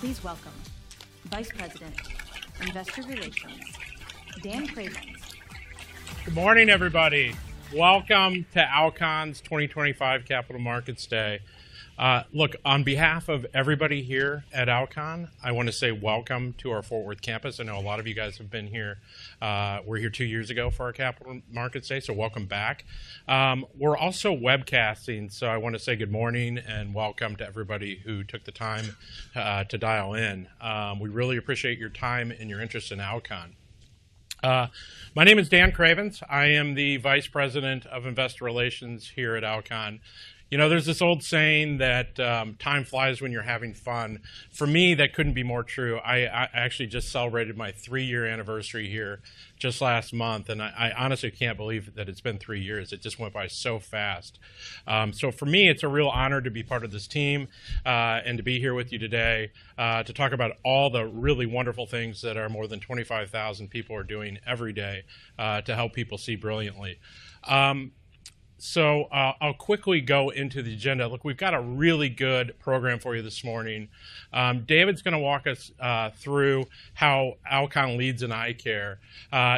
Please welcome Vice President, Investor Relations, Dan Cravens. Good morning, everybody. Welcome to Alcon's 2025 Capital Markets Day. Look, on behalf of everybody here at Alcon, I want to say welcome to our Fort Worth campus. I know a lot of you guys have been here. We were here two years ago for our Capital Markets Day, so welcome back. We're also webcasting, so I want to say good morning and welcome to everybody who took the time to dial in. We really appreciate your time and your interest in Alcon. My name is Dan Cravens. I am the Vice President of Investor Relations here at Alcon. You know, there's this old saying that time flies when you're having fun. For me, that couldn't be more true. I actually just celebrated my three-year anniversary here just last month, and I honestly can't believe that it's been three years. It just went by so fast. For me, it's a real honor to be part of this team and to be here with you today to talk about all the really wonderful things that our more than 25,000 people are doing every day to help people see brilliantly. I'll quickly go into the agenda. Look, we've got a really good program for you this morning. David's going to walk us through how Alcon leads in eye care.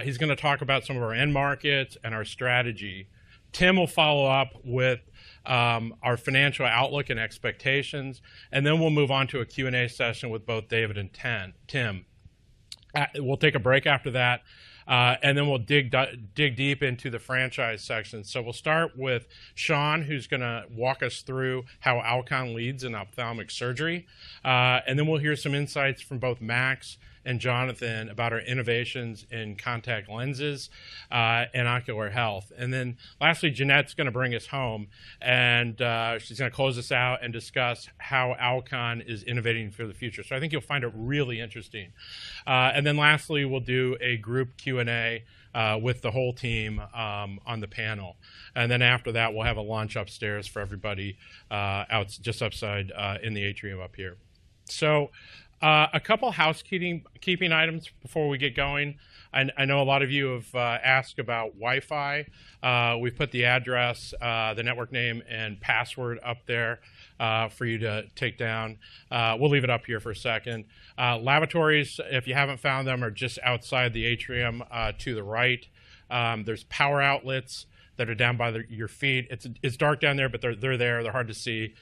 He's going to talk about some of our end markets and our strategy. Tim will follow up with our financial outlook and expectations, and then we'll move on to a Q&A session with both David and Tim. We'll take a break after that, and then we'll dig deep into the franchise section. We'll start with Sean, who's going to walk us through how Alcon leads in ophthalmic surgery. We'll hear some insights from both Max and Jonathan about our innovations in contact lenses and ocular health. Lastly, Jeannette's going to bring us home, and she's going to close us out and discuss how Alcon is innovating for the future. I think you'll find it really interesting. Lastly, we'll do a group Q&A with the whole team on the panel. After that, we'll have a launch upstairs for everybody just outside in the atrium up here. A couple of housekeeping items before we get going. I know a lot of you have asked about Wi-Fi. We've put the address, the network name, and password up there for you to take down. We'll leave it up here for a second. Laboratories, if you haven't found them, are just outside the atrium to the right. There's power outlets that are down by your feet. It's dark down there, but they're there. They're hard to see.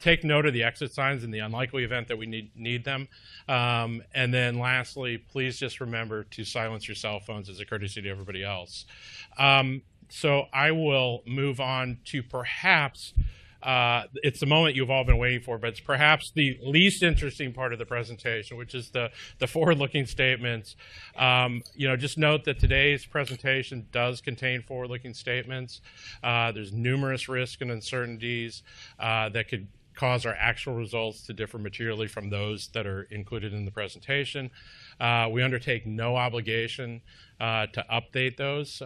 Take note of the exit signs in the unlikely event that we need them. Lastly, please just remember to silence your cell phones as a courtesy to everybody else. I will move on to perhaps it's the moment you've all been waiting for, but it's perhaps the least interesting part of the presentation, which is the forward-looking statements. Just note that today's presentation does contain forward-looking statements. There are numerous risks and uncertainties that could cause our actual results to differ materially from those that are included in the presentation. We undertake no obligation to update those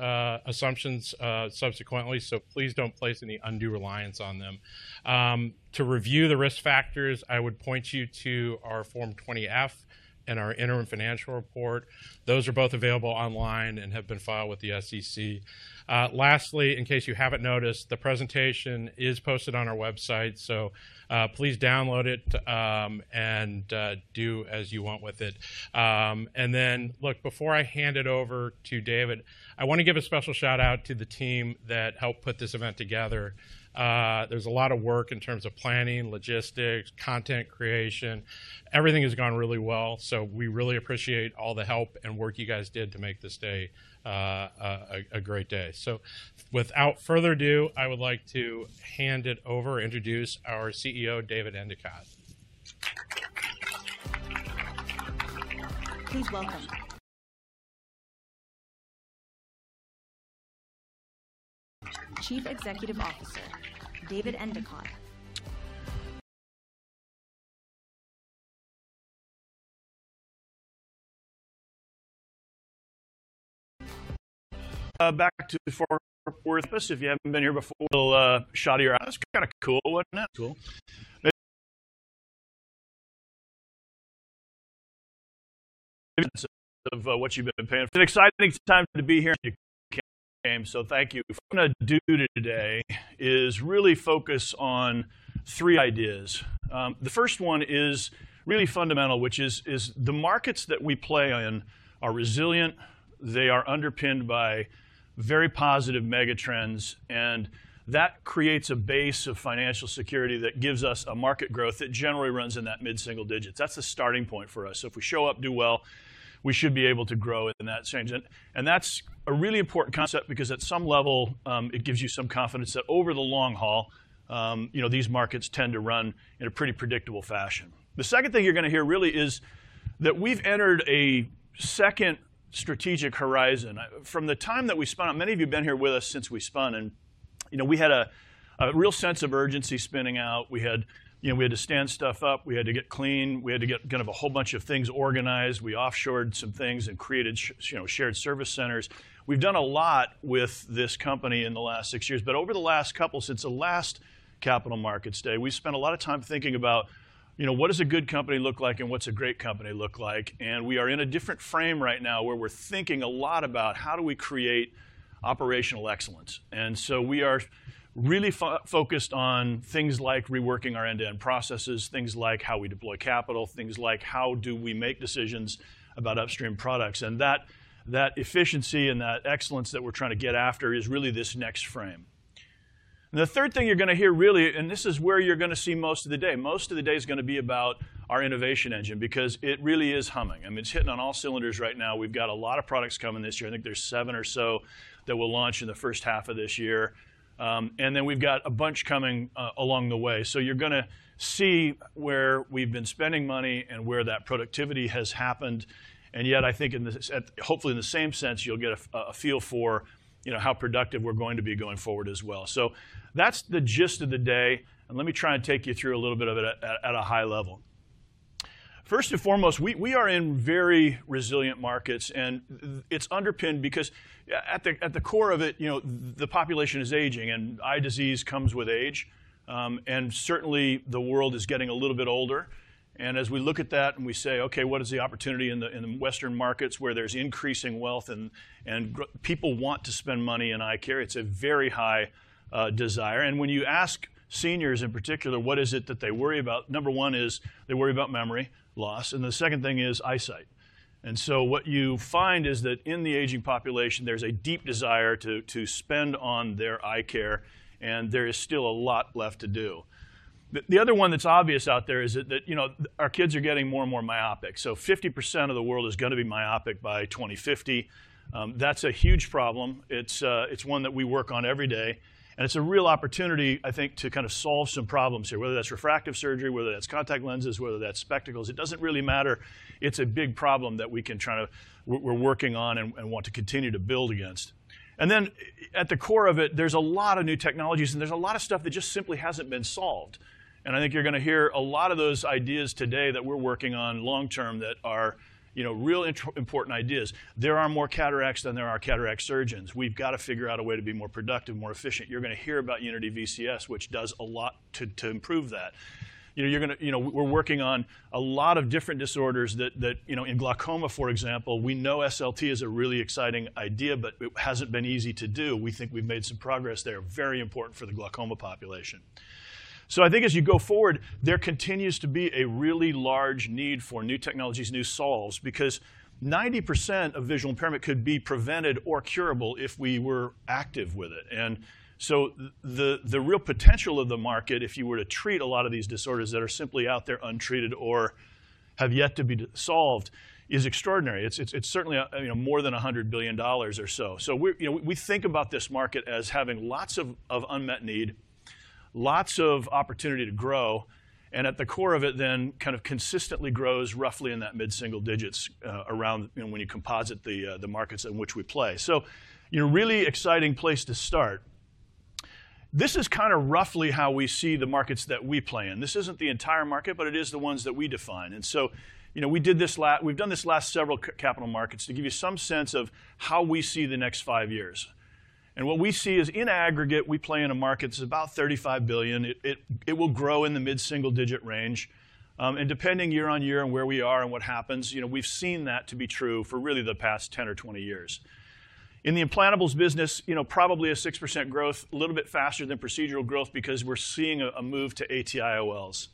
assumptions subsequently, so please do not place any undue reliance on them. To review the risk factors, I would point you to our Form 20F and our Interim Financial Report. Those are both available online and have been filed with the SEC. Lastly, in case you have not noticed, the presentation is posted on our website, so please download it and do as you want with it. Look, before I hand it over to David, I want to give a special shout-out to the team that helped put this event together. There is a lot of work in terms of planning, logistics, content creation. Everything has gone really well, so we really appreciate all the help and work you guys did to make this day a great day. Without further ado, I would like to hand it over and introduce our CEO, David Endicott. Please welcome Chief Executive Officer, David Endicott. Back to Fort Worth. If you haven't been here before, a little shot of your eyes. Kind of cool, wasn't it? Cool. Maybe this is what you've been paying for. It's an exciting time to be here in the campaign, so thank you. What we're going to do today is really focus on three ideas. The first one is really fundamental, which is the markets that we play in are resilient. They are underpinned by very positive megatrends, and that creates a base of financial security that gives us a market growth that generally runs in that mid-single digits. That's the starting point for us. If we show up, do well, we should be able to grow in that change. That's a really important concept because at some level, it gives you some confidence that over the long haul, these markets tend to run in a pretty predictable fashion. The second thing you're going to hear really is that we've entered a second strategic horizon. From the time that we spun out, many of you have been here with us since we spun, and we had a real sense of urgency spinning out. We had to stand stuff up. We had to get clean. We had to get kind of a whole bunch of things organized. We offshored some things and created shared service centers. We've done a lot with this company in the last six years, but over the last couple, since the last Capital Markets Day, we've spent a lot of time thinking about what does a good company look like and what's a great company look like. We are in a different frame right now where we're thinking a lot about how do we create operational excellence. We are really focused on things like reworking our end-to-end processes, things like how we deploy capital, things like how do we make decisions about upstream products. That efficiency and that excellence that we're trying to get after is really this next frame. The third thing you're going to hear really, and this is where you're going to see most of the day, most of the day is going to be about our innovation engine because it really is humming. I mean, it's hitting on all cylinders right now. We've got a lot of products coming this year. I think there are seven or so that will launch in the first half of this year. We've got a bunch coming along the way. You're going to see where we've been spending money and where that productivity has happened. Yet, I think hopefully in the same sense, you'll get a feel for how productive we're going to be going forward as well. That's the gist of the day. Let me try and take you through a little bit of it at a high level. First and foremost, we are in very resilient markets, and it's underpinned because at the core of it, the population is aging, and eye disease comes with age. Certainly, the world is getting a little bit older. As we look at that and we say, "Okay, what is the opportunity in the Western markets where there's increasing wealth and people want to spend money in eye care?" It's a very high desire. When you ask seniors in particular what is it that they worry about, number one is they worry about memory loss, and the second thing is eyesight. What you find is that in the aging population, there's a deep desire to spend on their eye care, and there is still a lot left to do. The other one that's obvious out there is that our kids are getting more and more myopic. 50% of the world is going to be myopic by 2050. That's a huge problem. It's one that we work on every day. It's a real opportunity, I think, to kind of solve some problems here, whether that's refractive surgery, whether that's contact lenses, whether that's spectacles. It doesn't really matter. It's a big problem that we're working on and want to continue to build against. At the core of it, there's a lot of new technologies, and there's a lot of stuff that just simply hasn't been solved. I think you're going to hear a lot of those ideas today that we're working on long term that are real important ideas. There are more cataracts than there are cataract surgeons. We've got to figure out a way to be more productive, more efficient. You're going to hear about Unity VCS, which does a lot to improve that. We're working on a lot of different disorders. In glaucoma, for example, we know SLT is a really exciting idea, but it hasn't been easy to do. We think we've made some progress there. Very important for the glaucoma population. I think as you go forward, there continues to be a really large need for new technologies, new solves, because 90% of visual impairment could be prevented or curable if we were active with it. The real potential of the market, if you were to treat a lot of these disorders that are simply out there untreated or have yet to be solved, is extraordinary. It is certainly more than $100 billion or so. We think about this market as having lots of unmet need, lots of opportunity to grow, and at the core of it then kind of consistently grows roughly in that mid-single digits around when you composite the markets in which we play. Really exciting place to start. This is kind of roughly how we see the markets that we play in. This is not the entire market, but it is the ones that we define. We have done this last several capital markets to give you some sense of how we see the next five years. What we see is in aggregate, we play in a market that's about $35 billion. It will grow in the mid-single digit range. Depending year on year on where we are and what happens, we've seen that to be true for really the past 10 or 20 years. In the implantables business, probably a 6% growth, a little bit faster than procedural growth because we're seeing a move to ATIOLs.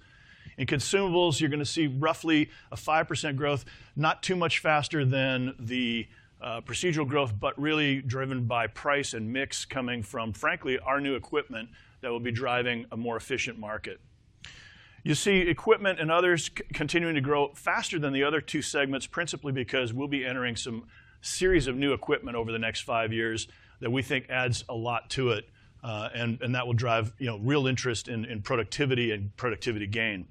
In consumables, you're going to see roughly a 5% growth, not too much faster than the procedural growth, but really driven by price and mix coming from, frankly, our new equipment that will be driving a more efficient market. You see equipment and others continuing to grow faster than the other two segments principally because we will be entering some series of new equipment over the next five years that we think adds a lot to it, and that will drive real interest in productivity and productivity gain.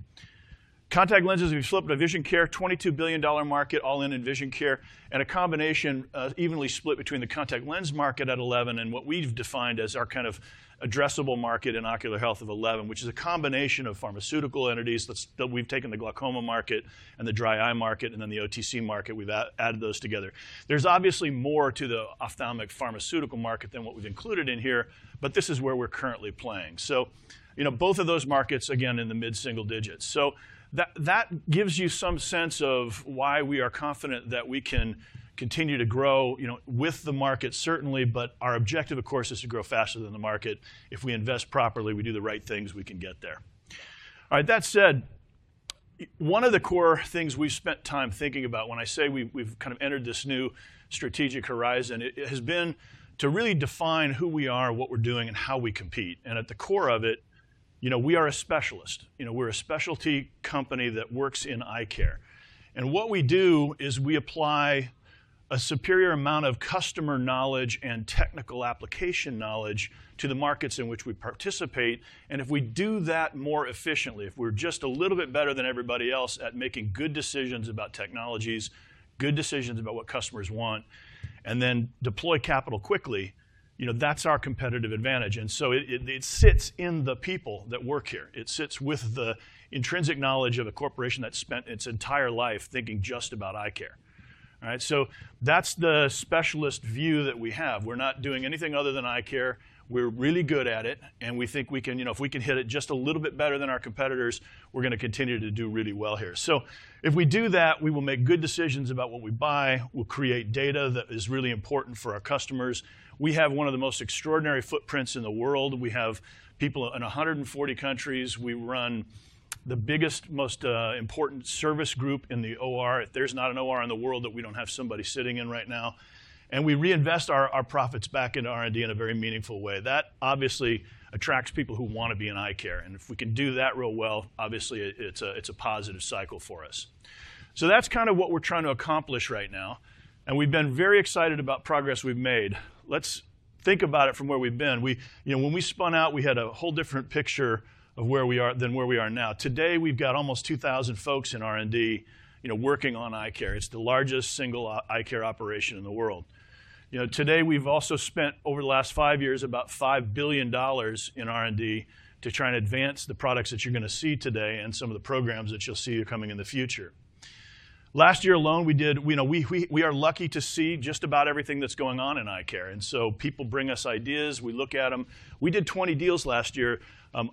Contact lenses, we have flipped to vision care, $22 billion market all in in vision care. And a combination evenly split between the contact lens market at $11 billion and what we have defined as our kind of addressable market in ocular health of $11 billion, which is a combination of pharmaceutical entities that we have taken the glaucoma market and the dry eye market and then the OTC market. We have added those together. There is obviously more to the ophthalmic pharmaceutical market than what we have included in here, but this is where we are currently playing. Both of those markets, again, in the mid-single digits. That gives you some sense of why we are confident that we can continue to grow with the market, certainly, but our objective, of course, is to grow faster than the market. If we invest properly, we do the right things, we can get there. That said, one of the core things we've spent time thinking about when I say we've kind of entered this new strategic horizon, it has been to really define who we are, what we're doing, and how we compete. At the core of it, we are a specialist. We're a specialty company that works in eye care. What we do is we apply a superior amount of customer knowledge and technical application knowledge to the markets in which we participate. If we do that more efficiently, if we're just a little bit better than everybody else at making good decisions about technologies, good decisions about what customers want, and then deploy capital quickly, that's our competitive advantage. It sits in the people that work here. It sits with the intrinsic knowledge of a corporation that's spent its entire life thinking just about eye care. All right, that's the specialist view that we have. We're not doing anything other than eye care. We're really good at it, and we think if we can hit it just a little bit better than our competitors, we're going to continue to do really well here. If we do that, we will make good decisions about what we buy. We'll create data that is really important for our customers. We have one of the most extraordinary footprints in the world. We have people in 140 countries. We run the biggest, most important service group in the OR. There is not an OR in the world that we do not have somebody sitting in right now. We reinvest our profits back into R&D in a very meaningful way. That obviously attracts people who want to be in eye care. If we can do that real well, obviously it is a positive cycle for us. That is kind of what we are trying to accomplish right now. We have been very excited about progress we have made. Let us think about it from where we have been. When we spun out, we had a whole different picture of where we are than where we are now. Today, we have got almost 2,000 folks in R&D working on eye care. It is the largest single eye care operation in the world. Today, we've also spent over the last five years about $5 billion in R&D to try and advance the products that you're going to see today and some of the programs that you'll see coming in the future. Last year alone, we are lucky to see just about everything that's going on in eye care. People bring us ideas. We look at them. We did 20 deals last year,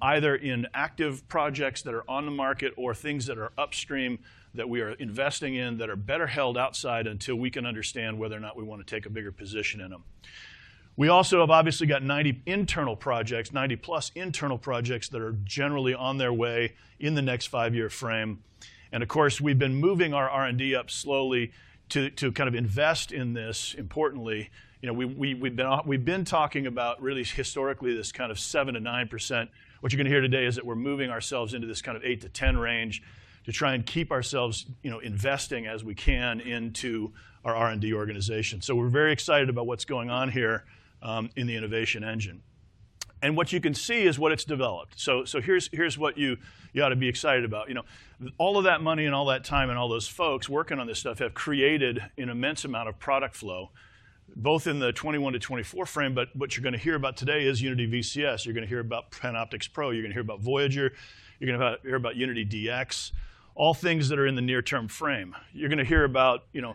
either in active projects that are on the market or things that are upstream that we are investing in that are better held outside until we can understand whether or not we want to take a bigger position in them. We also have obviously got 90 internal projects, 90+ internal projects that are generally on their way in the next five-year frame. Of course, we've been moving our R&D up slowly to kind of invest in this importantly. We've been talking about really historically this kind of 7%-9%. What you're going to hear today is that we're moving ourselves into this kind of 8%-10% range to try and keep ourselves investing as we can into our R&D organization. We're very excited about what's going on here in the innovation engine. What you can see is what it's developed. Here's what you ought to be excited about. All of that money and all that time and all those folks working on this stuff have created an immense amount of product flow, both in the 2021 to 2024 frame, but what you're going to hear about today is Unity VCS. You're going to hear about PanOptix Pro. You're going to hear about Voyager. You're going to hear about Unity DX, all things that are in the near-term frame. You're going to hear about, you know,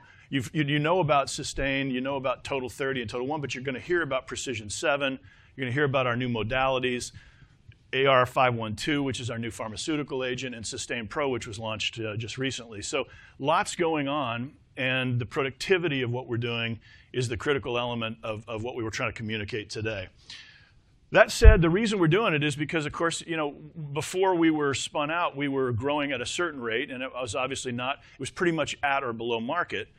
about Systane. You know about TOTAL30 and TOTAL1, but you're going to hear about Precision7. You're going to hear about our new modalities, AR-15512, which is our new pharmaceutical agent, and Systane Pro, which was launched just recently. Lots going on, and the productivity of what we're doing is the critical element of what we were trying to communicate today. That said, the reason we're doing it is because, of course, before we were spun out, we were growing at a certain rate, and it was obviously not, it was pretty much at or below market.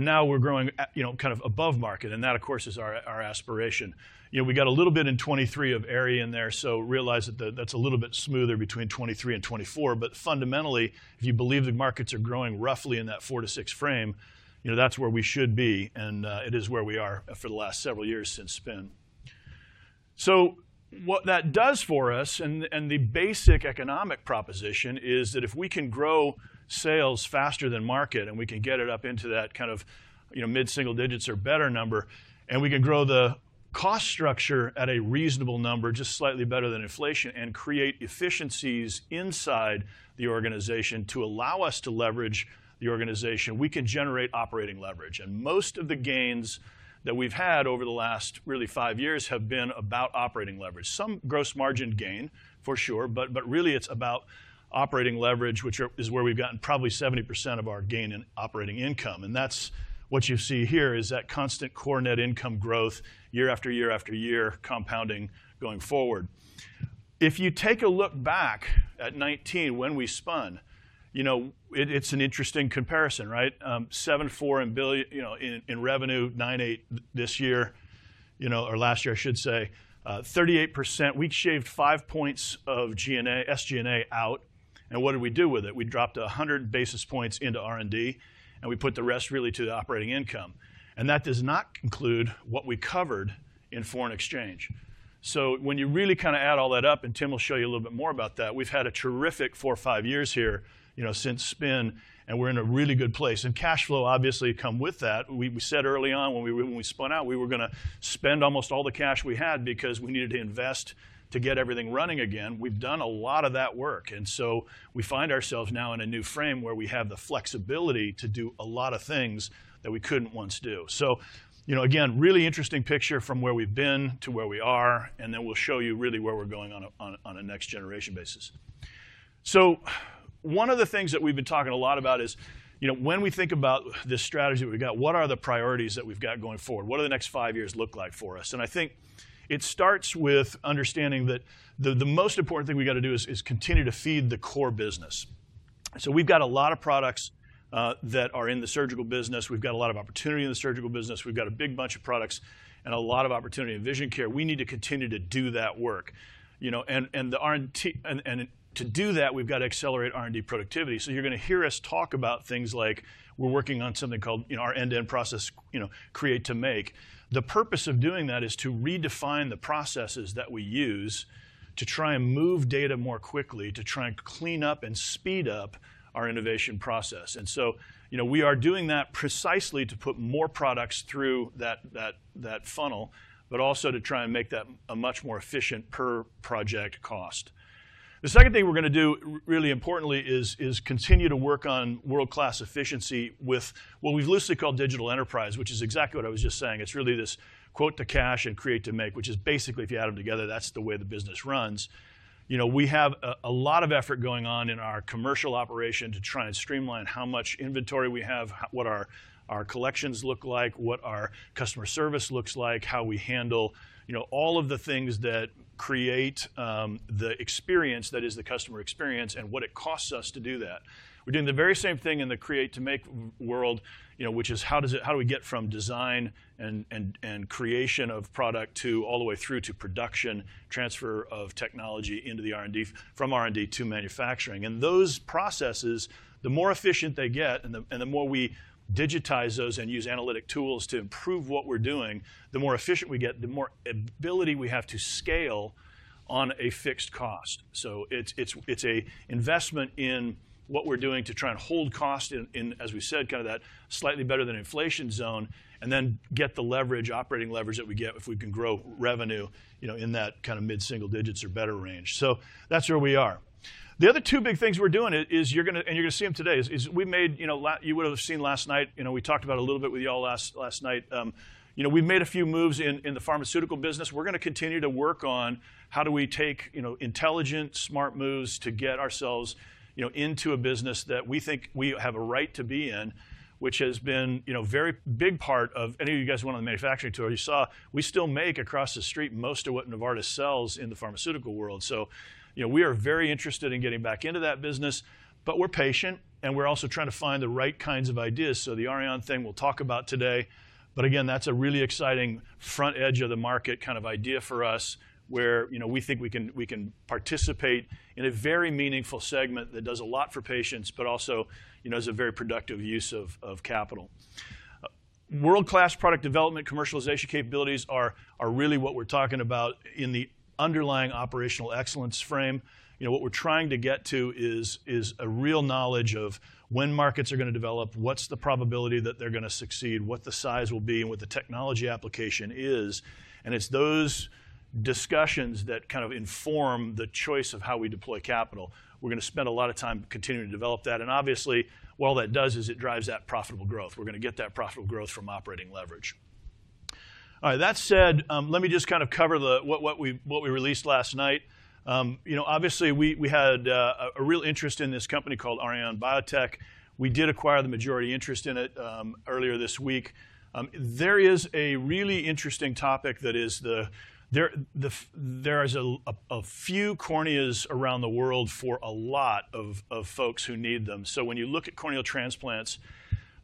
Now we're growing kind of above market, and that, of course, is our aspiration. We got a little bit in 2023 of Aerie in there, so realize that that's a little bit smoother between 2023 and 2024. Fundamentally, if you believe the markets are growing roughly in that 4%-6% frame, that's where we should be, and it is where we are for the last several years since spin. What that does for us, and the basic economic proposition, is that if we can grow sales faster than market and we can get it up into that kind of mid-single digits or better number, and we can grow the cost structure at a reasonable number, just slightly better than inflation, and create efficiencies inside the organization to allow us to leverage the organization, we can generate operating leverage. Most of the gains that we've had over the last really five years have been about operating leverage. Some gross margin gain, for sure, but really it's about operating leverage, which is where we've gotten probably 70% of our gain in operating income. That is what you see here is that constant core net income growth year after year after year, compounding going forward. If you take a look back at 2019 when we spun, it is an interesting comparison, right? $7.4 billion in revenue, $9.8 billion this year, or last year, I should say. 38%. We shaved 5 percentage points of SG&A out. What did we do with it? We dropped 100 basis points into R&D, and we put the rest really to the operating income. That does not include what we covered in foreign exchange. When you really kind of add all that up, and Tim will show you a little bit more about that, we have had a terrific four or five years here since spin, and we are in a really good place. Cash flow, obviously, comes with that. We said early on when we spun out, we were going to spend almost all the cash we had because we needed to invest to get everything running again. We've done a lot of that work. We find ourselves now in a new frame where we have the flexibility to do a lot of things that we couldn't once do. Again, really interesting picture from where we've been to where we are, and then we'll show you really where we're going on a next-generation basis. One of the things that we've been talking a lot about is when we think about this strategy that we've got, what are the priorities that we've got going forward? What do the next five years look like for us? I think it starts with understanding that the most important thing we've got to do is continue to feed the core business. We have a lot of products that are in the surgical business. We have a lot of opportunity in the surgical business. We have a big bunch of products and a lot of opportunity in vision care. We need to continue to do that work. To do that, we have to accelerate R&D productivity. You are going to hear us talk about things like we are working on something called our end-to-end process, create to make. The purpose of doing that is to redefine the processes that we use to try and move data more quickly, to try and clean up and speed up our innovation process. We are doing that precisely to put more products through that funnel, but also to try and make that a much more efficient per-project cost. The second thing we're going to do, really importantly, is continue to work on world-class efficiency with what we've loosely called digital enterprise, which is exactly what I was just saying. It's really this quote to cash and create to make, which is basically, if you add them together, that's the way the business runs. We have a lot of effort going on in our commercial operation to try and streamline how much inventory we have, what our collections look like, what our customer service looks like, how we handle all of the things that create the experience that is the customer experience and what it costs us to do that. We're doing the very same thing in the create-to-make world, which is how do we get from design and creation of product all the way through to production, transfer of technology from R&D to manufacturing. Those processes, the more efficient they get and the more we digitize those and use analytic tools to improve what we're doing, the more efficient we get, the more ability we have to scale on a fixed cost. It's an investment in what we're doing to try and hold cost in, as we said, kind of that slightly better than inflation zone and then get the leverage, operating leverage that we get if we can grow revenue in that kind of mid-single digits or better range. That's where we are. The other two big things we're doing, and you're going to see them today, is we made—you would have seen last night. We talked about it a little bit with you all last night. We've made a few moves in the pharmaceutical business. We're going to continue to work on how do we take intelligent, smart moves to get ourselves into a business that we think we have a right to be in, which has been a very big part of—any of you guys went on the manufacturing tour. You saw we still make across the street most of what Novartis sells in the pharmaceutical world. We are very interested in getting back into that business, but we're patient, and we're also trying to find the right kinds of ideas. The Aurion Biotech thing we'll talk about today. That is a really exciting front edge of the market kind of idea for us where we think we can participate in a very meaningful segment that does a lot for patients, but also is a very productive use of capital. World-class product development, commercialization capabilities are really what we're talking about in the underlying operational excellence frame. What we're trying to get to is a real knowledge of when markets are going to develop, what is the probability that they're going to succeed, what the size will be, and what the technology application is. It is those discussions that kind of inform the choice of how we deploy capital. We're going to spend a lot of time continuing to develop that. Obviously, what all that does is it drives that profitable growth. We're going to get that profitable growth from operating leverage. All right, that said, let me just kind of cover what we released last night. Obviously, we had a real interest in this company called Aurion Biotech. We did acquire the majority interest in it earlier this week. There is a really interesting topic that is there are a few corneas around the world for a lot of folks who need them. When you look at corneal transplants,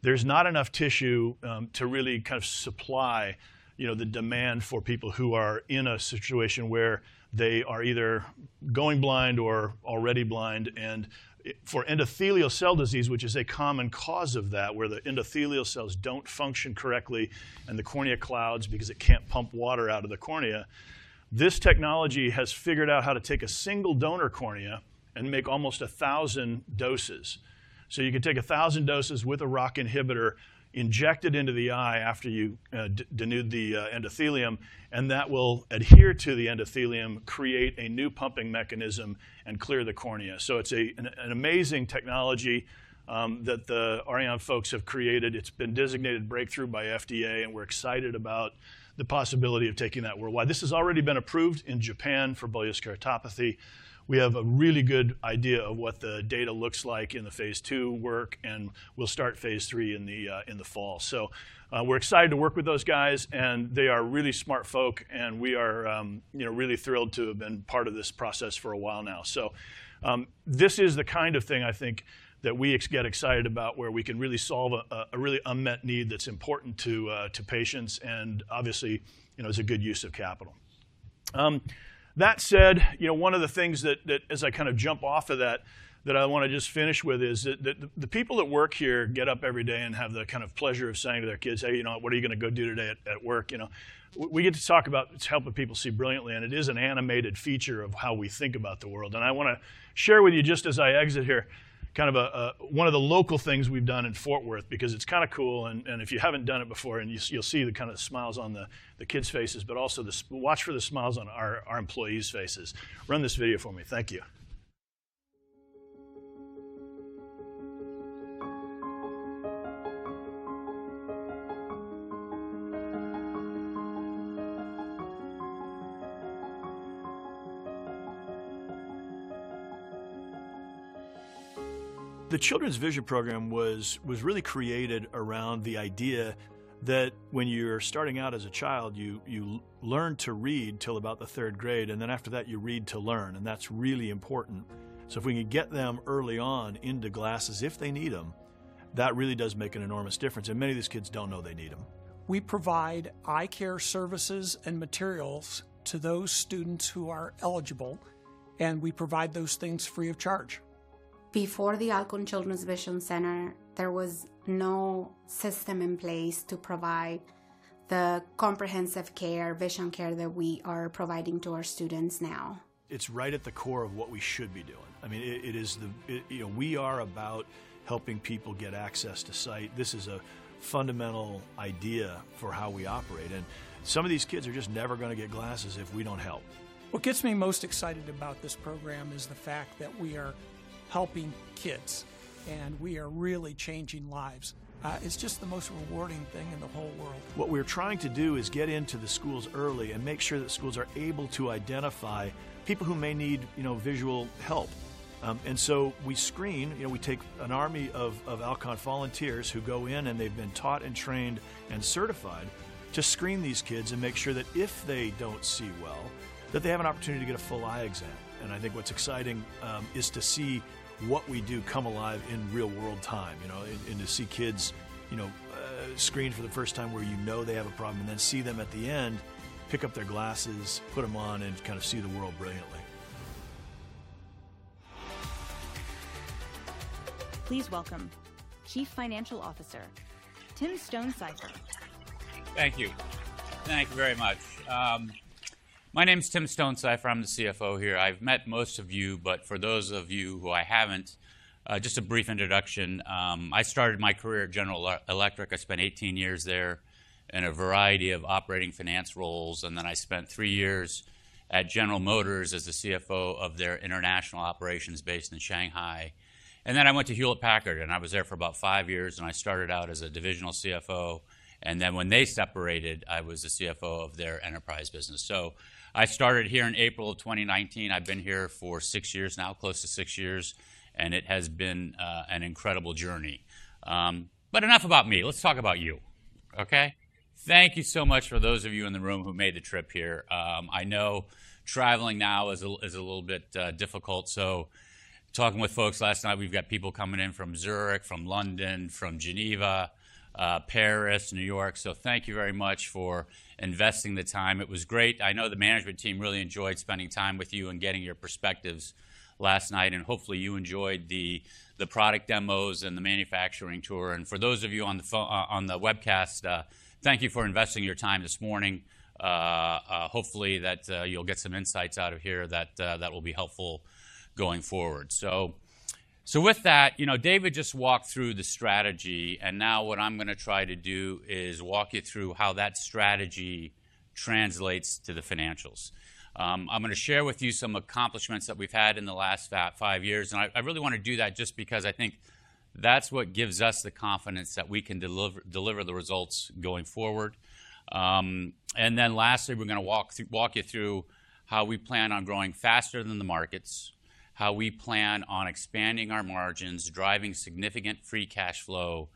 there is not enough tissue to really kind of supply the demand for people who are in a situation where they are either going blind or already blind. For endothelial cell disease, which is a common cause of that, where the endothelial cells do not function correctly and the cornea clouds because it cannot pump water out of the cornea, this technology has figured out how to take a single donor cornea and make almost 1,000 doses. You can take 1,000 doses with a ROCK inhibitor injected into the eye after you denude the endothelium, and that will adhere to the endothelium, create a new pumping mechanism, and clear the cornea. It is an amazing technology that the Aurion Biotech folks have created. It has been designated breakthrough by FDA, and we are excited about the possibility of taking that worldwide. This has already been approved in Japan for Bullous keratopathy. We have a really good idea of what the data looks like in the phase two work, and we will start phase three in the fall. We are excited to work with those guys, and they are really smart folk, and we are really thrilled to have been part of this process for a while now. This is the kind of thing, I think, that we get excited about where we can really solve a really unmet need that's important to patients and obviously is a good use of capital. That said, one of the things that, as I kind of jump off of that, that I want to just finish with is that the people that work here get up every day and have the kind of pleasure of saying to their kids, "Hey, what are you going to go do today at work?" We get to talk about helping people see brilliantly, and it is an animated feature of how we think about the world. I want to share with you, just as I exit here, kind of one of the local things we've done in Fort Worth because it's kind of cool. If you have not done it before, you will see the kind of smiles on the kids' faces, but also watch for the smiles on our employees' faces. Run this video for me. Thank you. The Children's Vision Program was really created around the idea that when you are starting out as a child, you learn to read till about the third grade, and after that, you read to learn, and that is really important. If we can get them early on into glasses if they need them, that really does make an enormous difference. Many of these kids do not know they need them. We provide eye care services and materials to those students who are eligible, and we provide those things free of charge. Before the Alcon Children's Vision Center, there was no system in place to provide the comprehensive vision care that we are providing to our students now. It's right at the core of what we should be doing. I mean, we are about helping people get access to sight. This is a fundamental idea for how we operate. Some of these kids are just never going to get glasses if we don't help. What gets me most excited about this program is the fact that we are helping kids, and we are really changing lives. It's just the most rewarding thing in the whole world. What we're trying to do is get into the schools early and make sure that schools are able to identify people who may need visual help. We screen. We take an army of Alcon volunteers who go in, and they've been taught and trained and certified to screen these kids and make sure that if they don't see well, that they have an opportunity to get a full eye exam. I think what's exciting is to see what we do come alive in real-world time and to see kids screened for the first time where you know they have a problem and then see them at the end, pick up their glasses, put them on, and kind of see the world brilliantly. Please welcome Chief Financial Officer Tim Stonesifer. Thank you. Thank you very much. My name is Tim Stonesifer. I'm the CFO here. I've met most of you, but for those of you who I haven't, just a brief introduction. I started my career at General Electric. I spent 18 years there in a variety of operating finance roles, and then I spent three years at General Motors as the CFO of their international operations based in Shanghai. I went to Hewlett-Packard, and I was there for about five years, and I started out as a divisional CFO. When they separated, I was the CFO of their enterprise business. I started here in April of 2019. I've been here for six years now, close to six years, and it has been an incredible journey. Enough about me. Let's talk about you, okay? Thank you so much for those of you in the room who made the trip here. I know traveling now is a little bit difficult. Talking with folks last night, we've got people coming in from Zurich, from London, from Geneva, Paris, New York. Thank you very much for investing the time. It was great. I know the management team really enjoyed spending time with you and getting your perspectives last night, and hopefully, you enjoyed the product demos and the manufacturing tour. For those of you on the webcast, thank you for investing your time this morning. Hopefully, you'll get some insights out of here that will be helpful going forward. With that, David just walked through the strategy, and now what I'm going to try to do is walk you through how that strategy translates to the financials. I'm going to share with you some accomplishments that we've had in the last five years, and I really want to do that just because I think that's what gives us the confidence that we can deliver the results going forward. Lastly, we're going to walk you through how we plan on growing faster than the markets, how we plan on expanding our margins, driving significant free cash flow,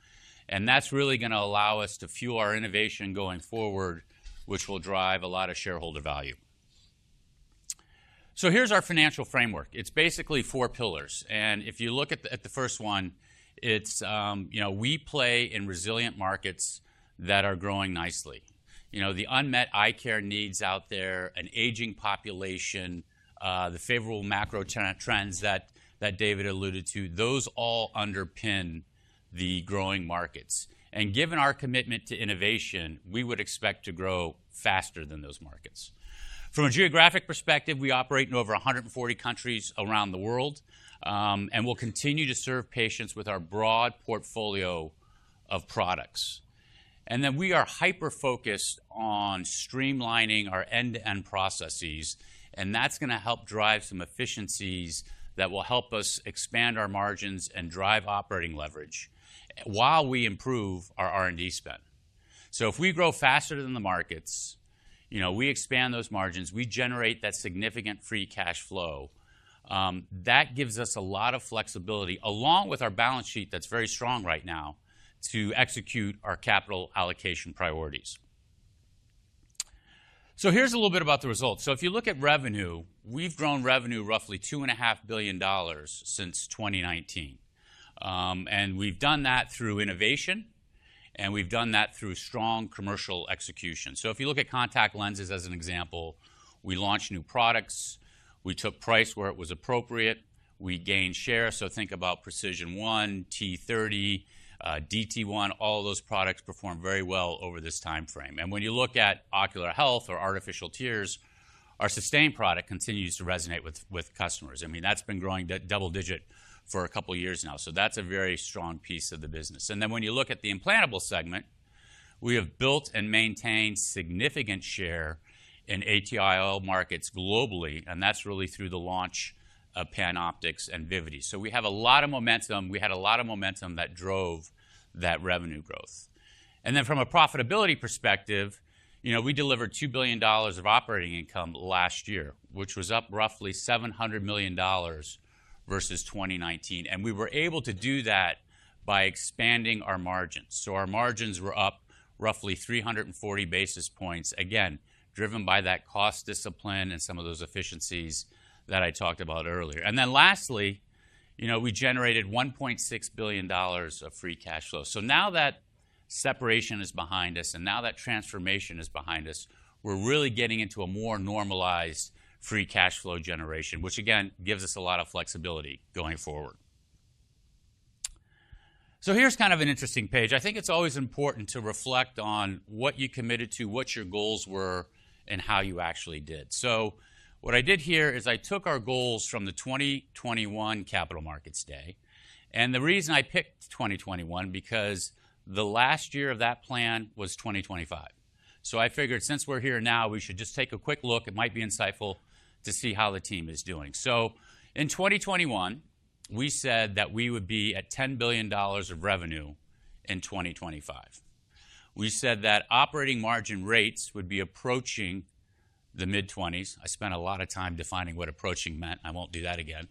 and that's really going to allow us to fuel our innovation going forward, which will drive a lot of shareholder value. Here's our financial framework. It's basically four pillars. If you look at the first one, it's we play in resilient markets that are growing nicely. The unmet eye care needs out there, an aging population, the favorable macro trends that David alluded to, those all underpin the growing markets. Given our commitment to innovation, we would expect to grow faster than those markets. From a geographic perspective, we operate in over 140 countries around the world, and we'll continue to serve patients with our broad portfolio of products. We are hyper-focused on streamlining our end-to-end processes, and that is going to help drive some efficiencies that will help us expand our margins and drive operating leverage while we improve our R&D spend. If we grow faster than the markets, we expand those margins, we generate that significant free cash flow, that gives us a lot of flexibility along with our balance sheet that is very strong right now to execute our capital allocation priorities. Here is a little bit about the results. If you look at revenue, we have grown revenue roughly $2.5 billion since 2019, and we have done that through innovation, and we have done that through strong commercial execution. If you look at contact lenses as an example, we launched new products, we took price where it was appropriate, we gained share. about Precision1, TOTAL30, Dailies TOTAL1, all of those products performed very well over this timeframe. When you look at ocular health or artificial tears, our Systane product continues to resonate with customers. I mean, that's been growing double-digit for a couple of years now. That's a very strong piece of the business. When you look at the implantable segment, we have built and maintained significant share in ATIOL markets globally, and that's really through the launch of PanOptix and Vivity. We have a lot of momentum. We had a lot of momentum that drove that revenue growth. From a profitability perspective, we delivered $2 billion of operating income last year, which was up roughly $700 million versus 2019. We were able to do that by expanding our margins. Our margins were up roughly 340 basis points, again, driven by that cost discipline and some of those efficiencies that I talked about earlier. Lastly, we generated $1.6 billion of free cash flow. Now that separation is behind us, and now that transformation is behind us, we're really getting into a more normalized free cash flow generation, which again gives us a lot of flexibility going forward. Here's kind of an interesting page. I think it's always important to reflect on what you committed to, what your goals were, and how you actually did. What I did here is I took our goals from the 2021 Capital Markets Day. The reason I picked 2021 is because the last year of that plan was 2025. I figured since we're here now, we should just take a quick look. It might be insightful to see how the team is doing. In 2021, we said that we would be at $10 billion of revenue in 2025. We said that operating margin rates would be approaching the mid-20s. I spent a lot of time defining what approaching meant. I won't do that again.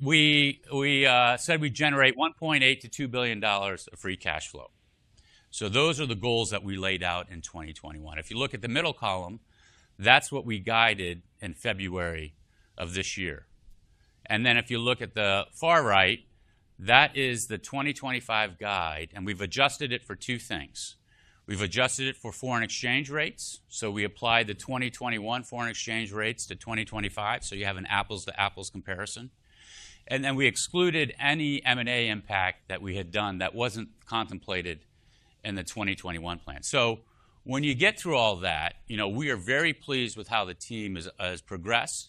We said we'd generate $1.8 billion-$2 billion of free cash flow. Those are the goals that we laid out in 2021. If you look at the middle column, that's what we guided in February of this year. If you look at the far right, that is the 2025 guide, and we've adjusted it for two things. We've adjusted it for foreign exchange rates. We applied the 2021 foreign exchange rates to 2025, so you have an apples-to-apples comparison. We excluded any M&A impact that we had done that was not contemplated in the 2021 plan. When you get through all that, we are very pleased with how the team has progressed.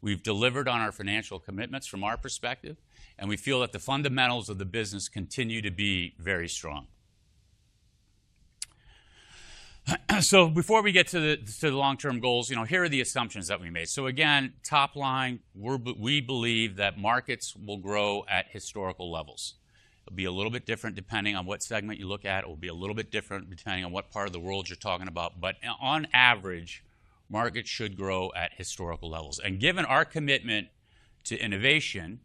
We have delivered on our financial commitments from our perspective, and we feel that the fundamentals of the business continue to be very strong. Before we get to the long-term goals, here are the assumptions that we made. Again, top line, we believe that markets will grow at historical levels. It will be a little bit different depending on what segment you look at. It will be a little bit different depending on what part of the world you are talking about. On average, markets should grow at historical levels. Given our commitment to innovation,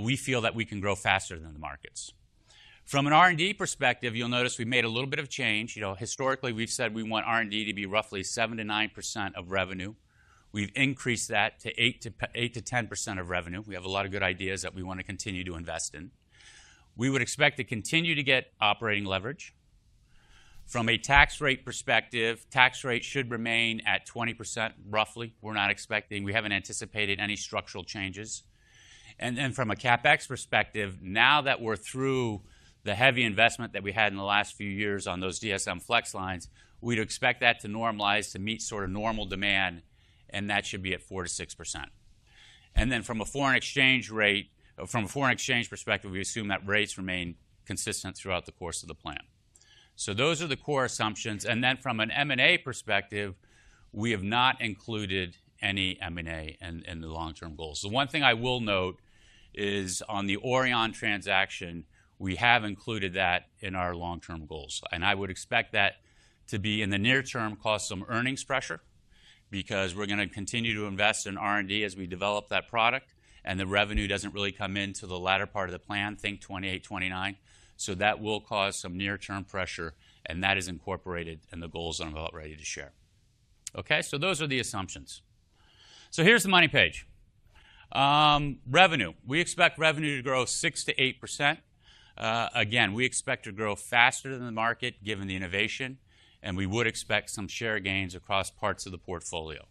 we feel that we can grow faster than the markets. From an R&D perspective, you'll notice we made a little bit of change. Historically, we've said we want R&D to be roughly 7%-9% of revenue. We've increased that to 8%-10% of revenue. We have a lot of good ideas that we want to continue to invest in. We would expect to continue to get operating leverage. From a tax rate perspective, tax rate should remain at 20% roughly. We're not expecting we haven't anticipated any structural changes. From a CapEx perspective, now that we're through the heavy investment that we had in the last few years on those DSM flex lines, we'd expect that to normalize to meet sort of normal demand, and that should be at 4%-6%. From a foreign exchange perspective, we assume that rates remain consistent throughout the course of the plan. Those are the core assumptions. From an M&A perspective, we have not included any M&A in the long-term goals. The one thing I will note is on the Aurion Biotech transaction, we have included that in our long-term goals. I would expect that to be in the near term cause some earnings pressure because we're going to continue to invest in R&D as we develop that product, and the revenue does not really come into the latter part of the plan, think 2028-2029. That will cause some near-term pressure, and that is incorporated in the goals I'm about ready to share. Those are the assumptions. Here's the money page. Revenue. We expect revenue to grow 6%-8%. Again, we expect to grow faster than the market given the innovation, and we would expect some share gains across parts of the portfolio.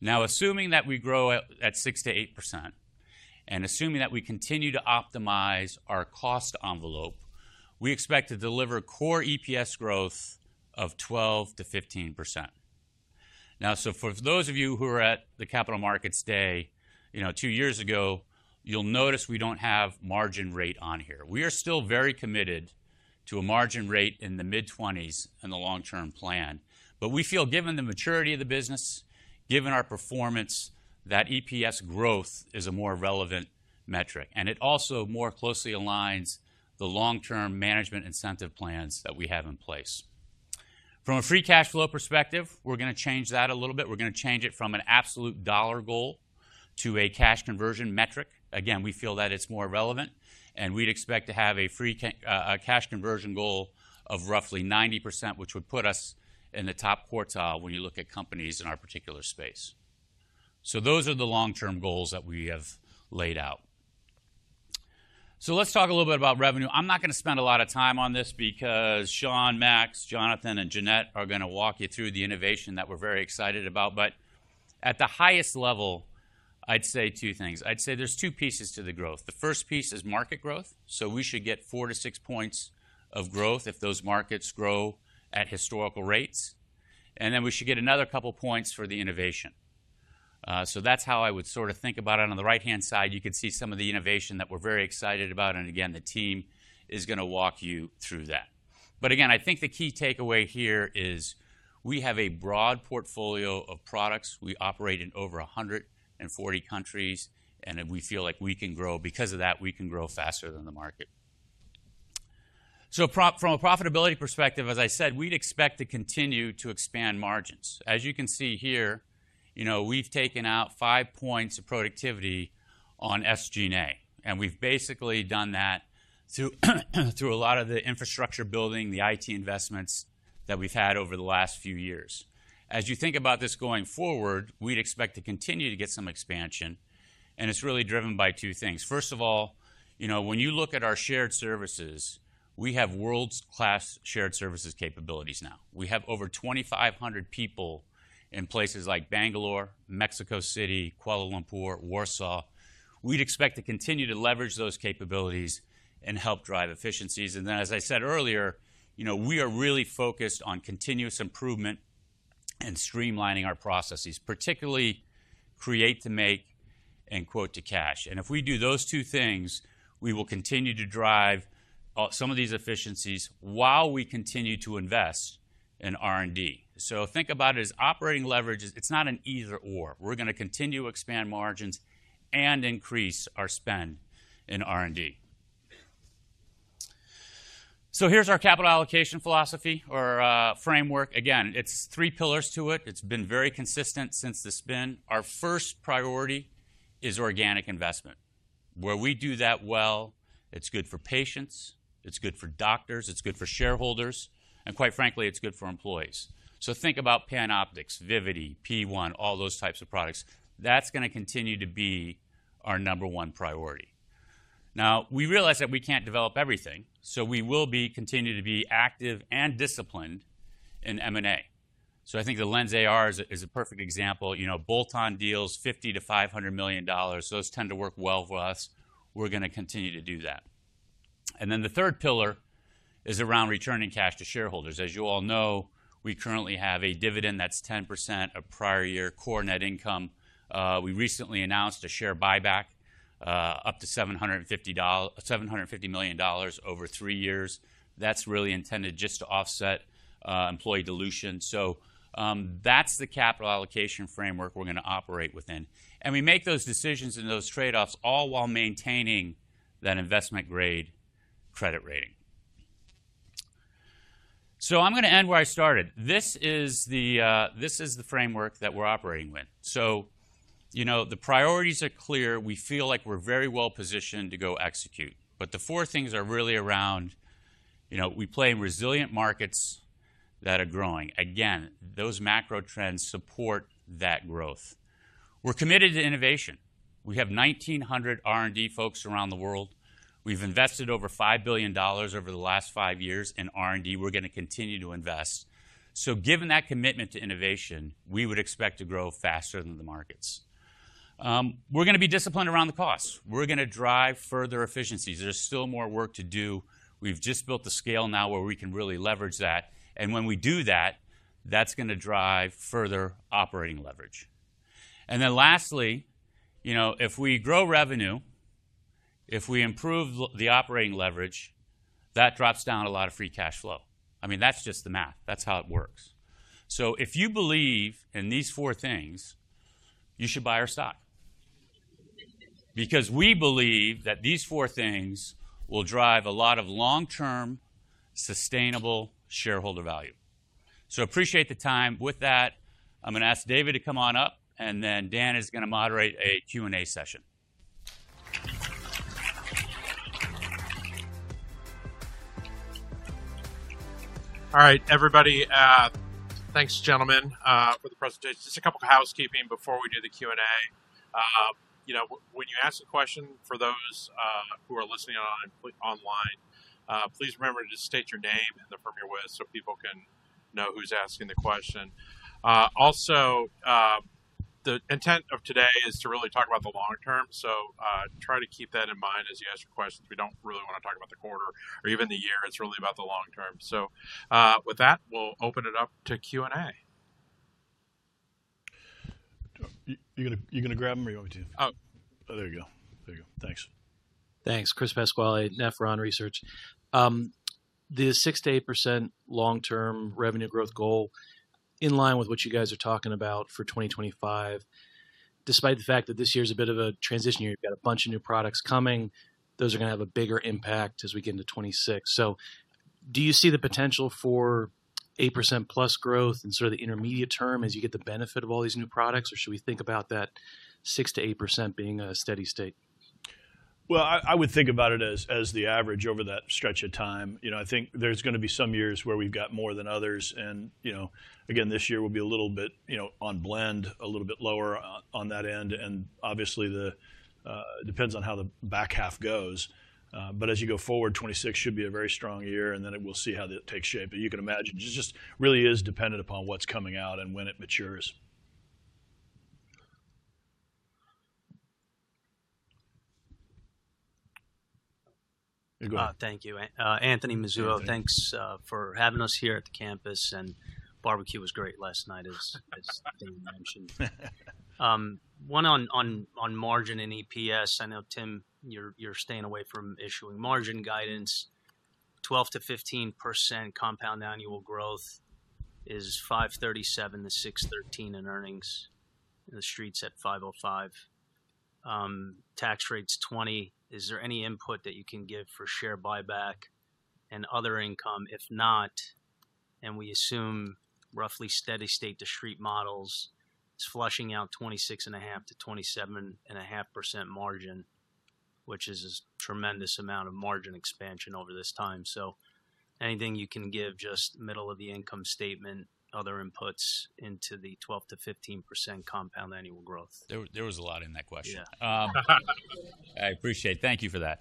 Now, assuming that we grow at 6%-8% and assuming that we continue to optimize our cost envelope, we expect to deliver core EPS growth of 12%-15%. Now, for those of you who are at the Capital Markets Day two years ago, you'll notice we don't have margin rate on here. We are still very committed to a margin rate in the mid-20s in the long-term plan, but we feel given the maturity of the business, given our performance, that EPS growth is a more relevant metric, and it also more closely aligns the long-term management incentive plans that we have in place. From a free cash flow perspective, we're going to change that a little bit. We're going to change it from an absolute dollar goal to a cash conversion metric. Again, we feel that it's more relevant, and we'd expect to have a free cash conversion goal of roughly 90%, which would put us in the top quartile when you look at companies in our particular space. Those are the long-term goals that we have laid out. Let's talk a little bit about revenue. I'm not going to spend a lot of time on this because Sean, Max, Jonathan, and Jeanette are going to walk you through the innovation that we're very excited about. At the highest level, I'd say two things. I'd say there's two pieces to the growth. The first piece is market growth. We should get 4-6 points of growth if those markets grow at historical rates. Then we should get another couple of points for the innovation. That's how I would sort of think about it. On the right-hand side, you could see some of the innovation that we're very excited about, and again, the team is going to walk you through that. Again, I think the key takeaway here is we have a broad portfolio of products. We operate in over 140 countries, and we feel like we can grow. Because of that, we can grow faster than the market. From a profitability perspective, as I said, we'd expect to continue to expand margins. As you can see here, we've taken out five points of productivity on SG&A, and we've basically done that through a lot of the infrastructure building, the IT investments that we've had over the last few years. As you think about this going forward, we'd expect to continue to get some expansion, and it's really driven by two things. First of all, when you look at our shared services, we have world-class shared services capabilities now. We have over 2,500 people in places like Bangalore, Mexico City, Kuala Lumpur, Warsaw. We'd expect to continue to leverage those capabilities and help drive efficiencies. As I said earlier, we are really focused on continuous improvement and streamlining our processes, particularly create-to-make and quote-to-cash. If we do those two things, we will continue to drive some of these efficiencies while we continue to invest in R&D. Think about it as operating leverage. It's not an either/or. We're going to continue to expand margins and increase our spend in R&D. Here's our capital allocation philosophy or framework. Again, it's three pillars to it. It's been very consistent since the spin. Our first priority is organic investment. Where we do that well, it's good for patients, it's good for doctors, it's good for shareholders, and quite frankly, it's good for employees. Think about PanOptix, Vivity, Precision1, all those types of products. That's going to continue to be our number one priority. We realize that we can't develop everything, so we will continue to be active and disciplined in M&A. I think the LENSAR is a perfect example. Bolton deals, $50 million-$500 million. Those tend to work well for us. We're going to continue to do that. The third pillar is around returning cash to shareholders. As you all know, we currently have a dividend that's 10% of prior year core net income. We recently announced a share buyback up to $750 million over three years. That's really intended just to offset employee dilution. That is the capital allocation framework we are going to operate within. We make those decisions and those trade-offs all while maintaining that investment-grade credit rating. I am going to end where I started. This is the framework that we are operating with. The priorities are clear. We feel like we are very well positioned to go execute. The four things are really around we play in resilient markets that are growing. Again, those macro trends support that growth. We are committed to innovation. We have 1,900 R&D folks around the world. We have invested over $5 billion over the last five years in R&D. We are going to continue to invest. Given that commitment to innovation, we would expect to grow faster than the markets. We are going to be disciplined around the cost. We are going to drive further efficiencies. There is still more work to do. We've just built the scale now where we can really leverage that. When we do that, that's going to drive further operating leverage. Lastly, if we grow revenue, if we improve the operating leverage, that drops down a lot of free cash flow. I mean, that's just the math. That's how it works. If you believe in these four things, you should buy our stock because we believe that these four things will drive a lot of long-term sustainable shareholder value. Appreciate the time. With that, I'm going to ask David to come on up, and then Dan is going to moderate a Q&A session. All right, everybody. Thanks, gentlemen, for the presentation. Just a couple of housekeeping before we do the Q&A. When you ask a question for those who are listening online, please remember to state your name and the firm you're with so people can know who's asking the question. Also, the intent of today is to really talk about the long term. Try to keep that in mind as you ask your questions. We don't really want to talk about the quarter or even the year. It's really about the long term. With that, we'll open it up to Q&A. You're going to grab them or you want me to? There you go. There you go. Thanks. Thanks. Chris Pasquale, Nephron Research. The 6%-8% long-term revenue growth goal in line with what you guys are talking about for 2025, despite the fact that this year is a bit of a transition year, you've got a bunch of new products coming, those are going to have a bigger impact as we get into 2026. Do you see the potential for 8%+ growth in sort of the intermediate term as you get the benefit of all these new products, or should we think about that 6%-8% being a steady state? I would think about it as the average over that stretch of time. I think there's going to be some years where we've got more than others. Again, this year will be a little bit on blend, a little bit lower on that end. Obviously, it depends on how the back half goes. As you go forward, 2026 should be a very strong year, and then we'll see how that takes shape. You can imagine it just really is dependent upon what's coming out and when it matures. Thank you. Anthony Mazzullo, thanks for having us here at the campus, and barbecue was great last night, as Dan mentioned. One on margin and EPS. I know, Tim, you're staying away from issuing margin guidance. 12%-15% compound annual growth is $537 million-$613 million in earnings. The street's at $505 million. Tax rate's 20%. Is there any input that you can give for share buyback and other income? If not, and we assume roughly steady state to street models, it's flushing out 26.5%-27.5% margin, which is a tremendous amount of margin expansion over this time. Anything you can give just middle of the income statement, other inputs into the 12%-15% compound annual growth? There was a lot in that question.I appreciate it. Thank you for that.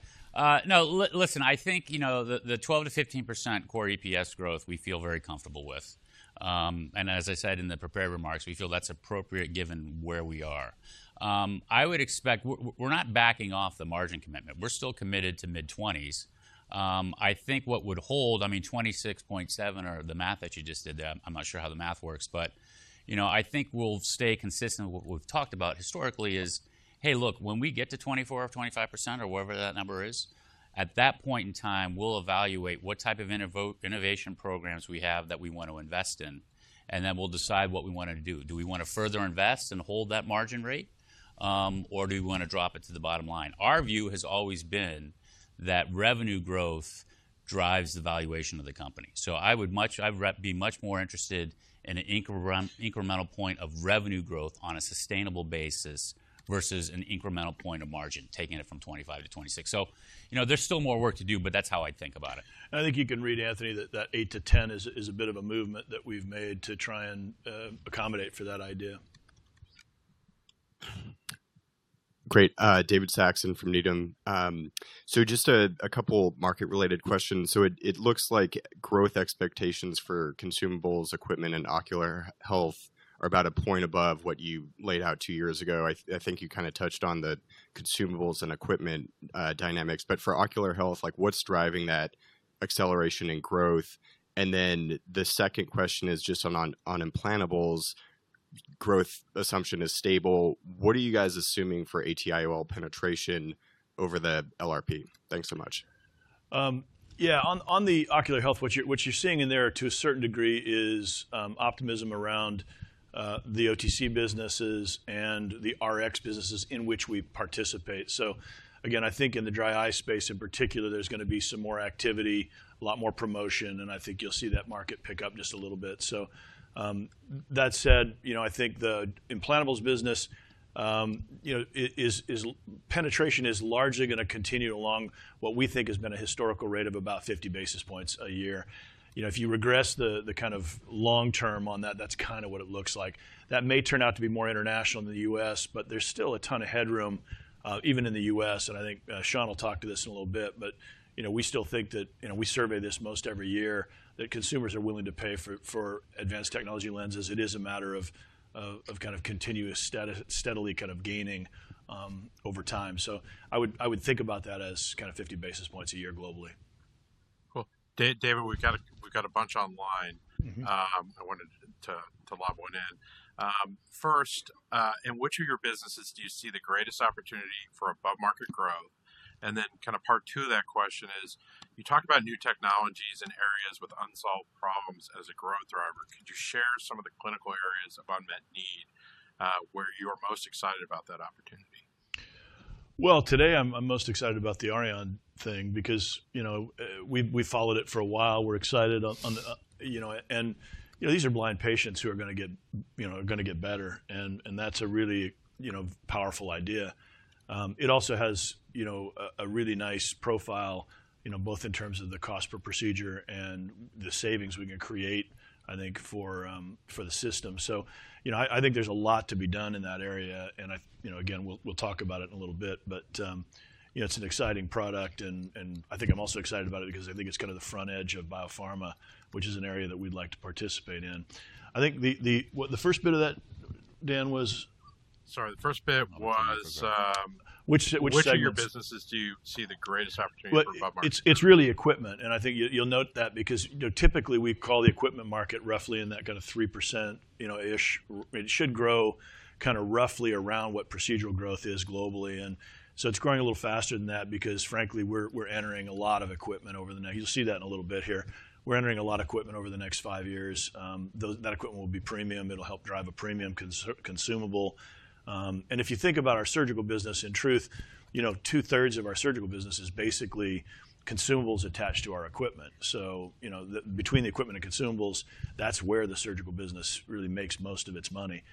No, listen, I think the 12%-15% core EPS growth we feel very comfortable with. And as I said in the prepared remarks, we feel that's appropriate given where we are. I would expect we're not backing off the margin commitment. We're still committed to mid-20s. I think what would hold, I mean, 26.7% or the math that you just did there, I'm not sure how the math works, but I think we'll stay consistent with what we've talked about historically is, hey, look, when we get to 24% or 25% or wherever that number is, at that point in time, we'll evaluate what type of innovation programs we have that we want to invest in, and then we'll decide what we want to do. Do we want to further invest and hold that margin rate, or do we want to drop it to the bottom line? Our view has always been that revenue growth drives the valuation of the company. I would be much more interested in an incremental point of revenue growth on a sustainable basis versus an incremental point of margin taking it from 25% to 26%. There is still more work to do, but that is how I would think about it. I think you can read, Anthony, that 8%-10% is a bit of a movement that we have made to try and accommodate for that idea. Great. David Saxon from Needham. Just a couple of market-related questions. It looks like growth expectations for consumables, equipment, and ocular health are about a point above what you laid out two years ago. I think you kind of touched on the consumables and equipment dynamics. For ocular health, what is driving that acceleration in growth? The second question is just on implantables. Growth assumption is stable. What are you guys assuming for ATIOL penetration over the LRP? Thanks so much. Yeah, on the ocular health, what you're seeing in there to a certain degree is optimism around the OTC businesses and the Rx businesses in which we participate. Again, I think in the dry eye space in particular, there's going to be some more activity, a lot more promotion, and I think you'll see that market pick up just a little bit. That said, I think the implantables business, penetration is largely going to continue along what we think has been a historical rate of about 50 basis points a year. If you regress the kind of long term on that, that's kind of what it looks like. That may turn out to be more international than the U.S., but there's still a ton of headroom even in the U.S.. I think Sean will talk to this in a little bit. We still think that we survey this most every year, that consumers are willing to pay for advanced technology lenses. It is a matter of kind of continuous steadily kind of gaining over time. I would think about that as kind of 50 basis points a year globally. Cool. David, we've got a bunch online. I wanted to lob one in. First, in which of your businesses do you see the greatest opportunity for above-market growth? Part two of that question is, you talk about new technologies and areas with unsolved problems as a growth driver. Could you share some of the clinical areas of unmet need where you are most excited about that opportunity? Today I'm most excited about the Aurion Biotech thing because we've followed it for a while. We're excited. These are blind patients who are going to get better. That's a really powerful idea. It also has a really nice profile, both in terms of the cost per procedure and the savings we can create, I think, for the system. I think there's a lot to be done in that area. Again, we'll talk about it in a little bit, but it's an exciting product. I think I'm also excited about it because I think it's kind of the front edge of biopharma, which is an area that we'd like to participate in. I think the first bit of that, Dan, was? Sorry, the first bit was which segment? Which segment of your businesses do you see the greatest opportunity for above-market growth? It's really equipment. I think you'll note that because typically we call the equipment market roughly in that kind of 3% ish. It should grow kind of roughly around what procedural growth is globally. It's growing a little faster than that because, frankly, we're entering a lot of equipment over the next—you'll see that in a little bit here. We're entering a lot of equipment over the next five years. That equipment will be premium. It'll help drive a premium consumable. If you think about our surgical business, in truth, two-thirds of our surgical business is basically consumables attached to our equipment. Between the equipment and consumables, that's where the surgical business really makes most of its money.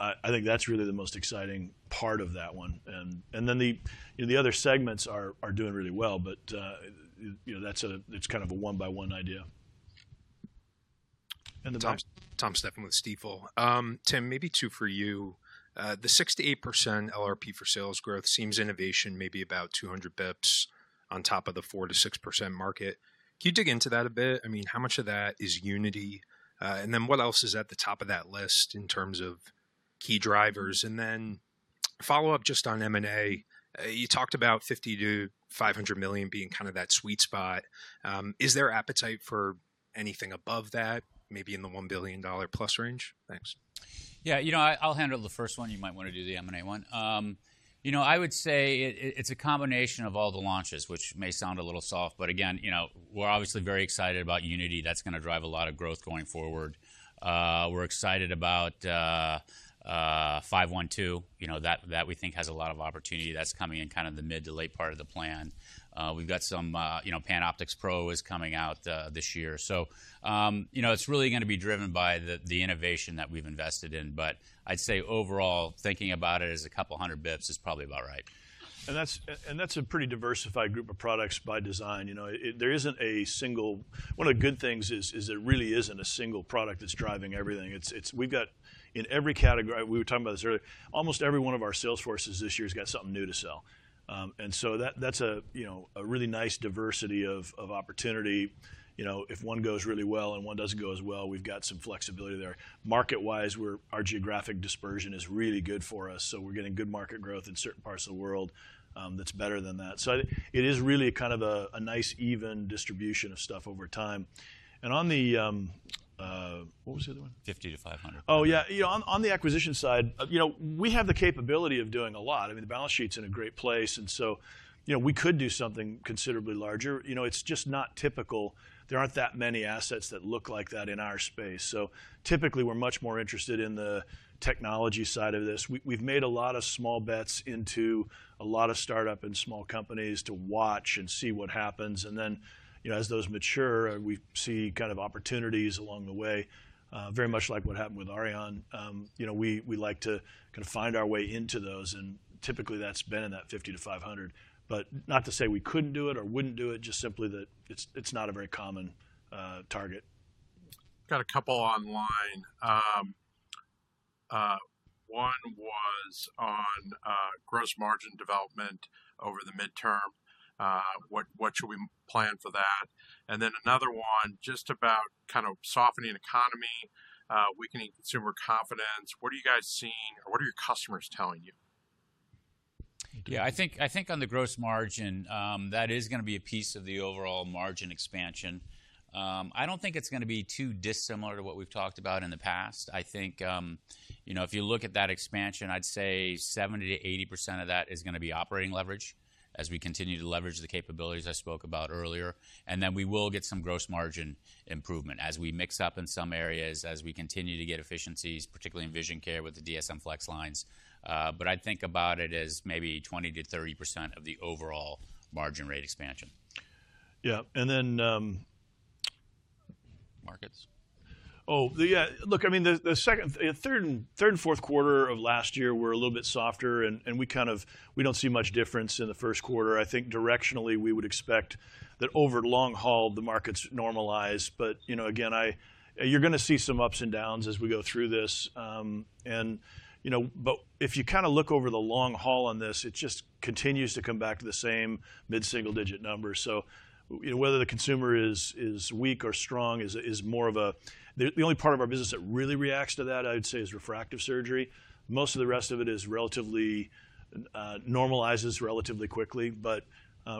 I think that's really the most exciting part of that one. The other segments are doing really well, but that's kind of a one-by-one idea. In the back— Tom Stephan with Stifel. Tim, maybe two for you. The 6%-8% LRP for sales growth seems innovation maybe about 200 basis points on top of the 4%-6% market. Can you dig into that a bit? I mean, how much of that is Unity? What else is at the top of that list in terms of key drivers? Follow-up just on M&A. You talked about $50 million-$500 million being kind of that sweet spot. Is there appetite for anything above that, maybe in the $1 billion plus range? Thanks. Yeah, I'll handle the first one. You might want to do the M&A one. I would say it's a combination of all the launches, which may sound a little soft. Again, we're obviously very excited about Unity. That's going to drive a lot of growth going forward. We're excited about 512. That we think has a lot of opportunity. That's coming in kind of the mid to late part of the plan. We've got some PanOptix Pro is coming out this year. It is really going to be driven by the innovation that we've invested in. I'd say overall, thinking about it as a couple hundred basis points is probably about right. That is a pretty diversified group of products by design. There is not a single—one of the good things is there really is not a single product that is driving everything. We've got in every category—we were talking about this earlier—almost every one of our sales forces this year has got something new to sell. That is a really nice diversity of opportunity. If one goes really well and one does not go as well, we've got some flexibility there. Market-wise, our geographic dispersion is really good for us. We're getting good market growth in certain parts of the world that's better than that. It is really kind of a nice even distribution of stuff over time. On the—what was the other one? $50 million-$500 million. Oh, yeah. On the acquisition side, we have the capability of doing a lot. I mean, the balance sheet's in a great place. We could do something considerably larger. It's just not typical. There aren't that many assets that look like that in our space. Typically, we're much more interested in the technology side of this. We've made a lot of small bets into a lot of startup and small companies to watch and see what happens. As those mature, we see kind of opportunities along the way, very much like what happened with Aurion Biotech. We like to kind of find our way into those. Typically, that's been in that $50 million-$500 million. Not to say we couldn't do it or wouldn't do it, just simply that it's not a very common target. Got a couple online. One was on gross margin development over the midterm. What should we plan for that? Another one just about kind of softening economy, weakening consumer confidence. What are you guys seeing? What are your customers telling you? I think on the gross margin, that is going to be a piece of the overall margin expansion. I don't think it's going to be too dissimilar to what we've talked about in the past. I think if you look at that expansion, I'd say 70%-80% of that is going to be operating leverage as we continue to leverage the capabilities I spoke about earlier. We will get some gross margin improvement as we mix up in some areas as we continue to get efficiencies, particularly in vision care with the DSM flex lines. I'd think about it as maybe 20%-30% of the overall margin rate expansion. Markets? Oh, yeah. I mean, the third and fourth quarter of last year were a little bit softer, and we do not see much difference in the first quarter. I think directionally, we would expect that over the long haul, the markets normalize. Again, you are going to see some ups and downs as we go through this. If you kind of look over the long haul on this, it just continues to come back to the same mid-single digit numbers. Whether the consumer is weak or strong is more of a—the only part of our business that really reacts to that, I would say, is refractive surgery. Most of the rest of it normalizes relatively quickly.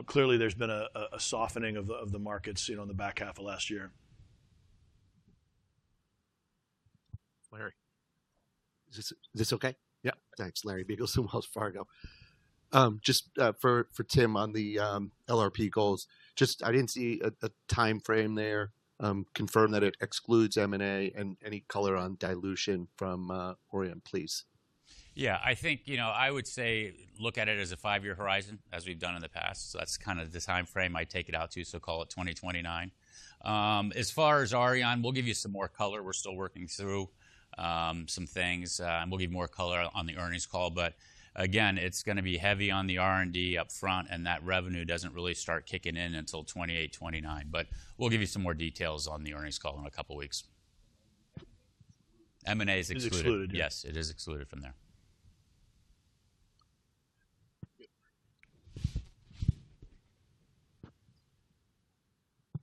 Clearly, there has been a softening of the markets in the back half of last year. Larry. Is this okay? Yeah. Thanks, Larry Biegelsen, Wells Fargo. Just for Tim on the LRP goals, I did not see a timeframe there. Confirm that it excludes M&A and any color on dilution from Aurion Biotech, please. Yeah, I think I would say look at it as a five-year horizon as we have done in the past. That is kind of the timeframe I take it out to, so call it 2029. As far as Aurion Biotech, we will give you some more color. We are still working through some things. We will give you more color on the earnings call. Again, it's going to be heavy on the R&D upfront, and that revenue doesn't really start kicking in until 2028-2029. We'll give you some more details on the earnings call in a couple of weeks. M&A is excluded. It is excluded. Yes, it is excluded from there.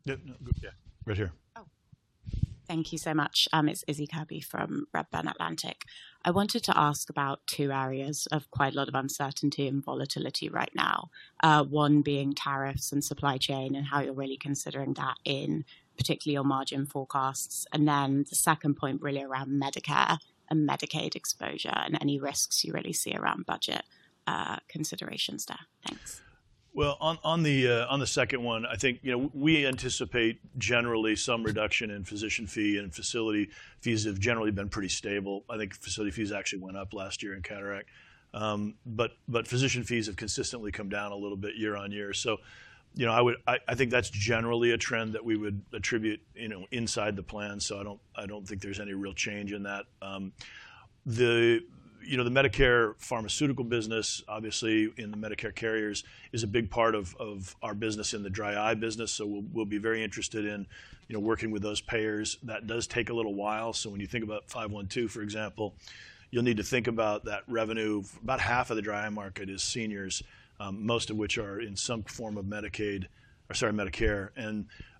Yeah, right here. Oh. Thank you so much. It's Issie Kirby from Redburn Atlantic. I wanted to ask about two areas of quite a lot of uncertainty and volatility right now, one being tariffs and supply chain and how you're really considering that in particularly your margin forecasts. The second point really around Medicare and Medicaid exposure and any risks you really see around budget considerations there. Thanks. On the second one, I think we anticipate generally some reduction in physician fee and facility fees have generally been pretty stable. I think facility fees actually went up last year in cataract. Physician fees have consistently come down a little bit year on year. I think that's generally a trend that we would attribute inside the plan. I don't think there's any real change in that. The Medicare pharmaceutical business, obviously in the Medicare carriers, is a big part of our business in the dry eye business. We'll be very interested in working with those payers. That does take a little while. When you think about 512, for example, you'll need to think about that revenue. About half of the dry eye market is seniors, most of which are in some form of Medicaid or, sorry, Medicare.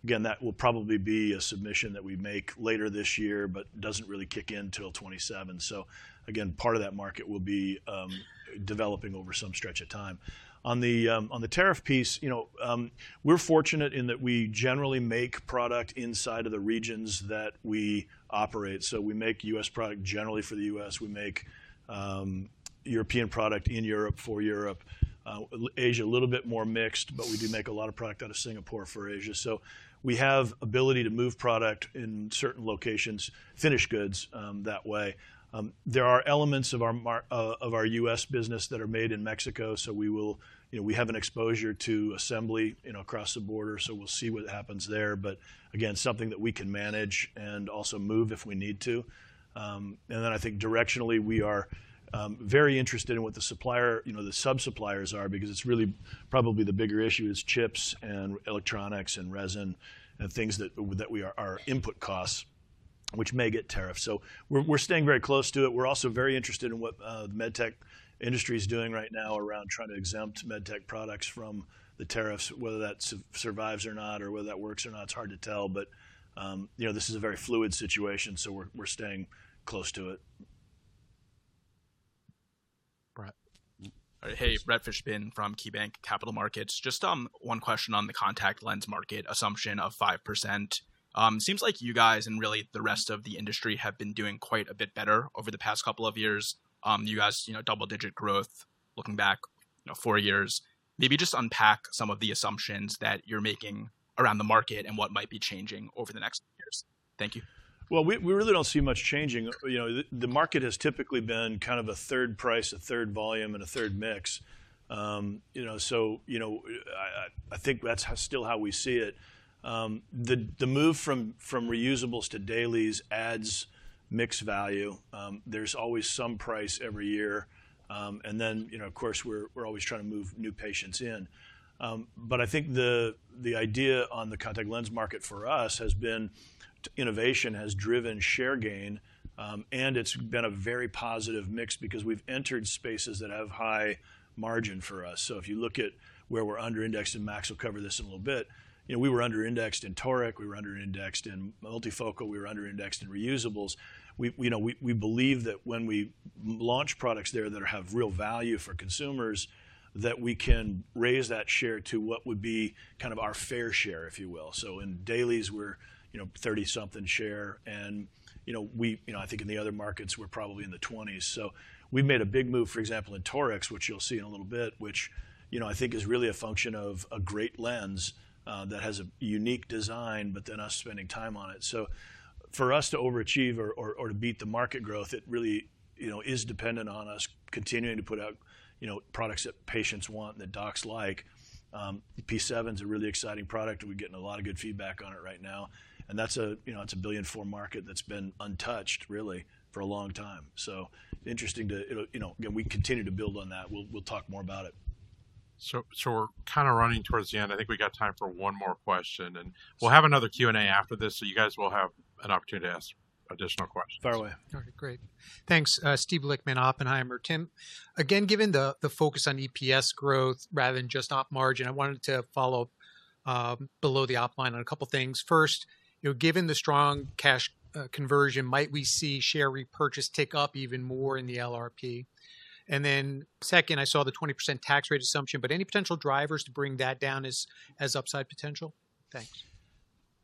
That will probably be a submission that we make later this year, but doesn't really kick in till 2027. Part of that market will be developing over some stretch of time. On the tariff piece, we're fortunate in that we generally make product inside of the regions that we operate. We make U.S. product generally for the U.S.. We make European product in Europe for Europe. Asia a little bit more mixed, but we do make a lot of product out of Singapore for Asia. We have the ability to move product in certain locations, finished goods that way. There are elements of our U.S. business that are made in Mexico. We have an exposure to assembly across the border. We'll see what happens there. Again, something that we can manage and also move if we need to. I think directionally, we are very interested in what the subsuppliers are because it's really probably the bigger issue is chips and electronics and resin and things that are input costs, which may get tariffs. We're staying very close to it. We're also very interested in what the MedTech industry is doing right now around trying to exempt MedTech products from the tariffs, whether that survives or not or whether that works or not. It's hard to tell. This is a very fluid situation. We're staying close to it. Brett? Hey, Brett Fishbin from KeyBanc Capital Markets. Just one question on the contact lens market assumption of 5%. Seems like you guys and really the rest of the industry have been doing quite a bit better over the past couple of years. You guys double-digit growth looking back four years. Maybe just unpack some of the assumptions that you're making around the market and what might be changing over the next few years. Thank you. We really don't see much changing. The market has typically been kind of a third price, a third volume, and a third mix. I think that's still how we see it. The move from reusables to dailies adds mix value. There's always some price every year. Of course, we're always trying to move new patients in. I think the idea on the contact lens market for us has been innovation has driven share gain. It's been a very positive mix because we've entered spaces that have high margin for us. If you look at where we're under-indexed in mix, we'll cover this in a little bit. We were under-indexed in toric. We were under-indexed in multifocal. We were under-indexed in reusables. We believe that when we launch products there that have real value for consumers, that we can raise that share to what would be kind of our fair share, if you will. In dailies, we're 30-something share. I think in the other markets, we're probably in the 20s. We have made a big move, for example, in torics, which you'll see in a little bit, which I think is really a function of a great lens that has a unique design, but then us spending time on it. For us to overachieve or to beat the market growth, it really is dependent on us continuing to put out products that patients want and that docs like. Precision7 is a really exciting product. We're getting a lot of good feedback on it right now. That's a $1.4 billion market that's been untouched, really, for a long time. Interesting to, again, we continue to build on that. We'll talk more about it. We're kind of running towards the end. I think we got time for one more question. We'll have another Q&A after this. You guys will have an opportunity to ask additional questions. Fire away. All right. Great. Thanks. Steve Lichtman, Oppenheimer. Tim, again, given the focus on EPS growth rather than just op margin, I wanted to follow up below the op line on a couple of things. First, given the strong cash conversion, might we see share repurchase tick up even more in the LRP? And then second, I saw the 20% tax rate assumption, but any potential drivers to bring that down as upside potential? Thanks.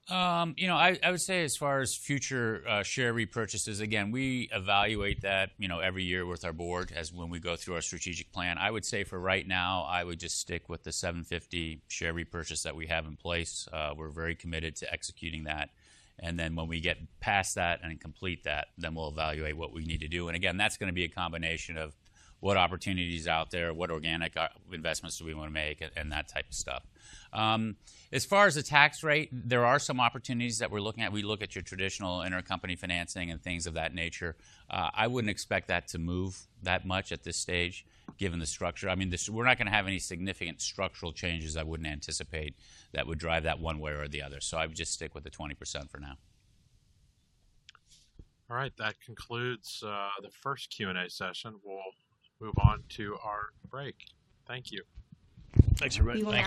I would say as far as future share repurchases, again, we evaluate that every year with our board as when we go through our strategic plan. I would say for right now, I would just stick with the $750 million share repurchase that we have in place. We're very committed to executing that. When we get past that and complete that, we will evaluate what we need to do. Again, that's going to be a combination of what opportunities are out there, what organic investments do we want to make, and that type of stuff. As far as the tax rate, there are some opportunities that we're looking at. We look at your traditional intercompany financing and things of that nature. I wouldn't expect that to move that much at this stage given the structure. I mean, we're not going to have any significant structural changes. I wouldn't anticipate that would drive that one way or the other. I would just stick with the 20% for now. All right. That concludes the first Q&A session. We'll move on to our break. Thank you. Thanks, everybody.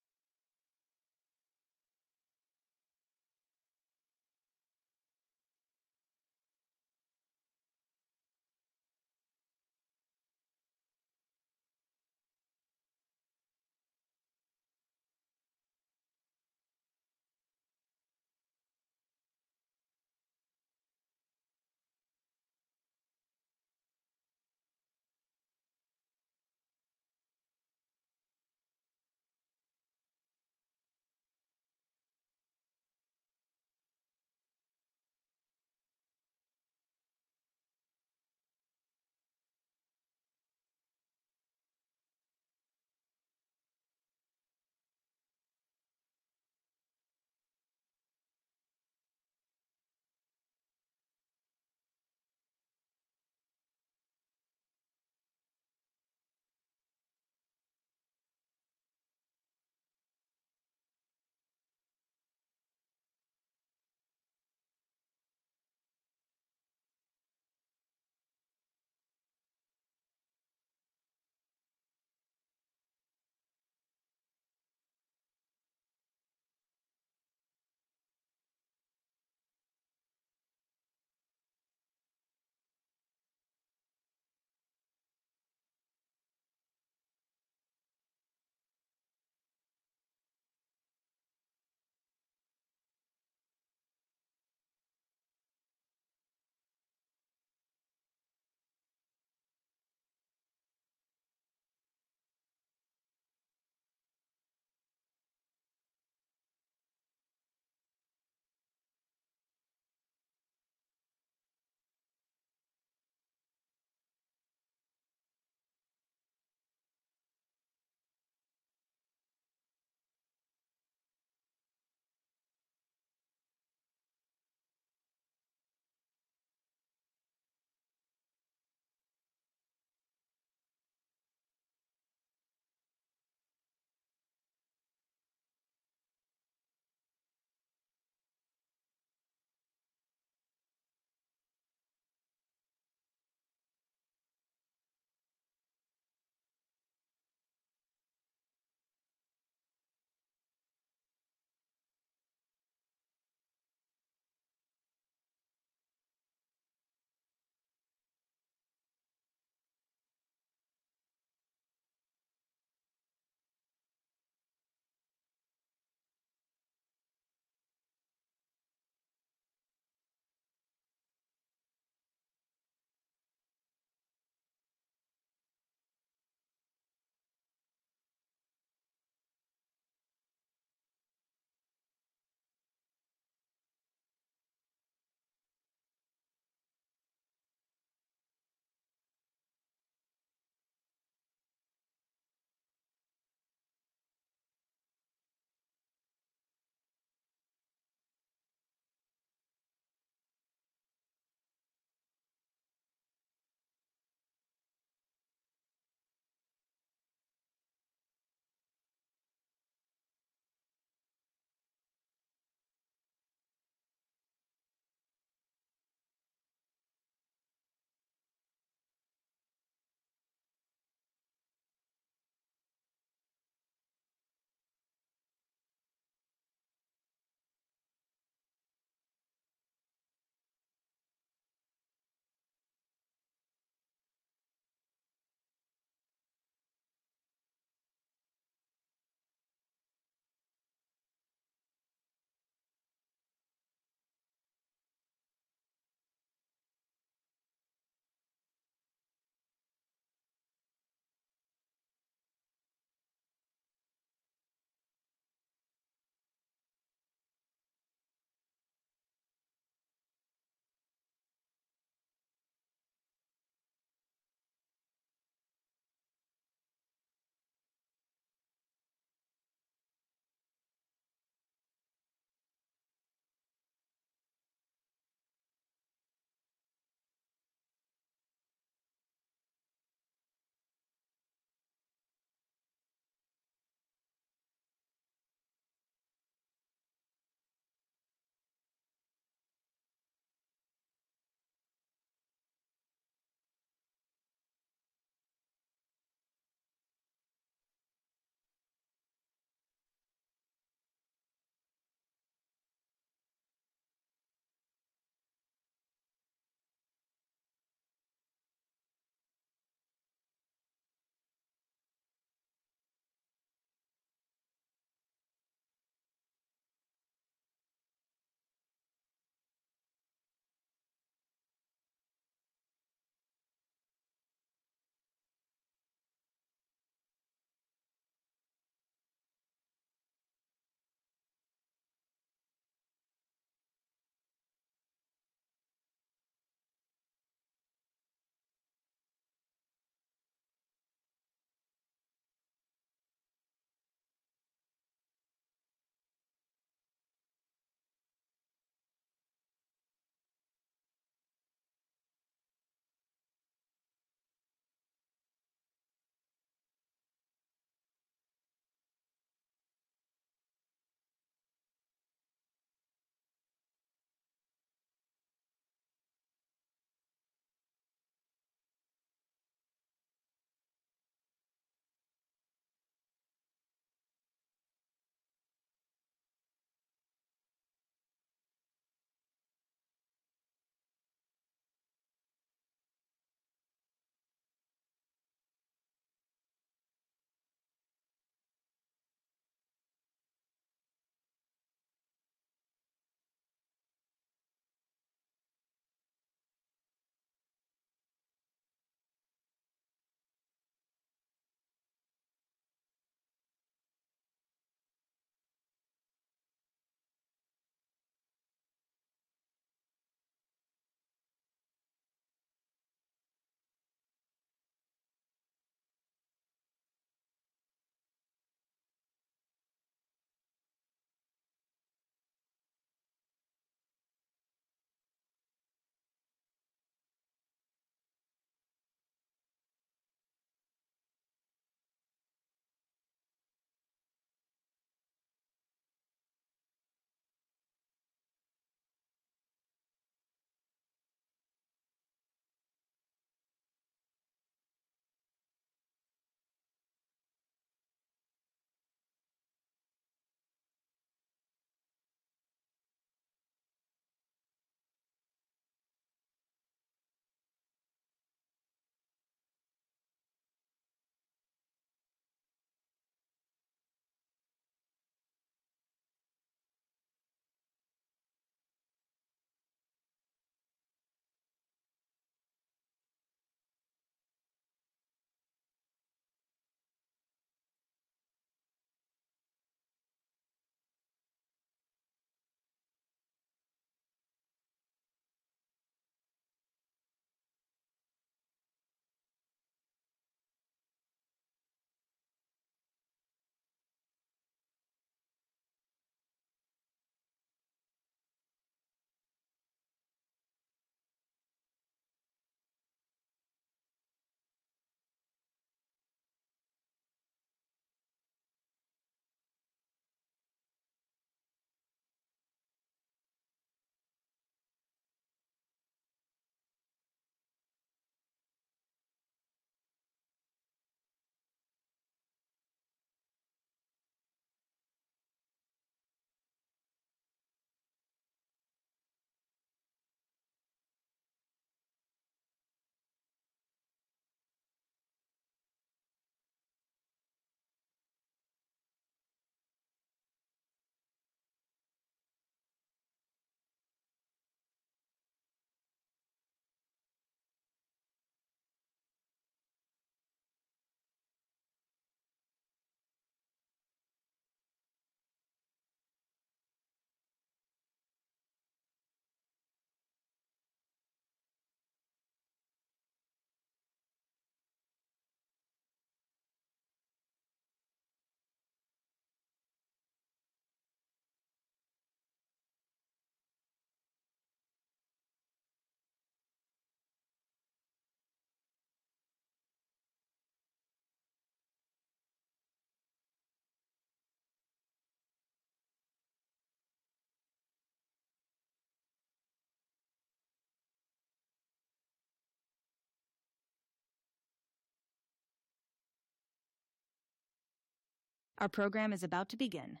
Our program is about to begin.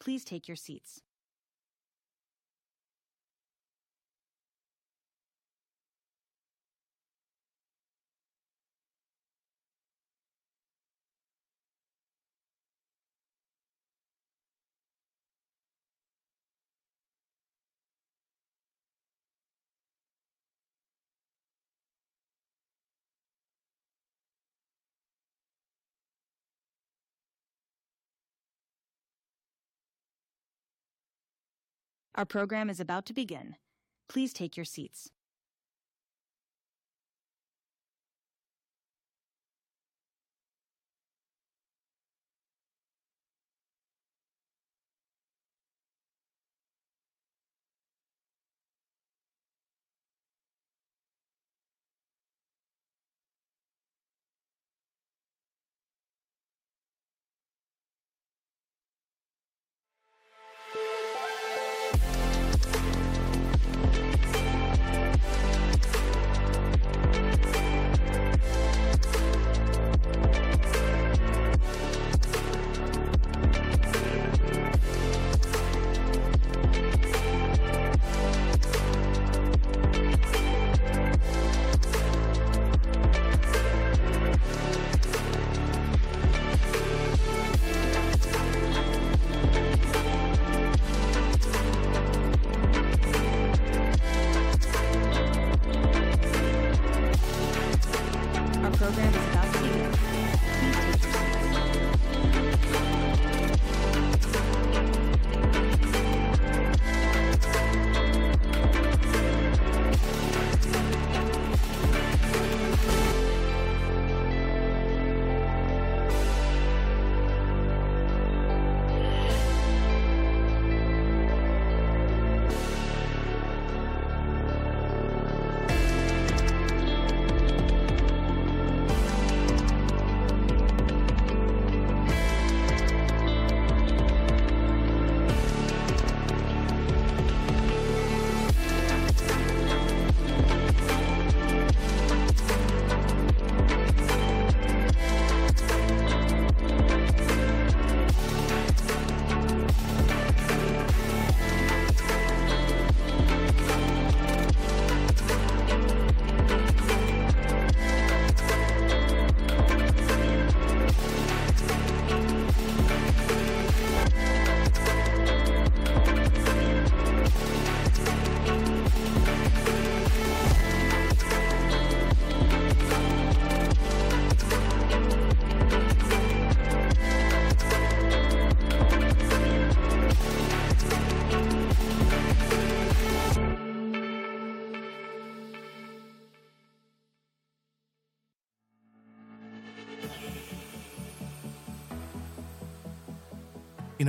Please take your seats. Our program is about to begin. Please take your seats.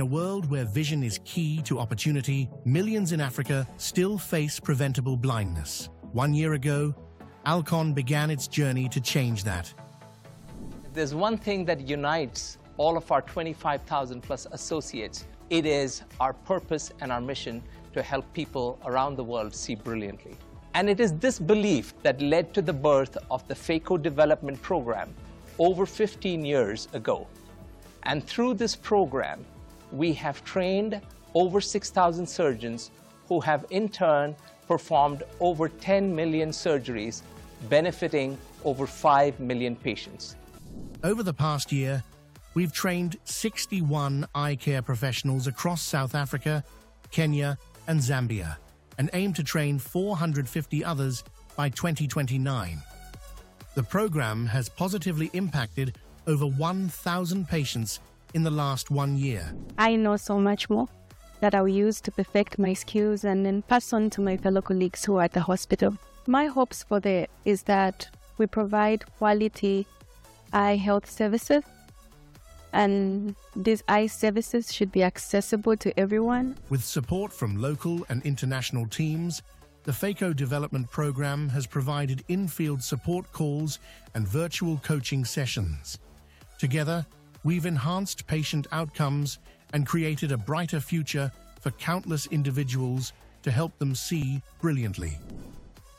Our program is about to begin. Please take your seats. In a world where vision is key to opportunity, millions in Africa still face preventable blindness. One year ago, Alcon began its journey to change that. If there's one thing that unites all of our 25,000+ associates, it is our purpose and our mission to help people around the world see brilliantly. It is this belief that led to the birth of the Phaco Development Program over 15 years ago. Through this program, we have trained over 6,000 surgeons who have, in turn, performed over 10 million surgeries, benefiting over 5 million patients. Over the past year, we've trained 61 eye care professionals across South Africa, Kenya, and Zambia, and aim to train 450 others by 2029. The program has positively impacted over 1,000 patients in the last one year. I know so much more that I will use to perfect my skills and then pass on to my fellow colleagues who are at the hospital. My hopes for the program is that we provide quality eye health services, and these eye services should be accessible to everyone. With support from local and international teams, the Phaco Development Program has provided in-field support calls and virtual coaching sessions. Together, we've enhanced patient outcomes and created a brighter future for countless individuals to help them see brilliantly.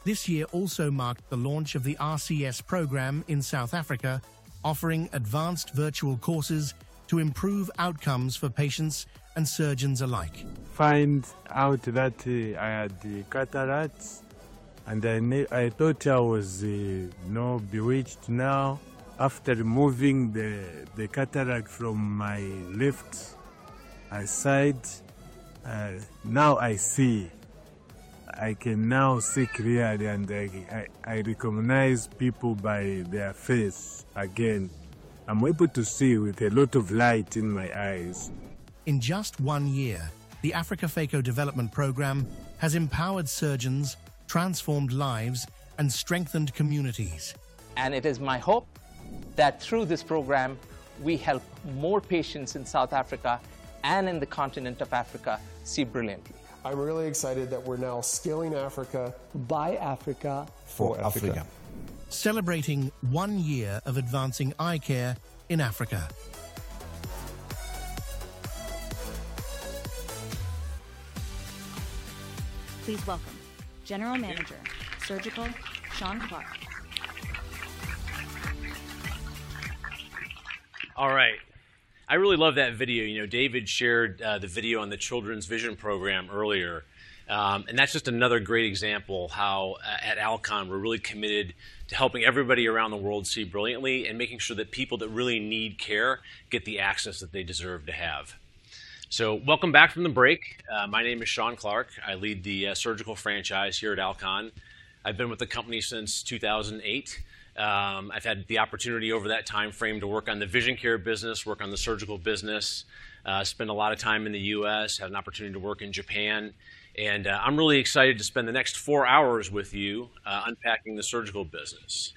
This year also marked the launch of the RCS program in South Africa, offering advanced virtual courses to improve outcomes for patients and surgeons alike. I found out that I had the cataracts, and I thought I was, you know, bewitched. Now, after removing the cataract from my left eye side, now I see. I can now see clearly, and I recognize people by their face again. I'm able to see with a lot of light in my eyes. In just one year, the Africa Phaco Development Program has empowered surgeons, transformed lives, and strengthened communities. It is my hope that through this program, we help more patients in South Africa and in the continent of Africa see brilliantly. I'm really excited that we're now scaling Africa. By Africa, for Africa. Celebrating one year of advancing eye care in Africa. Please welcome General Manager Surgical, Sean Clark. All right. I really love that video. You know, David shared the video on the Children's Vision Program earlier. That's just another great example of how at Alcon we're really committed to helping everybody around the world see brilliantly and making sure that people that really need care get the access that they deserve to have. Welcome back from the break. My name is Sean Clark. I lead the surgical franchise here at Alcon. I've been with the company since 2008. I've had the opportunity over that time frame to work on the vision care business, work on the surgical business, spend a lot of time in the U.S., had an opportunity to work in Japan. I'm really excited to spend the next four hours with you unpacking the surgical business.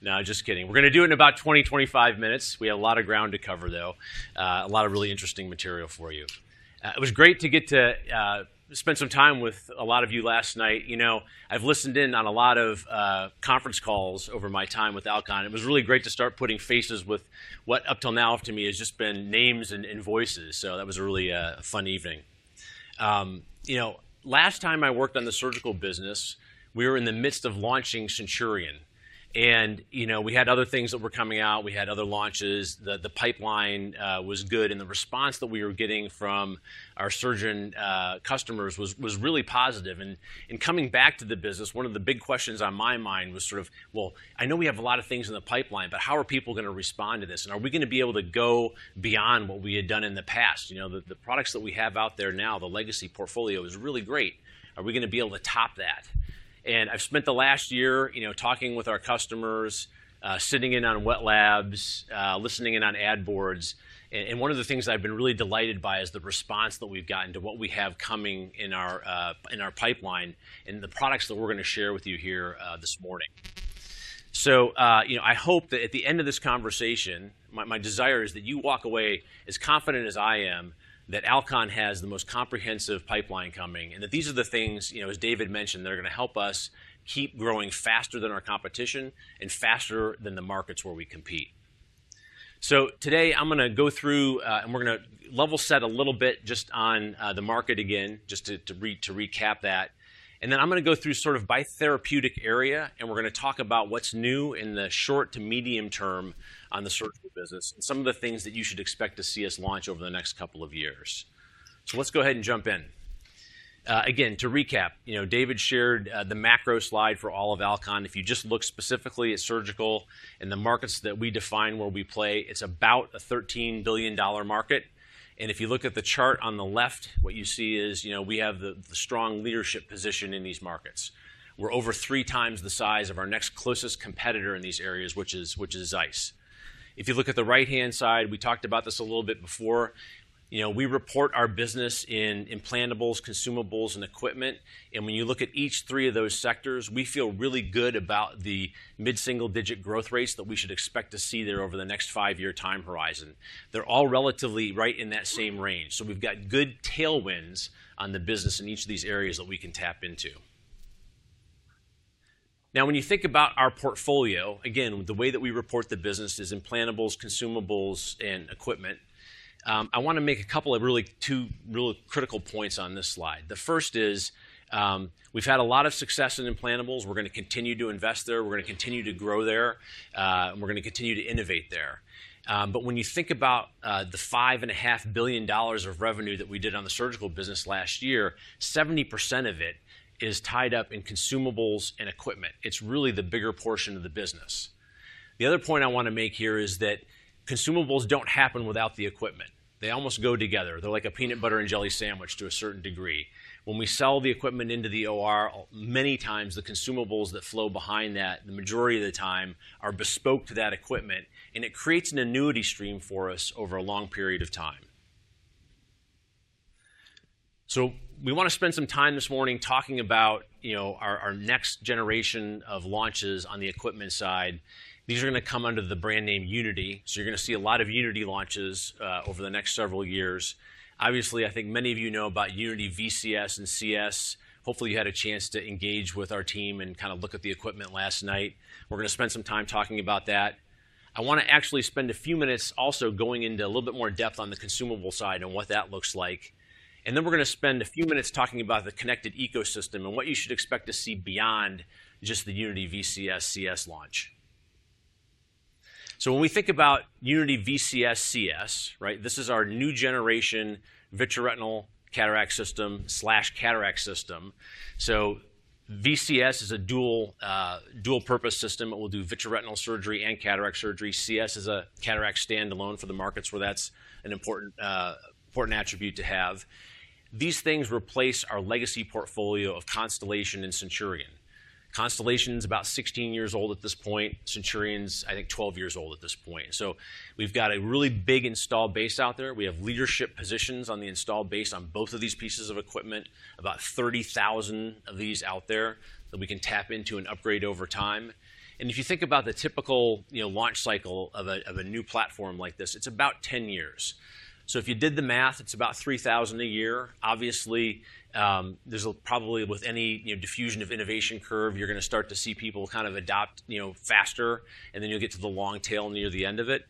No, just kidding. We're going to do it in about 20-25 minutes. We have a lot of ground to cover, though. A lot of really interesting material for you. It was great to get to spend some time with a lot of you last night. You know, I've listened in on a lot of conference calls over my time with Alcon. It was really great to start putting faces with what up till now, to me, has just been names and voices. That was a really fun evening. You know, last time I worked on the surgical business, we were in the midst of launching Centurion. You know, we had other things that were coming out. We had other launches. The pipeline was good, and the response that we were getting from our surgeon customers was really positive. Coming back to the business, one of the big questions on my mind was sort of, well, I know we have a lot of things in the pipeline, but how are people going to respond to this? Are we going to be able to go beyond what we had done in the past? You know, the products that we have out there now, the legacy portfolio, is really great. Are we going to be able to top that? I've spent the last year, you know, talking with our customers, sitting in on wet labs, listening in on ad boards. One of the things I've been really delighted by is the response that we've gotten to what we have coming in our pipeline and the products that we're going to share with you here this morning. You know, I hope that at the end of this conversation, my desire is that you walk away as confident as I am that Alcon has the most comprehensive pipeline coming and that these are the things, you know, as David mentioned, that are going to help us keep growing faster than our competition and faster than the markets where we compete. Today I'm going to go through and we're going to level set a little bit just on the market again, just to recap that. Then I'm going to go through sort of by therapeutic area, and we're going to talk about what's new in the short to medium term on the surgical business and some of the things that you should expect to see us launch over the next couple of years. Let's go ahead and jump in. Again, to recap, you know, David shared the macro slide for all of Alcon. If you just look specifically at surgical and the markets that we define where we play, it's about a $13 billion market. If you look at the chart on the left, what you see is, you know, we have the strong leadership position in these markets. We're over three times the size of our next closest competitor in these areas, which is ZEISS. If you look at the right-hand side, we talked about this a little bit before. You know, we report our business in implantables, consumables, and equipment. When you look at each three of those sectors, we feel really good about the mid-single-digit growth rates that we should expect to see there over the next five-year time horizon. They're all relatively right in that same range. We have good tailwinds on the business in each of these areas that we can tap into. Now, when you think about our portfolio, again, the way that we report the business is implantables, consumables, and equipment. I want to make a couple of really two really critical points on this slide. The first is we have had a lot of success in implantables. We are going to continue to invest there. We are going to continue to grow there, and we are going to continue to innovate there. When you think about the $5.5 billion of revenue that we did on the surgical business last year, 70% of it is tied up in consumables and equipment. It is really the bigger portion of the business. The other point I want to make here is that consumables do not happen without the equipment. They almost go together. They're like a peanut butter and jelly sandwich to a certain degree. When we sell the equipment into the OR, many times the consumables that flow behind that, the majority of the time, are bespoke to that equipment, and it creates an annuity stream for us over a long period of time. We want to spend some time this morning talking about, you know, our next generation of launches on the equipment side. These are going to come under the brand name Unity. You're going to see a lot of Unity launches over the next several years. Obviously, I think many of you know about Unity VCS and CS. Hopefully, you had a chance to engage with our team and kind of look at the equipment last night. We're going to spend some time talking about that. I want to actually spend a few minutes also going into a little bit more depth on the consumable side and what that looks like. Then we're going to spend a few minutes talking about the connected ecosystem and what you should expect to see beyond just the Unity VCS/CS launch. When we think about Unity VCS/CS, right, this is our new generation vitreoretinal cataract system/cataract system. VCS is a dual-purpose system. It will do vitreoretinal surgery and cataract surgery. CS is a cataract standalone for the markets where that's an important attribute to have. These things replace our legacy portfolio of Constellation and Centurion. Constellation is about 16 years old at this point. Centurion's, I think, 12 years old at this point. We've got a really big installed base out there. We have leadership positions on the installed base on both of these pieces of equipment, about 30,000 of these out there that we can tap into and upgrade over time. If you think about the typical, you know, launch cycle of a new platform like this, it's about 10 years. If you did the math, it's about 3,000 a year. Obviously, there's probably with any, you know, diffusion of innovation curve, you're going to start to see people kind of adopt, you know, faster, and then you'll get to the long tail near the end of it.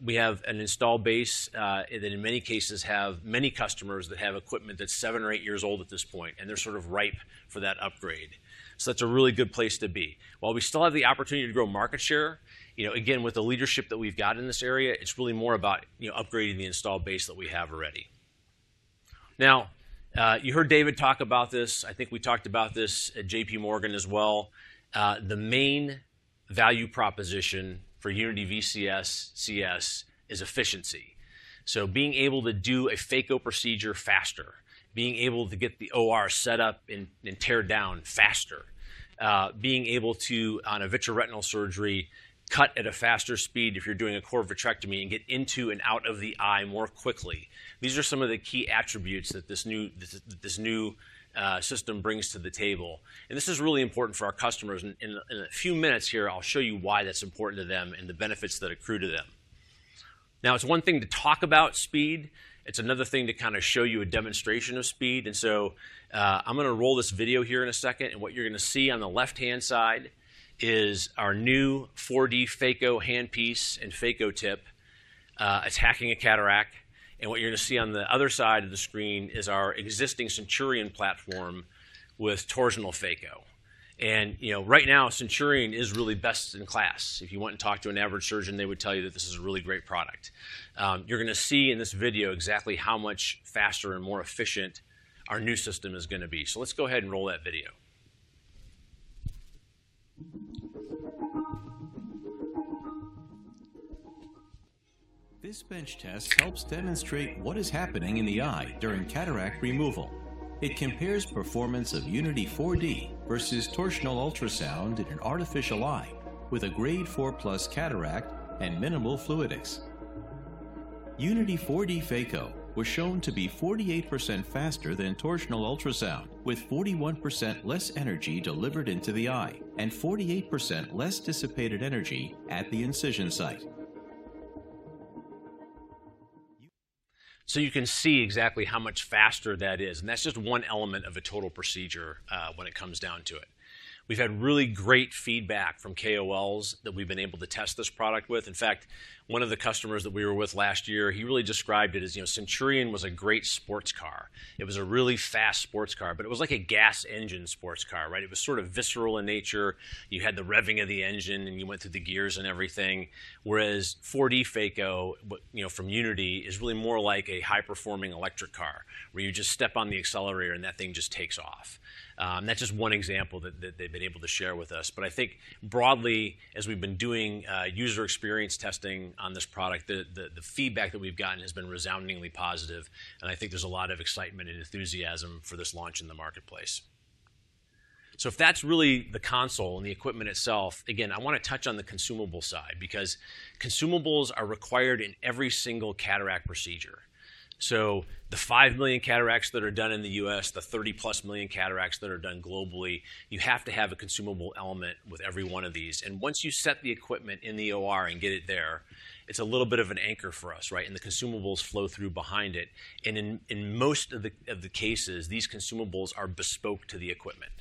We have an installed base that in many cases have many customers that have equipment that's seven or eight years old at this point, and they're sort of ripe for that upgrade. That's a really good place to be. While we still have the opportunity to grow market share, you know, again, with the leadership that we've got in this area, it's really more about, you know, upgrading the installed base that we have already. Now, you heard David talk about this. I think we talked about this at JP Morgan as well. The main value proposition for Unity VCS/CS is efficiency. Being able to do a Phaco procedure faster, being able to get the OR set up and tear down faster, being able to, on a vitreoretinal surgery, cut at a faster speed if you're doing a core vitrectomy and get into and out of the eye more quickly. These are some of the key attributes that this new system brings to the table. This is really important for our customers. In a few minutes here, I'll show you why that's important to them and the benefits that accrue to them. Now, it's one thing to talk about speed. It's another thing to kind of show you a demonstration of speed. I'm going to roll this video here in a second. What you're going to see on the left-hand side is our new 4D Phaco handpiece and Phaco tip attacking a cataract. What you're going to see on the other side of the screen is our existing Centurion platform with torsional Phaco. You know, right now, Centurion is really best in class. If you went and talked to an average surgeon, they would tell you that this is a really great product. You're going to see in this video exactly how much faster and more efficient our new system is going to be. Let's go ahead and roll that video. This bench test helps demonstrate what is happening in the eye during cataract removal. It compares performance of Unity 4D versus torsional ultrasound in an artificial eye with a grade 4 plus cataract and minimal fluidics. Unity 4D Phaco was shown to be 48% faster than torsional ultrasound, with 41% less energy delivered into the eye and 48% less dissipated energy at the incision site. You can see exactly how much faster that is. That's just one element of a total procedure when it comes down to it. We've had really great feedback from KOLs that we've been able to test this product with. In fact, one of the customers that we were with last year, he really described it as, you know, Centurion was a great sports car. It was a really fast sports car, but it was like a gas engine sports car, right? It was sort of visceral in nature. You had the revving of the engine and you went through the gears and everything. Whereas Unity 4D Phaco, you know, from Unity is really more like a high-performing electric car where you just step on the accelerator and that thing just takes off. That's just one example that they've been able to share with us. I think broadly, as we've been doing user experience testing on this product, the feedback that we've gotten has been resoundingly positive. I think there's a lot of excitement and enthusiasm for this launch in the marketplace. If that's really the console and the equipment itself, again, I want to touch on the consumable side because consumables are required in every single cataract procedure. The 5 million cataracts that are done in the U.S., the 30+ million cataracts that are done globally, you have to have a consumable element with every one of these. Once you set the equipment in the OR and get it there, it's a little bit of an anchor for us, right? The consumables flow through behind it. In most of the cases, these consumables are bespoke to the equipment.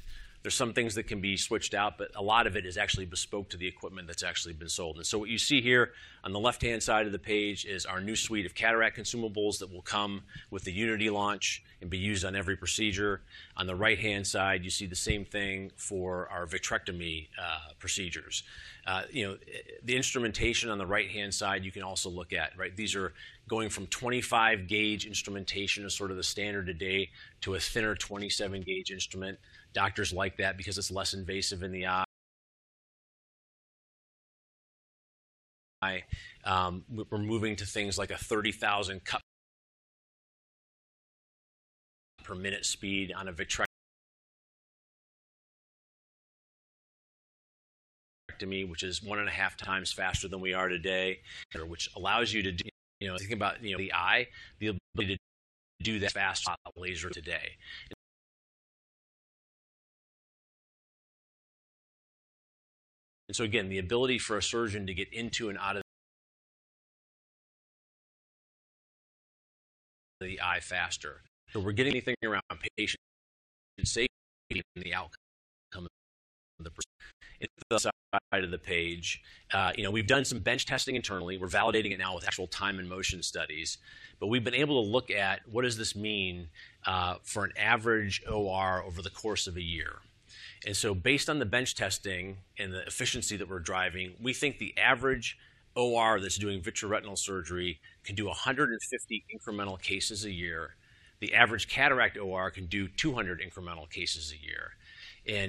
There are some things that can be switched out, but a lot of it is actually bespoke to the equipment that's actually been sold. What you see here on the left-hand side of the page is our new suite of cataract consumables that will come with the Unity launch and be used on every procedure. On the right-hand side, you see the same thing for our vitrectomy procedures. You know, the instrumentation on the right-hand side, you can also look at, right? These are going from 25-gauge instrumentation as sort of the standard today to a thinner 27-gauge instrument. Doctors like that because it's less invasive in the eye. We're moving to things like a 30,000 cut per minute speed on a vitrectomy, which is one and a half times faster than we are today, which allows you to, you know, think about, you know, the eye, the ability to do that fast laser today. The ability for a surgeon to get into and out of the eye faster. We're getting anything around patient safety and the outcome of the procedure. On the side of the page, you know, we've done some bench testing internally. We're validating it now with actual time and motion studies. We've been able to look at what does this mean for an average OR over the course of a year. Based on the bench testing and the efficiency that we're driving, we think the average OR that's doing vitreoretinal surgery can do 150 incremental cases a year. The average cataract OR can do 200 incremental cases a year.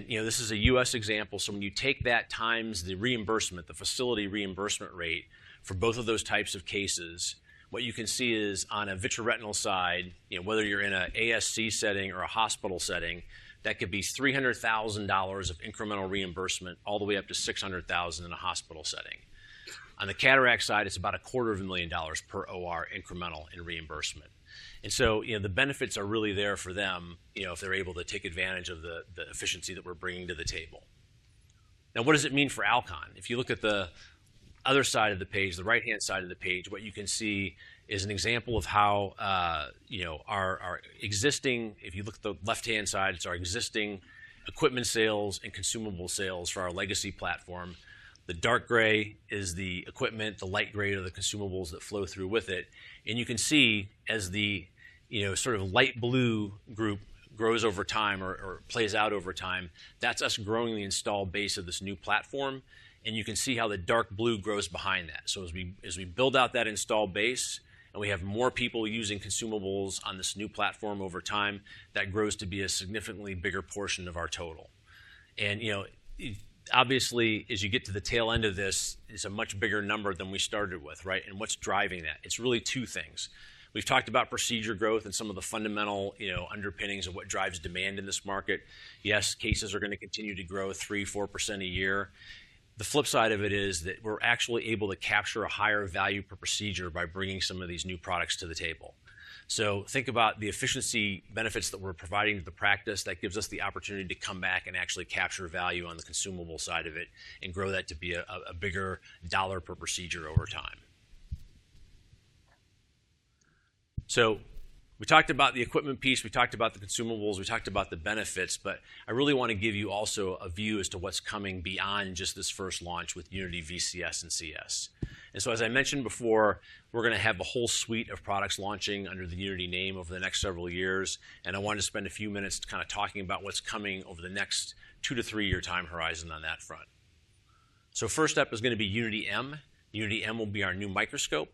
You know, this is a U.S. example. When you take that times the reimbursement, the facility reimbursement rate for both of those types of cases, what you can see is on a vitreoretinal side, you know, whether you're in an ASC setting or a hospital setting, that could be $300,000 of incremental reimbursement all the way up to $600,000 in a hospital setting. On the cataract side, it's about a $0.25 million per OR incremental in reimbursement. You know, the benefits are really there for them, you know, if they're able to take advantage of the efficiency that we're bringing to the table. Now, what does it mean for Alcon? If you look at the other side of the page, the right-hand side of the page, what you can see is an example of how, you know, our existing, if you look at the left-hand side, it's our existing equipment sales and consumable sales for our legacy platform. The dark gray is the equipment, the light gray are the consumables that flow through with it. You can see as the, you know, sort of light blue group grows over time or plays out over time, that's us growing the installed base of this new platform. You can see how the dark blue grows behind that. As we build out that installed base and we have more people using consumables on this new platform over time, that grows to be a significantly bigger portion of our total. You know, obviously, as you get to the tail end of this, it's a much bigger number than we started with, right? What's driving that? It's really two things. We've talked about procedure growth and some of the fundamental, you know, underpinnings of what drives demand in this market. Yes, cases are going to continue to grow 3%-4% a year. The flip side of it is that we're actually able to capture a higher value per procedure by bringing some of these new products to the table. Think about the efficiency benefits that we're providing to the practice that gives us the opportunity to come back and actually capture value on the consumable side of it and grow that to be a bigger dollar per procedure over time. We talked about the equipment piece. We talked about the consumables. We talked about the benefits. I really want to give you also a view as to what's coming beyond just this first launch with Unity VCS and CS. As I mentioned before, we're going to have a whole suite of products launching under the Unity name over the next several years. I wanted to spend a few minutes kind of talking about what's coming over the next two to three-year time horizon on that front. First up is going to be Unity M. Unity M will be our new microscope.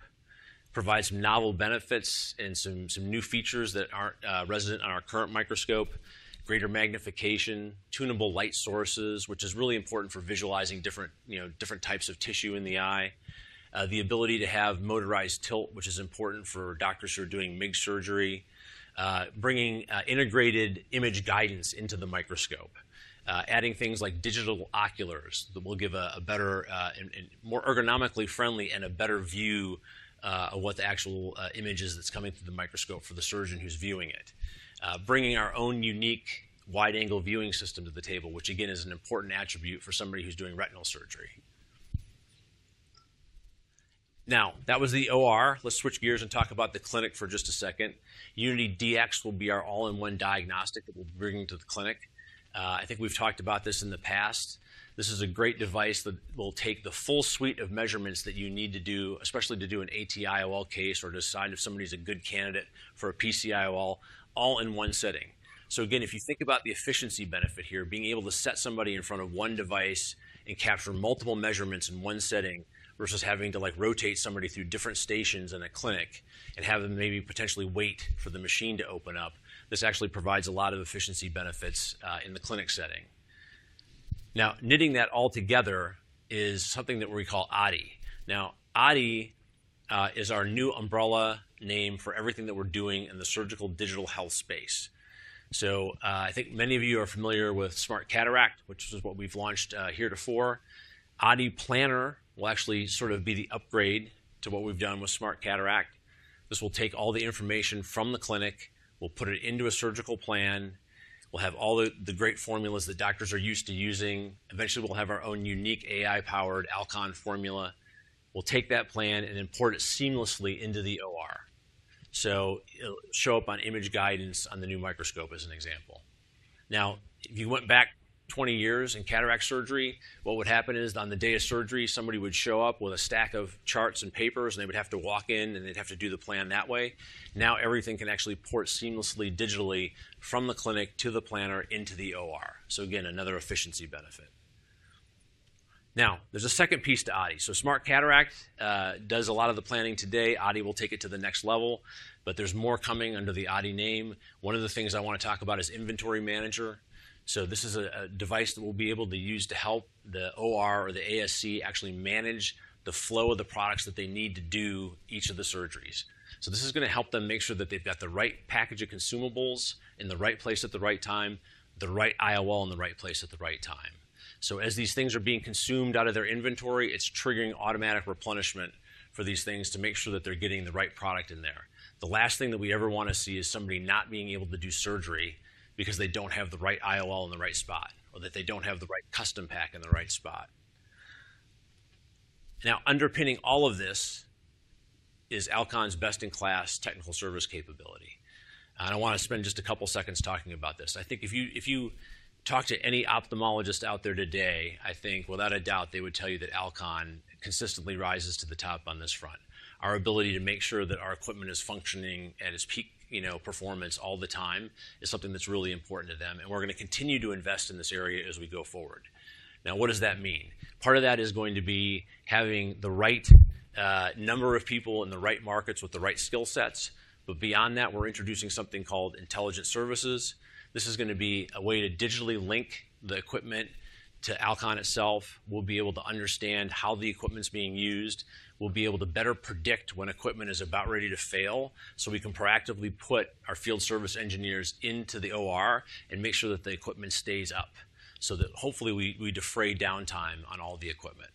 It provides novel benefits and some new features that aren't resident on our current microscope: greater magnification, tunable light sources, which is really important for visualizing different, you know, different types of tissue in the eye; the ability to have motorized tilt, which is important for doctors who are doing MIGS surgery; bringing integrated image guidance into the microscope; adding things like digital oculars that will give a better and more ergonomically friendly and a better view of what the actual image is that's coming through the microscope for the surgeon who's viewing it; bringing our own unique wide-angle viewing system to the table, which again is an important attribute for somebody who's doing retinal surgery. Now, that was the OR. Let's switch gears and talk about the clinic for just a second. Unity DX will be our all-in-one diagnostic that we'll bring to the clinic. I think we've talked about this in the past. This is a great device that will take the full suite of measurements that you need to do, especially to do an ATIOL case or decide if somebody's a good candidate for a PCIOL, all in one setting. If you think about the efficiency benefit here, being able to set somebody in front of one device and capture multiple measurements in one setting versus having to, like, rotate somebody through different stations in a clinic and have them maybe potentially wait for the machine to open up, this actually provides a lot of efficiency benefits in the clinic setting. Now, knitting that all together is something that we call Adi. Adi is our new umbrella name for everything that we're doing in the surgical digital health space. I think many of you are familiar with Smart Cataract, which is what we've launched here to [Fort]. Adi Planner will actually sort of be the upgrade to what we've done with Smart Cataract. This will take all the information from the clinic. We'll put it into a surgical plan. We'll have all the great formulas that doctors are used to using. Eventually, we'll have our own unique AI-powered Alcon formula. We'll take that plan and import it seamlessly into the OR. It'll show up on image guidance on the new microscope as an example. Now, if you went back 20 years in cataract surgery, what would happen is on the day of surgery, somebody would show up with a stack of charts and papers, and they would have to walk in, and they'd have to do the plan that way. Now everything can actually port seamlessly digitally from the clinic to the planner into the OR. Again, another efficiency benefit. There's a second piece to Adi. Smart Cataract does a lot of the planning today. Adi will take it to the next level, but there's more coming under the Adi name. One of the things I want to talk about is Inventory Manager. This is a device that we'll be able to use to help the OR or the ASC actually manage the flow of the products that they need to do each of the surgeries. This is going to help them make sure that they've got the right package of consumables in the right place at the right time, the right IOL in the right place at the right time. As these things are being consumed out of their inventory, it's triggering automatic replenishment for these things to make sure that they're getting the right product in there. The last thing that we ever want to see is somebody not being able to do surgery because they don't have the right IOL in the right spot or that they don't have the right custom pack in the right spot. Now, underpinning all of this is Alcon's best-in-class technical service capability. I want to spend just a couple of seconds talking about this. I think if you talk to any ophthalmologist out there today, I think without a doubt they would tell you that Alcon consistently rises to the top on this front. Our ability to make sure that our equipment is functioning at its peak, you know, performance all the time is something that's really important to them. We're going to continue to invest in this area as we go forward. Now, what does that mean? Part of that is going to be having the right number of people in the right markets with the right skill sets. Beyond that, we're introducing something called Intelligent Services. This is going to be a way to digitally link the equipment to Alcon itself. We'll be able to understand how the equipment's being used. We'll be able to better predict when equipment is about ready to fail so we can proactively put our field service engineers into the OR and make sure that the equipment stays up so that hopefully we defray downtime on all the equipment.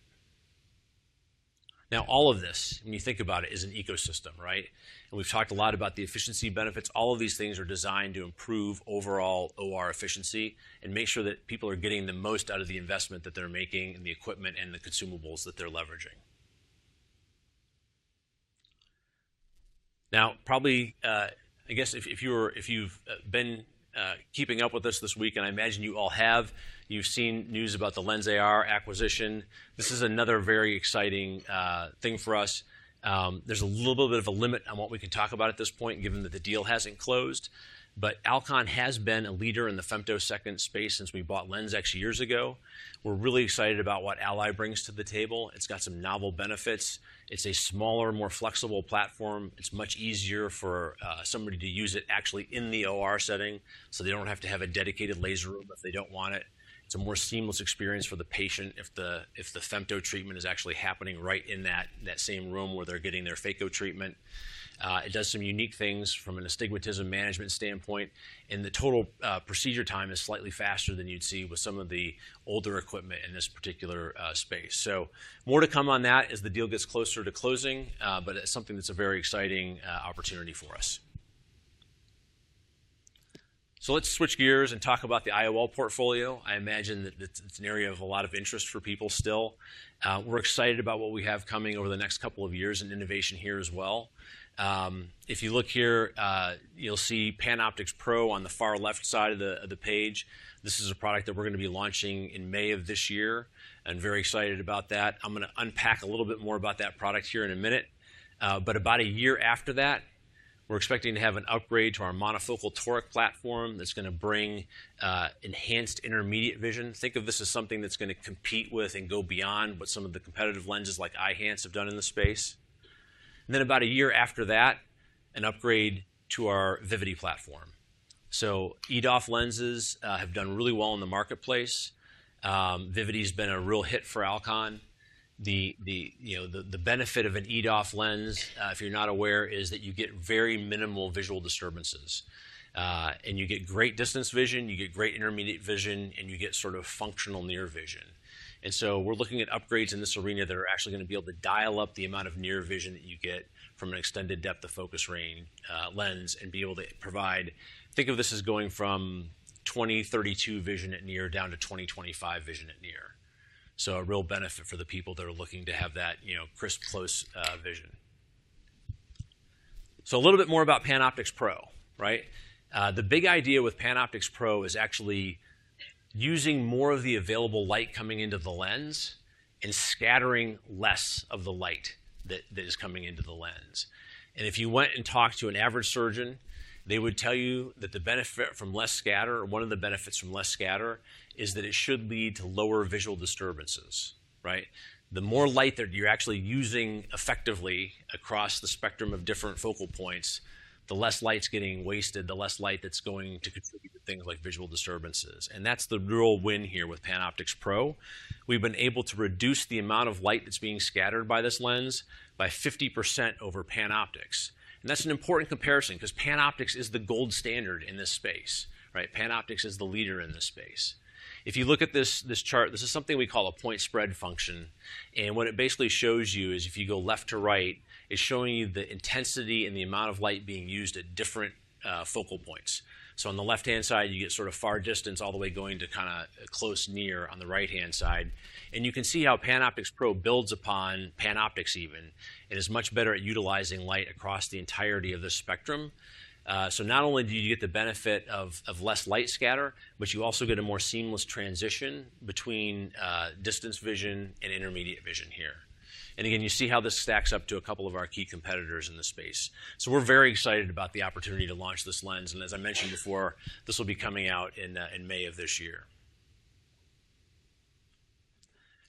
Now, all of this, when you think about it, is an ecosystem, right? We've talked a lot about the efficiency benefits. All of these things are designed to improve overall OR efficiency and make sure that people are getting the most out of the investment that they're making in the equipment and the consumables that they're leveraging. Now, probably, I guess if you've been keeping up with us this week, and I imagine you all have, you've seen news about the LENSAR acquisition. This is another very exciting thing for us. There's a little bit of a limit on what we can talk about at this point, given that the deal hasn't closed. Alcon has been a leader in the femtosecond space since we bought LenSx years ago. We're really excited about what [Ally] brings to the table. It's got some novel benefits. It's a smaller, more flexible platform. It's much easier for somebody to use it actually in the OR setting so they don't have to have a dedicated laser room if they don't want it. It's a more seamless experience for the patient if the femto treatment is actually happening right in that same room where they're getting their Phaco treatment. It does some unique things from an astigmatism management standpoint, and the total procedure time is slightly faster than you'd see with some of the older equipment in this particular space. More to come on that as the deal gets closer to closing, but it's something that's a very exciting opportunity for us. Let's switch gears and talk about the IOL portfolio. I imagine that it's an area of a lot of interest for people still. We're excited about what we have coming over the next couple of years in innovation here as well. If you look here, you'll see PanOptix Pro on the far left side of the page. This is a product that we're going to be launching in May of this year. I'm very excited about that. I'm going to unpack a little bit more about that product here in a minute. About a year after that, we're expecting to have an upgrade to our monofocal toric platform that's going to bring enhanced intermediate vision. Think of this as something that's going to compete with and go beyond what some of the competitive lenses like Eyhance have done in the space. About a year after that, an upgrade to our Vivity platform. EDOF lenses have done really well in the marketplace. Vivity has been a real hit for Alcon. The, you know, the benefit of an EDOF lens, if you're not aware, is that you get very minimal visual disturbances. You get great distance vision, you get great intermediate vision, and you get sort of functional near vision. We are looking at upgrades in this arena that are actually going to be able to dial up the amount of near vision that you get from an extended depth of focus range lens and be able to provide, think of this as going from 20/32 vision at near down to 20/25 vision at near. A real benefit for the people that are looking to have that, you know, crisp, close vision. A little bit more about PanOptix Pro, right? The big idea with PanOptix Pro is actually using more of the available light coming into the lens and scattering less of the light that is coming into the lens. If you went and talked to an average surgeon, they would tell you that the benefit from less scatter, or one of the benefits from less scatter, is that it should lead to lower visual disturbances, right? The more light that you're actually using effectively across the spectrum of different focal points, the less light's getting wasted, the less light that's going to contribute to things like visual disturbances. That's the real win here with PanOptix Pro. We've been able to reduce the amount of light that's being scattered by this lens by 50% over PanOptix Pro. That's an important comparison because PanOptix Pro is the gold standard in this space, right? PanOptix Pro is the leader in this space. If you look at this chart, this is something we call a point spread function. What it basically shows you is if you go left to right, it's showing you the intensity and the amount of light being used at different focal points. On the left-hand side, you get sort of far distance all the way going to kind of close near on the right-hand side. You can see how PanOptix Pro builds upon PanOptix Pro even and is much better at utilizing light across the entirety of the spectrum. Not only do you get the benefit of less light scatter, but you also get a more seamless transition between distance vision and intermediate vision here. Again, you see how this stacks up to a couple of our key competitors in the space. We are very excited about the opportunity to launch this lens. As I mentioned before, this will be coming out in May of this year.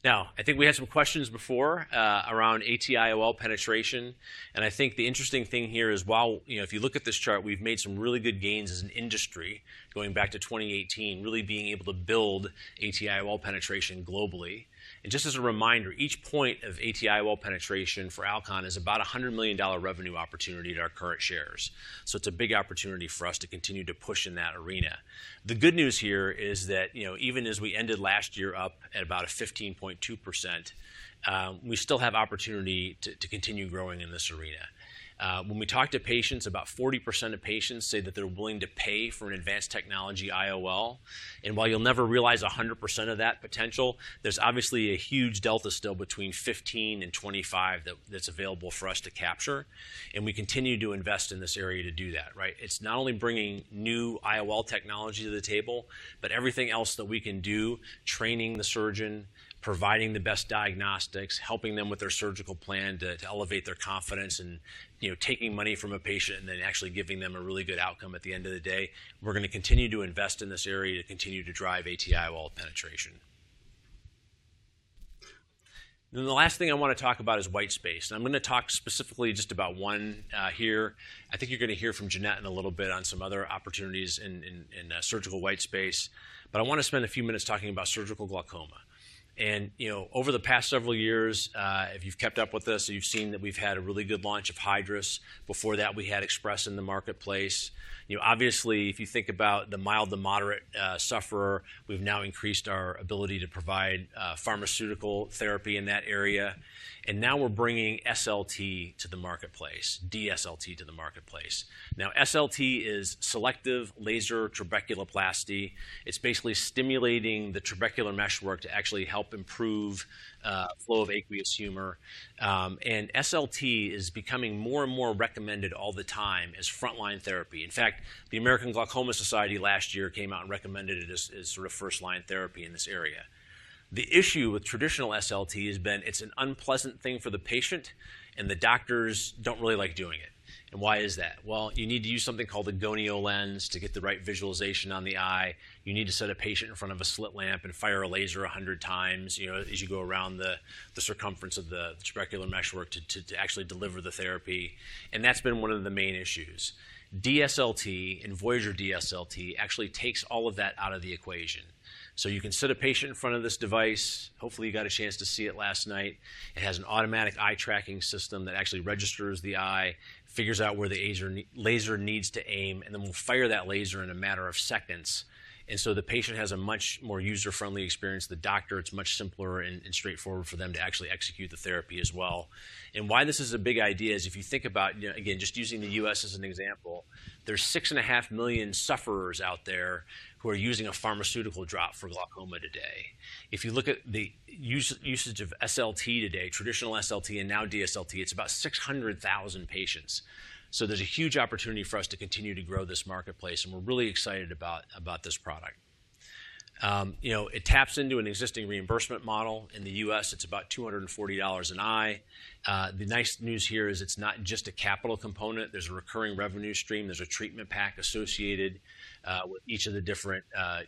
I think we had some questions before around ATIOL penetration. I think the interesting thing here is while, you know, if you look at this chart, we've made some really good gains as an industry going back to 2018, really being able to build ATIOL penetration globally. Just as a reminder, each point of ATIOL penetration for Alcon is about a $100 million revenue opportunity to our current shares. It's a big opportunity for us to continue to push in that arena. The good news here is that, you know, even as we ended last year up at about 15.2%, we still have opportunity to continue growing in this arena. When we talk to patients, about 40% of patients say that they're willing to pay for an advanced technology IOL. While you'll never realize 100% of that potential, there's obviously a huge delta still between 15% and 25% that's available for us to capture. We continue to invest in this area to do that, right? It's not only bringing new IOL technology to the table, but everything else that we can do, training the surgeon, providing the best diagnostics, helping them with their surgical plan to elevate their confidence and, you know, taking money from a patient and then actually giving them a really good outcome at the end of the day. We're going to continue to invest in this area to continue to drive ATIOL penetration. The last thing I want to talk about is white space. I'm going to talk specifically just about one here. I think you're going to hear from Jeannette in a little bit on some other opportunities in surgical white space. I want to spend a few minutes talking about surgical glaucoma. You know, over the past several years, if you've kept up with this, you've seen that we've had a really good launch of Hydrus. Before that, we had Opti-Free Express in the marketplace. You know, obviously, if you think about the mild to moderate sufferer, we've now increased our ability to provide pharmaceutical therapy in that area. Now we're bringing SLT to the marketplace, DSLT to the marketplace. SLT is Selective Laser Trabeculoplasty. It's basically stimulating the trabecular meshwork to actually help improve flow of aqueous humor. SLT is becoming more and more recommended all the time as frontline therapy. In fact, the American Glaucoma Society last year came out and recommended it as sort of first-line therapy in this area. The issue with traditional SLT has been it's an unpleasant thing for the patient, and the doctors don't really like doing it. Why is that? You need to use something called a gonio lens to get the right visualization on the eye. You need to set a patient in front of a slit lamp and fire a laser 100 times, you know, as you go around the circumference of the trabecular meshwork to actually deliver the therapy. That's been one of the main issues. DSLT and Voyager DSLT actually takes all of that out of the equation. You can sit a patient in front of this device. Hopefully, you got a chance to see it last night. It has an automatic eye tracking system that actually registers the eye, figures out where the laser needs to aim, and then will fire that laser in a matter of seconds. The patient has a much more user-friendly experience. The doctor, it's much simpler and straightforward for them to actually execute the therapy as well. Why this is a big idea is if you think about, you know, again, just using the U.S. as an example, there are 6.5 million sufferers out there who are using a pharmaceutical drop for glaucoma today. If you look at the usage of SLT today, traditional SLT and now DSLT, it's about 600,000 patients. There is a huge opportunity for us to continue to grow this marketplace, and we're really excited about this product. You know, it taps into an existing reimbursement model in the U.S. It's about $240 an eye. The nice news here is it's not just a capital component. There's a recurring revenue stream. There's a treatment pack associated with each of the different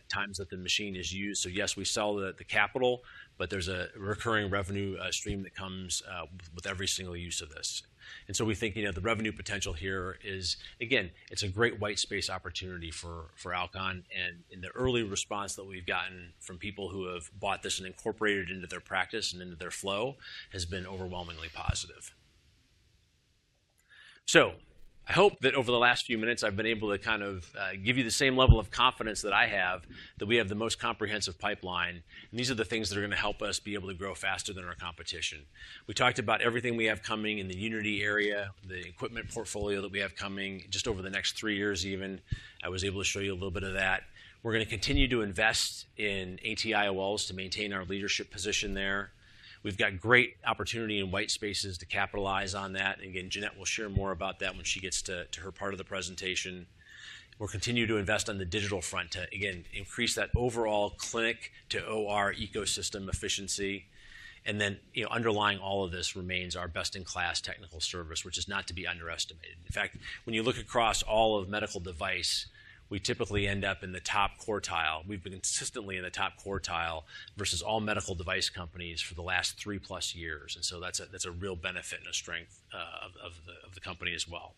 times that the machine is used. Yes, we sell the capital, but there's a recurring revenue stream that comes with every single use of this. We think, you know, the revenue potential here is, again, it's a great white space opportunity for Alcon. The early response that we've gotten from people who have bought this and incorporated it into their practice and into their flow has been overwhelmingly positive. I hope that over the last few minutes, I've been able to kind of give you the same level of confidence that I have that we have the most comprehensive pipeline. These are the things that are going to help us be able to grow faster than our competition. We talked about everything we have coming in the Unity area, the equipment portfolio that we have coming just over the next three years even. I was able to show you a little bit of that. We're going to continue to invest in ATIOLs to maintain our leadership position there. We've got great opportunity in white spaces to capitalize on that. Again, Jeanette will share more about that when she gets to her part of the presentation. We'll continue to invest on the digital front to, again, increase that overall clinic to OR ecosystem efficiency. You know, underlying all of this remains our best-in-class technical service, which is not to be underestimated. In fact, when you look across all of medical device, we typically end up in the top quartile. We have been consistently in the top quartile versus all medical device companies for the last three plus years. That is a real benefit and a strength of the company as well.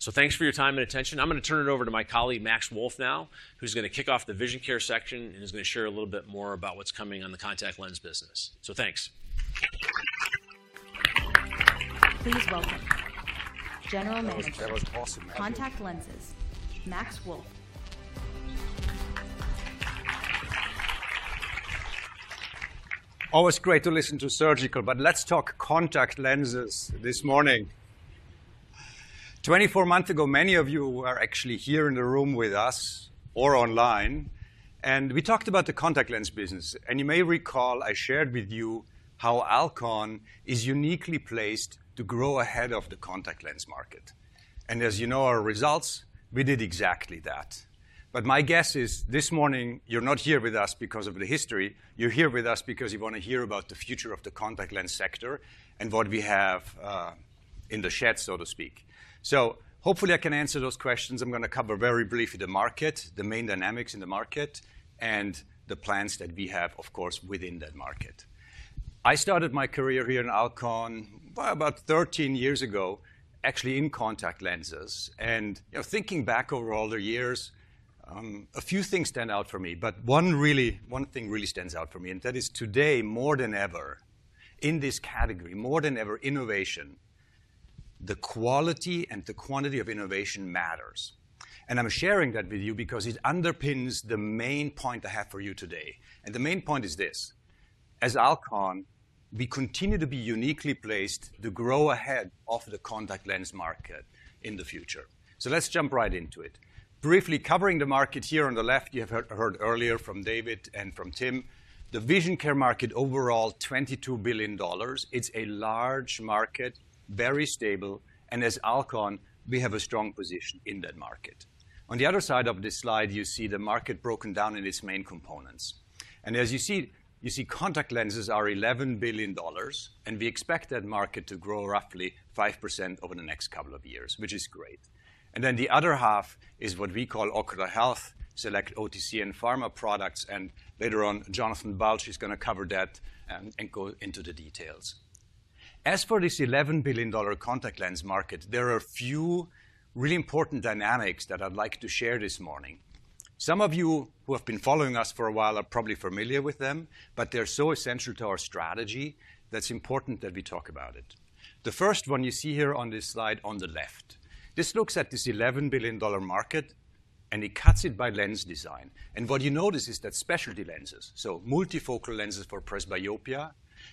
Thanks for your time and attention. I am going to turn it over to my colleague, Max Wolf now, who is going to kick off the vision care section and is going to share a little bit more about what is coming on the contact lens business. Thanks. Please welcome General Manager Contact Lenses, Max Wolf. Always great to listen to surgical, but let us talk contact lenses this morning. Twenty-four months ago, many of you were actually here in the room with us or online. We talked about the contact lens business. You may recall I shared with you how Alcon is uniquely placed to grow ahead of the contact lens market. As you know our results, we did exactly that. My guess is this morning, you're not here with us because of the history. You're here with us because you want to hear about the future of the contact lens sector and what we have in the shed, so to speak. Hopefully I can answer those questions. I'm going to cover very briefly the market, the main dynamics in the market, and the plans that we have, of course, within that market. I started my career here in Alcon about 13 years ago, actually in contact lenses. You know, thinking back over all the years, a few things stand out for me. One thing really stands out for me, and that is today, more than ever in this category, more than ever, innovation, the quality and the quantity of innovation matters. I'm sharing that with you because it underpins the main point I have for you today. The main point is this: as Alcon, we continue to be uniquely placed to grow ahead of the contact lens market in the future. Let's jump right into it. Briefly covering the market here on the left, you have heard earlier from David and from Tim, the vision care market overall, $22 billion. It's a large market, very stable. As Alcon, we have a strong position in that market. On the other side of this slide, you see the market broken down in its main components. As you see, you see contact lenses are $11 billion. We expect that market to grow roughly 5% over the next couple of years, which is great. The other half is what we call Ocular Health, select OTC and Pharma products. Later on, Jonathan Balch is going to cover that and go into the details. As for this $11 billion contact lens market, there are a few really important dynamics that I'd like to share this morning. Some of you who have been following us for a while are probably familiar with them, but they're so essential to our strategy that it's important that we talk about it. The first one you see here on this slide on the left, this looks at this $11 billion market, and it cuts it by lens design. What you notice is that specialty lenses, so multifocal lenses for presbyopia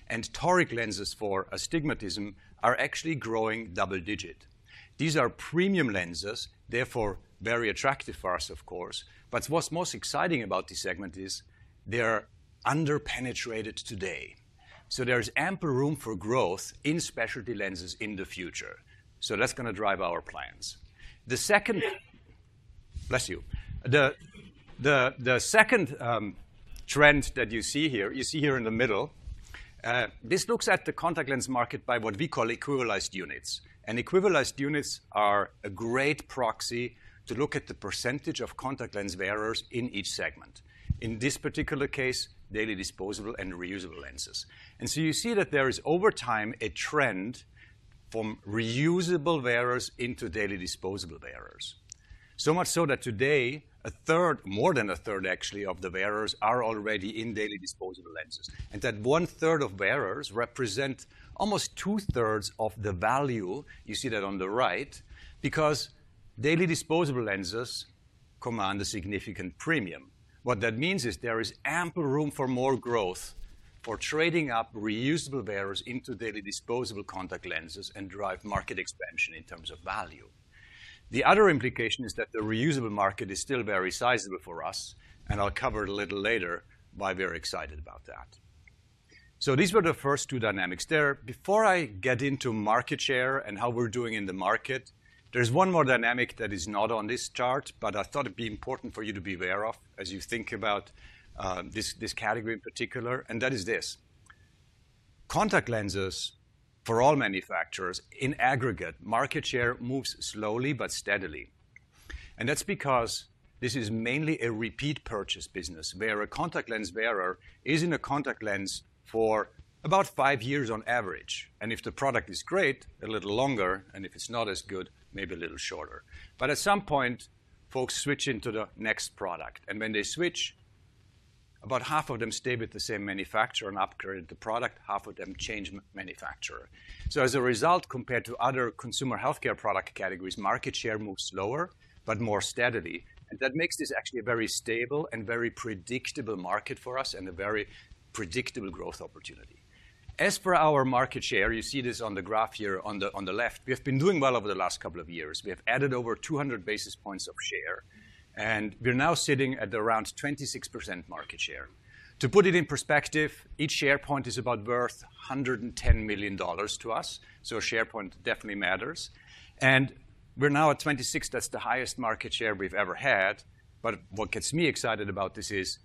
and toric lenses for astigmatism, are actually growing double digit. These are premium lenses, therefore very attractive for us, of course. What's most exciting about this segment is they're under-penetrated today. There's ample room for growth in specialty lenses in the future. That's going to drive our plans. The second, bless you, the second trend that you see here, you see here in the middle, this looks at the contact lens market by what we call equalized units. Equalized units are a great proxy to look at the percentage of contact lens wearers in each segment. In this particular case, daily disposable and reusable lenses. You see that there is over time a trend from reusable wearers into daily disposable wearers. Much so that today, a third, more than a third actually, of the wearers are already in daily disposable lenses. That one third of wearers represent almost two thirds of the value. You see that on the right because daily disposable lenses command a significant premium. What that means is there is ample room for more growth for trading up reusable wearers into daily disposable contact lenses and drive market expansion in terms of value. The other implication is that the reusable market is still very sizable for us, and I'll cover it a little later, why we're excited about that. These were the first two dynamics there. Before I get into market share and how we're doing in the market, there's one more dynamic that is not on this chart, but I thought it'd be important for you to be aware of as you think about this category in particular. That is this: contact lenses for all manufacturers in aggregate, market share moves slowly but steadily. That's because this is mainly a repeat purchase business where a contact lens wearer is in a contact lens for about five years on average. If the product is great, a little longer, and if it's not as good, maybe a little shorter. At some point, folks switch into the next product. When they switch, about half of them stay with the same manufacturer and upgrade the product. Half of them change manufacturer. As a result, compared to other consumer healthcare product categories, market share moves slower but more steadily. That makes this actually a very stable and very predictable market for us and a very predictable growth opportunity. As for our market share, you see this on the graph here on the left. We have been doing well over the last couple of years. We have added over 200 basis points of share, and we're now sitting at around 26% market share. To put it in perspective, each share point is about worth $110 million to us. A share point definitely matters. We're now at 26%. That's the highest market share we've ever had. What gets me excited about this is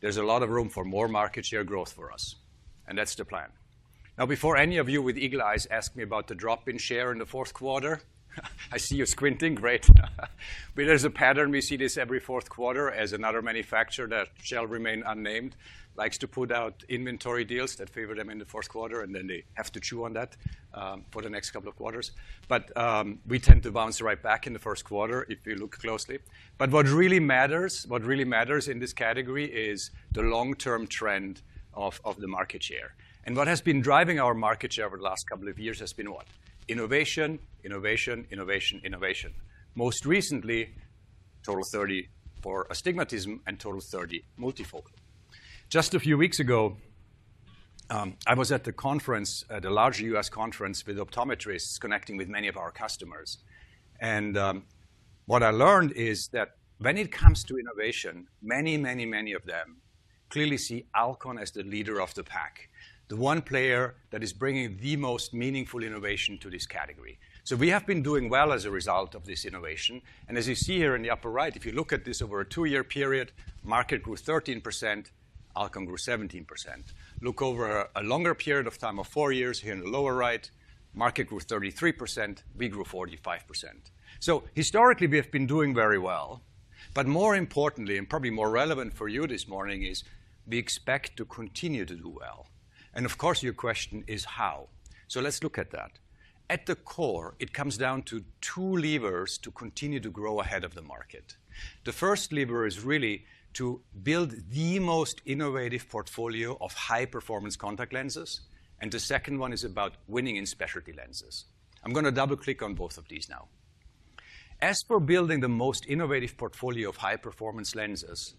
there's a lot of room for more market share growth for us. That's the plan. Now, before any of you with eagle eyes ask me about the drop in share in the fourth quarter, I see you squinting. Great. There is a pattern. We see this every fourth quarter as another manufacturer that shall remain unnamed likes to put out inventory deals that favor them in the fourth quarter. They have to chew on that for the next couple of quarters. We tend to bounce right back in the first quarter if we look closely. What really matters, what really matters in this category is the long-term trend of the market share. What has been driving our market share over the last couple of years has been what? Innovation, innovation, innovation, innovation. Most recently, Total30 for astigmatism and Total30 Multifocal. Just a few weeks ago, I was at the conference, the large U.S. conference with optometrists connecting with many of our customers. What I learned is that when it comes to innovation, many, many, many of them clearly see Alcon as the leader of the pack, the one player that is bringing the most meaningful innovation to this category. We have been doing well as a result of this innovation. As you see here in the upper right, if you look at this over a two-year period, market grew 13%. Alcon grew 17%. Look over a longer period of time of four years here in the lower right, market grew 33%. We grew 45%. Historically, we have been doing very well. More importantly, and probably more relevant for you this morning, is we expect to continue to do well. Of course, your question is how. Let's look at that. At the core, it comes down to two levers to continue to grow ahead of the market. The first lever is really to build the most innovative portfolio of high-performance contact lenses. The second one is about winning in specialty lenses. I'm going to double-click on both of these now. As for building the most innovative portfolio of high-performance lenses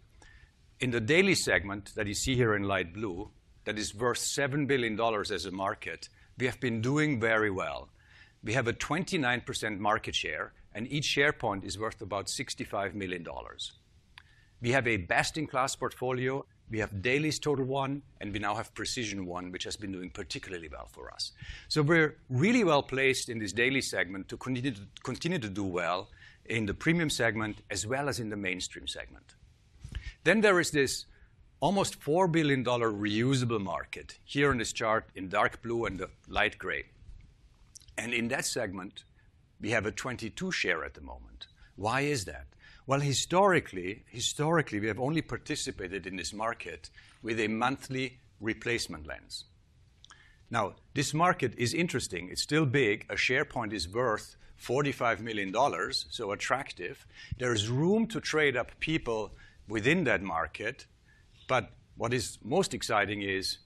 in the daily segment that you see here in light blue, that is worth $7 billion as a market, we have been doing very well. We have a 29% market share, and each share point is worth about $65 million. We have a best-in-class portfolio. We have Dailies TOTAL1, and we now have Precision1, which has been doing particularly well for us. We are really well placed in this daily segment to continue to do well in the premium segment as well as in the mainstream segment. There is this almost $4 billion reusable market here on this chart in dark blue and the light gray. In that segment, we have a 22% share at the moment. Why is that? Historically, we have only participated in this market with a monthly replacement lens. This market is interesting. It is still big. A share point is worth $45 million, so attractive. There is room to trade up people within that market. What is most exciting is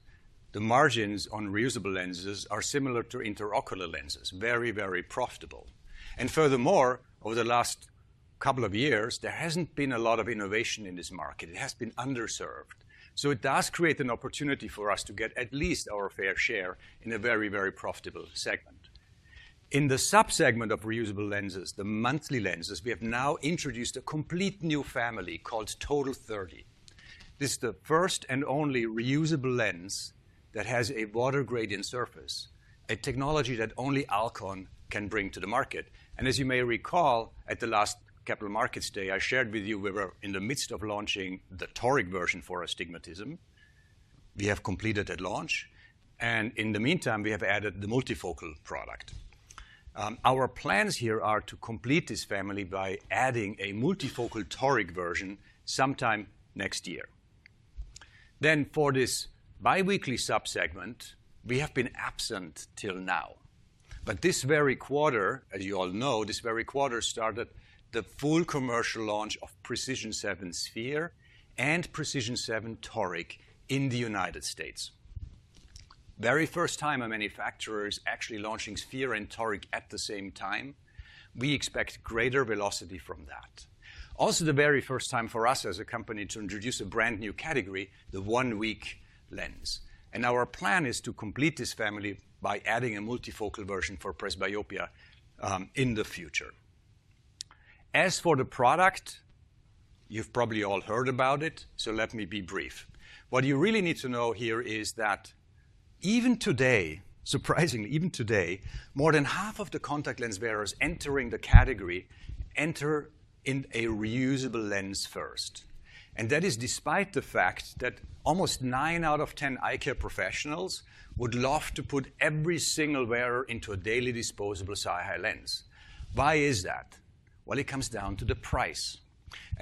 the margins on reusable lenses are similar to intraocular lenses, very, very profitable. Furthermore, over the last couple of years, there has not been a lot of innovation in this market. It has been underserved. It does create an opportunity for us to get at least our fair share in a very, very profitable segment. In the subsegment of reusable lenses, the monthly lenses, we have now introduced a complete new family called Total30. This is the first and only reusable lens that has a water gradient surface, a technology that only Alcon can bring to the market. As you may recall, at the last Capital Markets Day, I shared with you we were in the midst of launching the toric version for astigmatism. We have completed that launch. In the meantime, we have added the multifocal product. Our plans here are to complete this family by adding a multifocal toric version sometime next year. For this bi-weekly subsegment, we have been absent till now. This very quarter, as you all know, this very quarter started the full commercial launch of Precision7 Sphere and Precision7 Toric in the United States. Very first time a manufacturer is actually launching Sphere and Toric at the same time. We expect greater velocity from that. Also, the very first time for us as a company to introduce a brand new category, the one-week lens. Our plan is to complete this family by adding a multifocal version for presbyopia in the future. As for the product, you've probably all heard about it, so let me be brief. What you really need to know here is that even today, surprisingly, even today, more than half of the contact lens wearers entering the category enter in a reusable lens first. That is despite the fact that almost 9 out of 10 eyecare professionals would love to put every single wearer into a daily disposable SiHy lens. Why is that? It comes down to the price.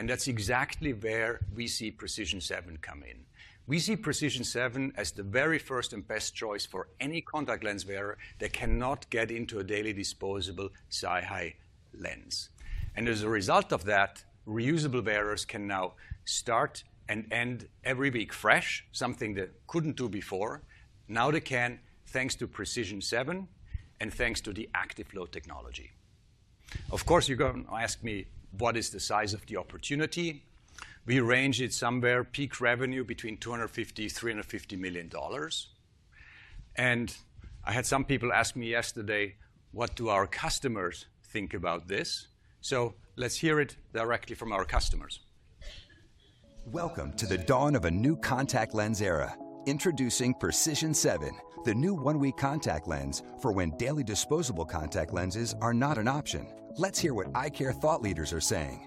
That's exactly where we see Precision 7 come in. We see Precision 7 as the very first and best choice for any contact lens wearer that cannot get into a daily disposable SiHy lens. As a result of that, reusable wearers can now start and end every week fresh, something they could not do before. Now they can, thanks to Precision 7 and thanks to the ACTIV-FLO technology. Of course, you are going to ask me, what is the size of the opportunity? We range it somewhere peak revenue between $250 million-$350 million. I had some people ask me yesterday, what do our customers think about this? Let's hear it directly from our customers. Welcome to the dawn of a new contact lens era. Introducing Precision7, the new one-week contact lens for when daily disposable contact lenses are not an option. Let's hear what eyecare thought leaders are saying.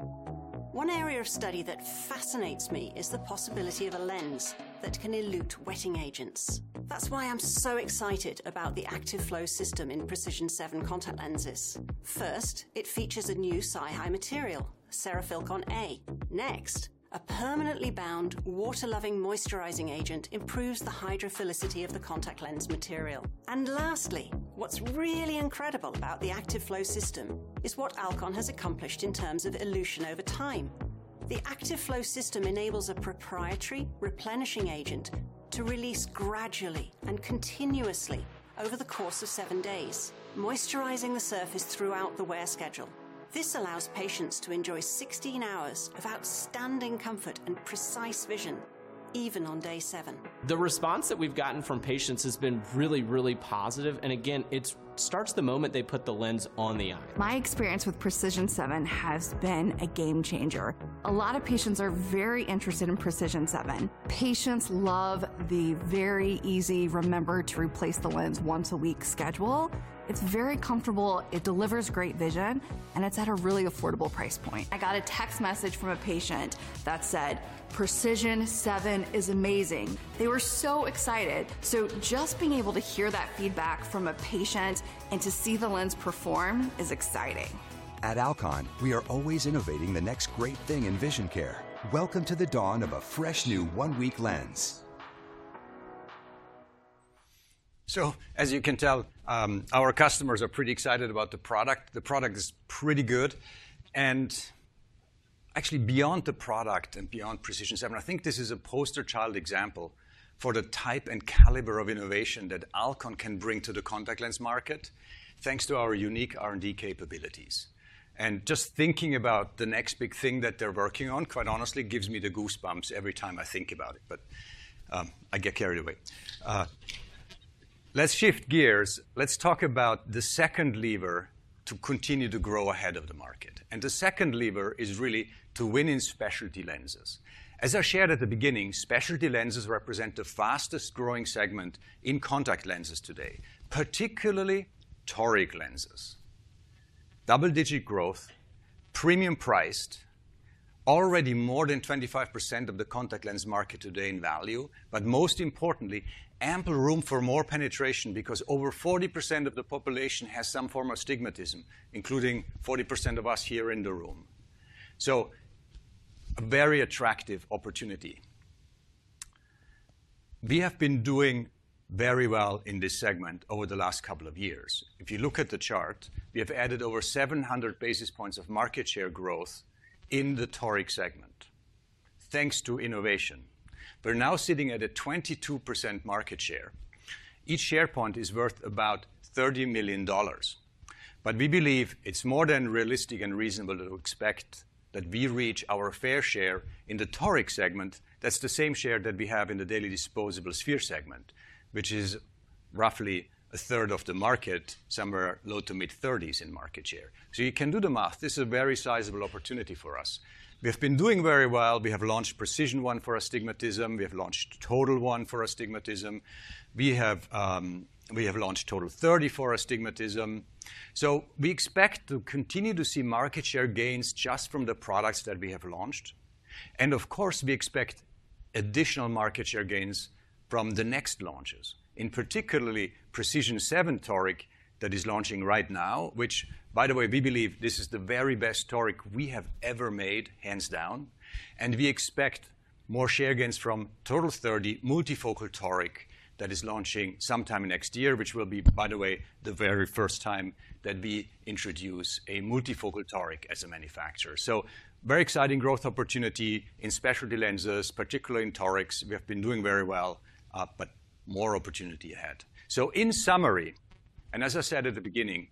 One area of study that fascinates me is the possibility of a lens that can elute wetting agents. That's why I'm so excited about the ACTIV-FLO system in Precision7 contact lenses. First, it features a new SiHy material, senofilcon A. Next, a permanently bound water-loving moisturizing agent improves the hydrophilicity of the contact lens material. Lastly, what's really incredible about the ACTIV-FLO system is what Alcon has accomplished in terms of elution over time. The ACTIV-FLO system enables a proprietary replenishing agent to release gradually and continuously over the course of seven days, moisturizing the surface throughout the wear schedule. This allows patients to enjoy 16 hours of outstanding comfort and precise vision, even on day seven. The response that we've gotten from patients has been really, really positive. It starts the moment they put the lens on the eye. My experience with Precision7 has been a game changer. A lot of patients are very interested in Precision7. Patients love the very easy remember to replace the lens once a week schedule. It's very comfortable. It delivers great vision, and it's at a really affordable price point. I got a text message from a patient that said, "Precision7 is amazing." They were so excited. Just being able to hear that feedback from a patient and to see the lens perform is exciting. At Alcon, we are always innovating the next great thing in vision care. Welcome to the dawn of a fresh new one-week lens. As you can tell, our customers are pretty excited about the product. The product is pretty good. Actually, beyond the product and beyond Precision7, I think this is a poster child example for the type and caliber of innovation that Alcon can bring to the contact lens market, thanks to our unique R&D capabilities. Just thinking about the next big thing that they're working on, quite honestly, gives me the goosebumps every time I think about it, but I get carried away. Let's shift gears. Let's talk about the second lever to continue to grow ahead of the market. The second lever is really to win in specialty lenses. As I shared at the beginning, specialty lenses represent the fastest growing segment in contact lenses today, particularly toric lenses. Double-digit growth, premium priced, already more than 25% of the contact lens market today in value, but most importantly, ample room for more penetration because over 40% of the population has some form of astigmatism, including 40% of us here in the room. A very attractive opportunity. We have been doing very well in this segment over the last couple of years. If you look at the chart, we have added over 700 basis points of market share growth in the toric segment, thanks to innovation. We're now sitting at a 22% market share. Each share point is worth about $30 million. We believe it's more than realistic and reasonable to expect that we reach our fair share in the toric segment. That's the same share that we have in the daily disposable sphere segment, which is roughly a third of the market, somewhere low to mid-30% in market share. You can do the math. This is a very sizable opportunity for us. We have been doing very well. We have launched Precision1 for astigmatism. We have launched TOTAL1 for astigmatism. We have launched TOTAL30 for astigmatism. We expect to continue to see market share gains just from the products that we have launched. Of course, we expect additional market share gains from the next launches, in particularly Precision7 Toric that is launching right now, which, by the way, we believe this is the very best toric we have ever made, hands down. We expect more share gains from TOTAL30 Multifocal oric that is launching sometime next year, which will be, by the way, the very first time that we introduce a multifocal toric as a manufacturer. This is a very exciting growth opportunity in specialty lenses, particularly in torics. We have been doing very well, but more opportunity lies ahead. In summary, as I said at the beginning,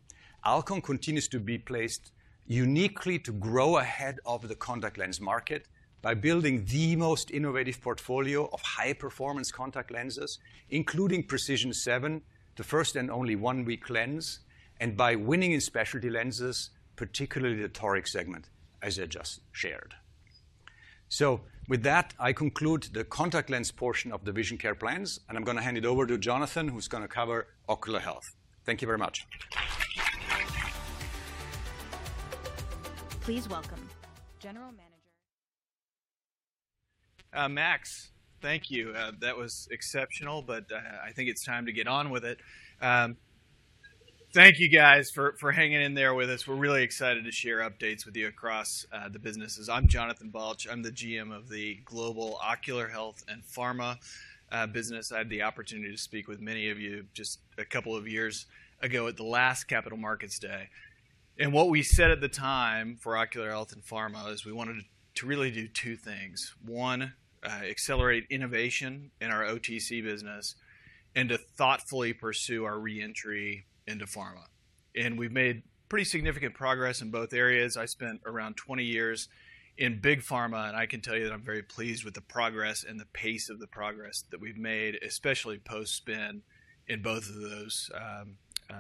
Alcon continues to be placed uniquely to grow ahead of the contact lens market by building the most innovative portfolio of high-performance contact lenses, including Precision7, the first and only one-week lens, and by winning in specialty lenses, particularly the toric segment, as I just shared. With that, I conclude the contact lens portion of the vision care plans, and I am going to hand it over to Jonathan, who is going to cover ocular health. Thank you very much. Please welcome General Manager Jonathan Balch. Max. Thank you. That was exceptional, but I think it's time to get on with it. Thank you, guys, for hanging in there with us. We're really excited to share updates with you across the businesses. I'm Jonathan Balch. I'm the GM of the global ocular health and pharma business. I had the opportunity to speak with many of you just a couple of years ago at the last Capital Markets Day. What we said at the time for ocular health and pharma is we wanted to really do two things. One, accelerate innovation in our OTC business and to thoughtfully pursue our reentry into pharma. We've made pretty significant progress in both areas. I spent around 20 years in big pharma, and I can tell you that I'm very pleased with the progress and the pace of the progress that we've made, especially post-spin in both of those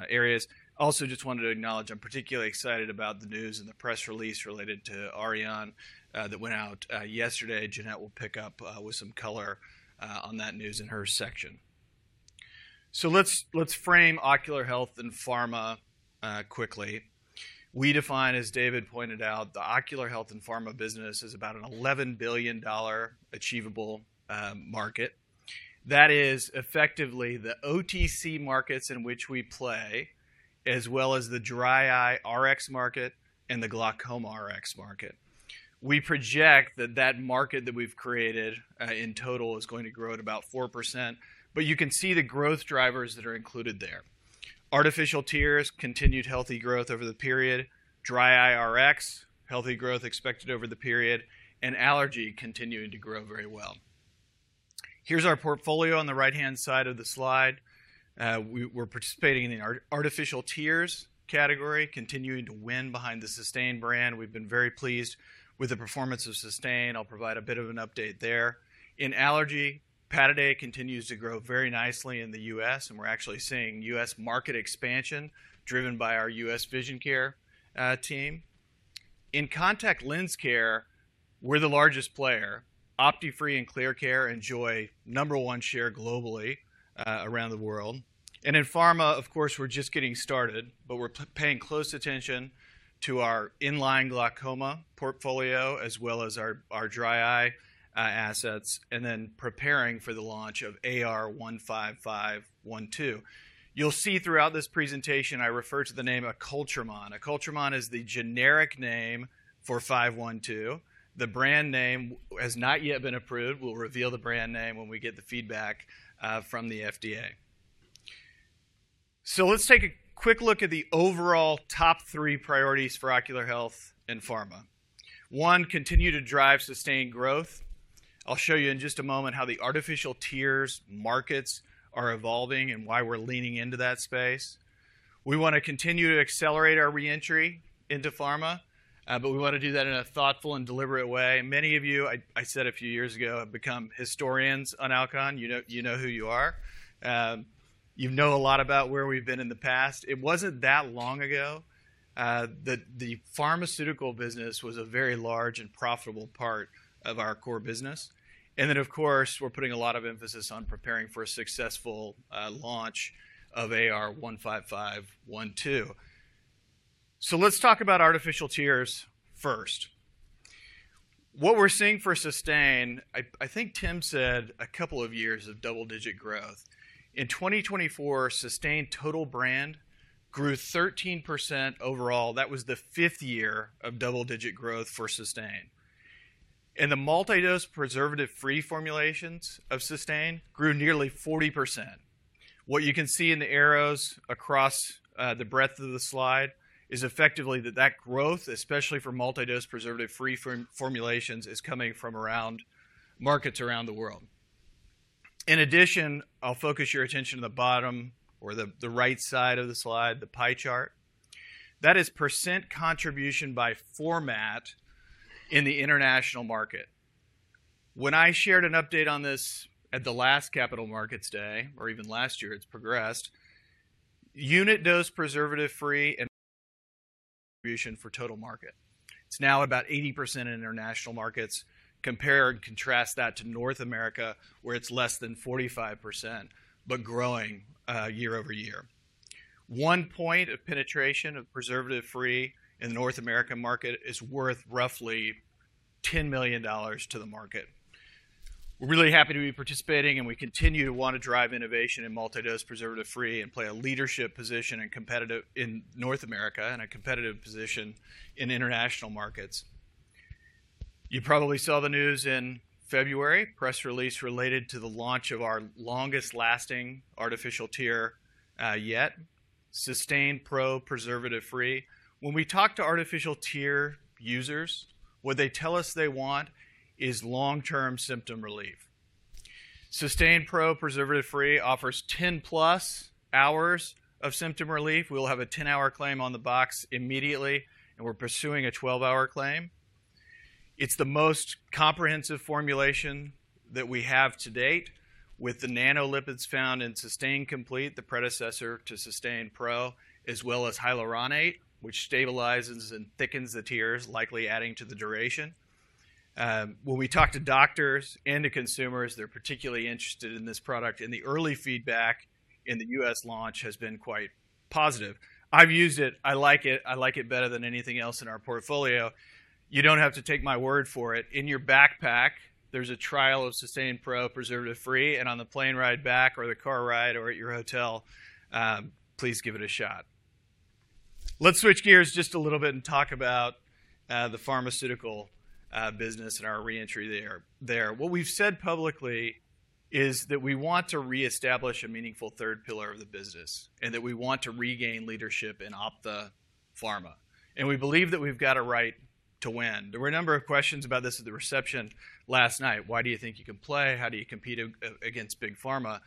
areas. Also, just wanted to acknowledge I'm particularly excited about the news and the press release related to Arion that went out yesterday. Jeanette will pick up with some color on that news in her section. Let's frame ocular health and pharma quickly. We define, as David pointed out, the ocular health and pharma business as about an $11 billion achievable market. That is effectively the OTC markets in which we play, as well as the dry eye Rx market and the glaucoma Rx market. We project that that market that we've created in total is going to grow at about 4%. You can see the growth drivers that are included there. Artificial tears, continued healthy growth over the period, dry eye Rx, healthy growth expected over the period, and allergy continuing to grow very well. Here is our portfolio on the right-hand side of the slide. We are participating in the artificial tears category, continuing to win behind the Systane brand. We have been very pleased with the performance of Systane. I will provide a bit of an update there. In allergy, Pataday continues to grow very nicely in the U.S., and we are actually seeing U.S. market expansion driven by our U.S. vision care team. In contact lens care, we are the largest player. Opti-Free and ClearCare enjoy number one share globally around the world. In pharma, of course, we are just getting started, but we are paying close attention to our inline glaucoma portfolio, as well as our dry eye assets, and then preparing for the launch of AR-15512. You'll see throughout this presentation, I refer to the name Acoltremon. Acoltremon is the generic name for 512. The brand name has not yet been approved. We'll reveal the brand name when we get the feedback from the FDA. Let's take a quick look at the overall top three priorities for ocular health and pharma. One, continue to drive sustained growth. I'll show you in just a moment how the artificial tears markets are evolving and why we're leaning into that space. We want to continue to accelerate our reentry into pharma, but we want to do that in a thoughtful and deliberate way. Many of you, I said a few years ago, have become historians on Alcon. You know who you are. You know a lot about where we've been in the past. It wasn't that long ago that the pharmaceutical business was a very large and profitable part of our core business. Of course, we're putting a lot of emphasis on preparing for a successful launch of AR-15512. Let's talk about artificial tears first. What we're seeing for Systane, I think Tim said a couple of years of double-digit growth. In 2024, Systane TOTAL brand grew 13% overall. That was the fifth year of double-digit growth for Systane. The multidose preservative-free formulations of Systane grew nearly 40%. What you can see in the arrows across the breadth of the slide is effectively that growth, especially for multidose preservative-free formulations, is coming from markets around the world. In addition, I'll focus your attention to the bottom or the right side of the slide, the pie chart. That is percent contribution by format in the international market. When I shared an update on this at the last Capital Markets Day, or even last year, it's progressed. Unit dose preservative-free and contribution for total market. It's now about 80% in international markets. Compare and contrast that to North America, where it's less than 45%, but growing year over year. One point of penetration of preservative-free in the North American market is worth roughly $10 million to the market. We're really happy to be participating, and we continue to want to drive innovation in multidose preservative-free and play a leadership position in North America and a competitive position in international markets. You probably saw the news in February, press release related to the launch of our longest-lasting artificial tear yet, Systane Pro Preservative-Free. When we talk to artificial tear users, what they tell us they want is long-term symptom relief. Systane Pro Preservative-Free offers 10+ hours of symptom relief. We'll have a 10-hour claim on the box immediately, and we're pursuing a 12-hour claim. It's the most comprehensive formulation that we have to date, with the nanolipids found in Systane Complete, the predecessor to Systane Pro, as well as hyaluronate, which stabilizes and thickens the tears, likely adding to the duration. When we talk to doctors and to consumers, they're particularly interested in this product, and the early feedback in the U.S. launch has been quite positive. I've used it. I like it. I like it better than anything else in our portfolio. You don't have to take my word for it. In your backpack, there's a trial of Systane Pro Preservative-Free, and on the plane ride back or the car ride or at your hotel, please give it a shot. Let's switch gears just a little bit and talk about the pharmaceutical business and our reentry there. What we've said publicly is that we want to reestablish a meaningful third pillar of the business and that we want to regain leadership in OphthPharma. We believe that we've got a right to win. There were a number of questions about this at the reception last night. Why do you think you can play? How do you compete against big pharma?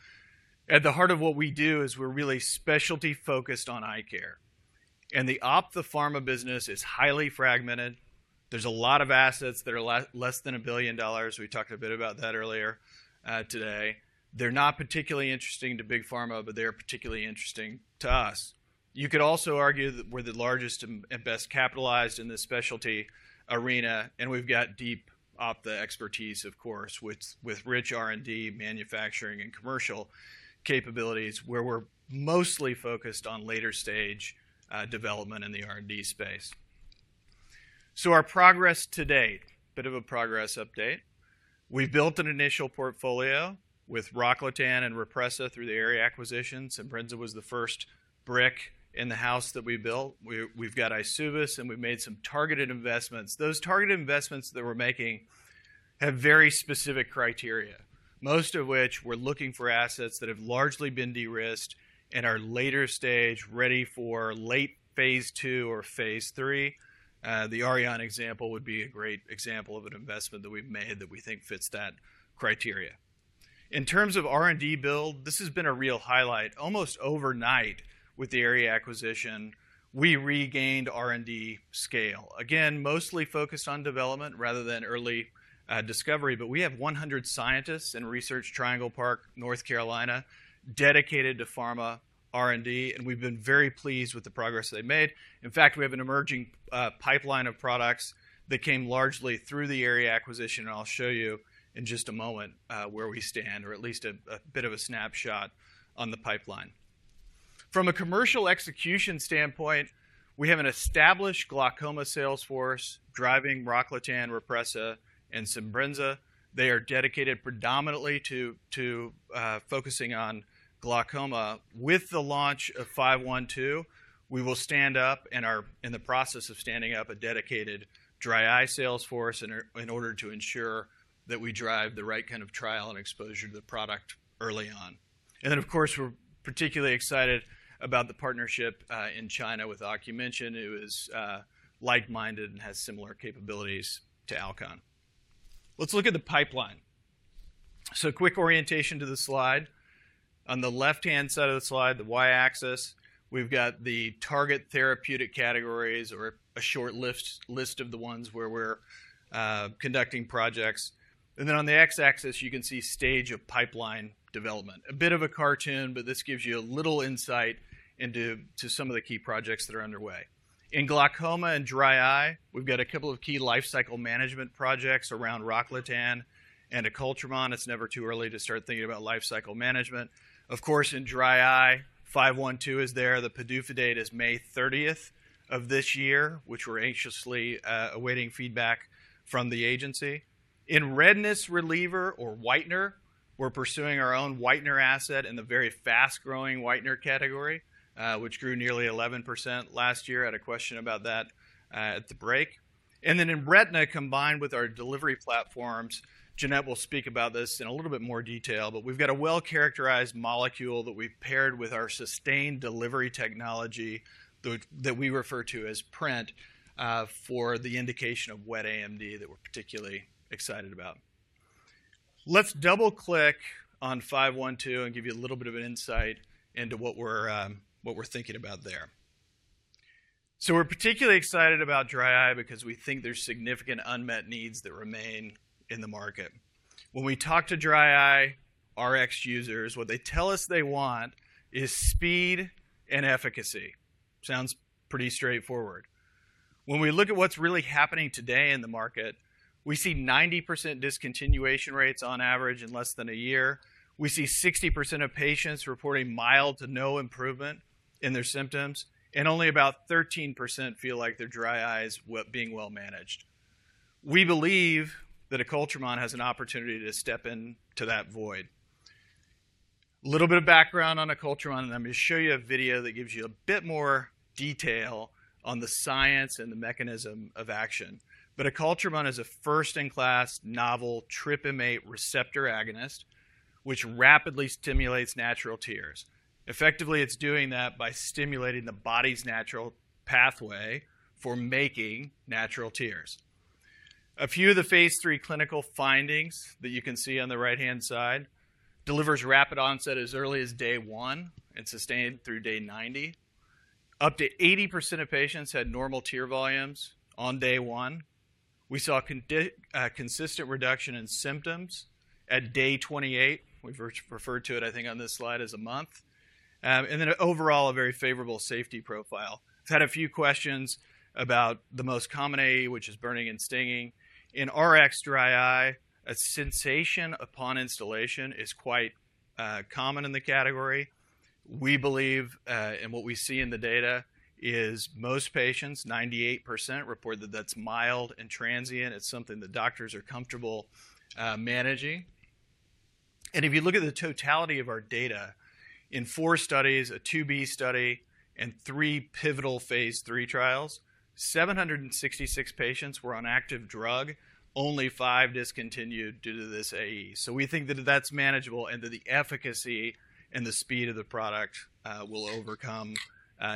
At the heart of what we do is we're really specialty-focused on eye care. The OphthPharma business is highly fragmented. There's a lot of assets that are less than $1 billion. We talked a bit about that earlier today. They're not particularly interesting to big pharma, but they are particularly interesting to us. You could also argue that we're the largest and best capitalized in the specialty arena, and we've got deep Ophth expertise, of course, with rich R&D, manufacturing, and commercial capabilities, where we're mostly focused on later-stage development in the R&D space. Our progress to date, a bit of a progress update. We built an initial portfolio with Rocklatan and Rhopressa through the Aerie acquisitions. Simbrinza was the first brick in the house that we built. We've got Isovue, and we've made some targeted investments. Those targeted investments that we're making have very specific criteria, most of which we're looking for assets that have largely been de-risked and are later-stage ready for late phase two or phase three. The Aurion Biotech example would be a great example of an investment that we've made that we think fits that criteria. In terms of R&D build, this has been a real highlight. Almost overnight, with the Aerie acquisition, we regained R&D scale. Again, mostly focused on development rather than early discovery, but we have 100 scientists in Research Triangle Park, North Carolina, dedicated to pharma R&D, and we've been very pleased with the progress they made. In fact, we have an emerging pipeline of products that came largely through the Aerie acquisition, and I'll show you in just a moment where we stand, or at least a bit of a snapshot on the pipeline. From a commercial execution standpoint, we have an established glaucoma sales force driving Rocklatan, Rhopressa, and Simbrinza. They are dedicated predominantly to focusing on glaucoma. With the launch of 512, we will stand up and are in the process of standing up a dedicated dry eye sales force in order to ensure that we drive the right kind of trial and exposure to the product early on. Of course, we're particularly excited about the partnership in China with OcuMension, who is like-minded and has similar capabilities to Alcon. Let's look at the pipeline. Quick orientation to the slide. On the left-hand side of the slide, the y-axis, we've got the target therapeutic categories or a short list of the ones where we're conducting projects. On the x-axis, you can see stage of pipeline development. A bit of a cartoon, but this gives you a little insight into some of the key projects that are underway. In glaucoma and dry eye, we've got a couple of key life cycle management projects around Rocklatan and Acoltremon. It's never too early to start thinking about life cycle management. In dry eye, 512 is there. The PDUFA date is May 30th of this year, which we're anxiously awaiting feedback from the agency. In redness reliever or whitener, we're pursuing our own whitener asset in the very fast-growing whitener category, which grew nearly 11% last year. I had a question about that at the break. In retina, combined with our delivery platforms, Jeanette will speak about this in a little bit more detail, but we've got a well-characterized molecule that we've paired with our Systane delivery technology that we refer to as Print for the indication of wet AMD that we're particularly excited about. Let's double-click on 512 and give you a little bit of an insight into what we're thinking about there. We're particularly excited about dry eye because we think there's significant unmet needs that remain in the market. When we talk to dry eye Rx users, what they tell us they want is speed and efficacy. Sounds pretty straightforward. When we look at what's really happening today in the market, we see 90% discontinuation rates on average in less than a year. We see 60% of patients reporting mild to no improvement in their symptoms, and only about 13% feel like their dry eye is being well-managed. We believe that Acoltremon has an opportunity to step into that void. A little bit of background on Acoltremon, and I'm going to show you a video that gives you a bit more detail on the science and the mechanism of action. Acoltremon is a first-in-class novel TRPM8 receptor agonist, which rapidly stimulates natural tears. Effectively, it's doing that by stimulating the body's natural pathway for making natural tears. A few of the phase three clinical findings that you can see on the right-hand side deliver rapid onset as early as day one and sustained through day 90. Up to 80% of patients had normal tear volumes on day one. We saw consistent reduction in symptoms at day 28. We've referred to it, I think, on this slide as a month. Overall, a very favorable safety profile. I've had a few questions about the most common AE, which is burning and stinging. In Rx dry eye, a sensation upon installation is quite common in the category. We believe, and what we see in the data is most patients, 98%, report that that's mild and transient. It's something that doctors are comfortable managing. If you look at the totality of our data, in four studies, a 2B study, and three pivotal phase three trials, 766 patients were on active drug, only five discontinued due to this AE. We think that that's manageable and that the efficacy and the speed of the product will overcome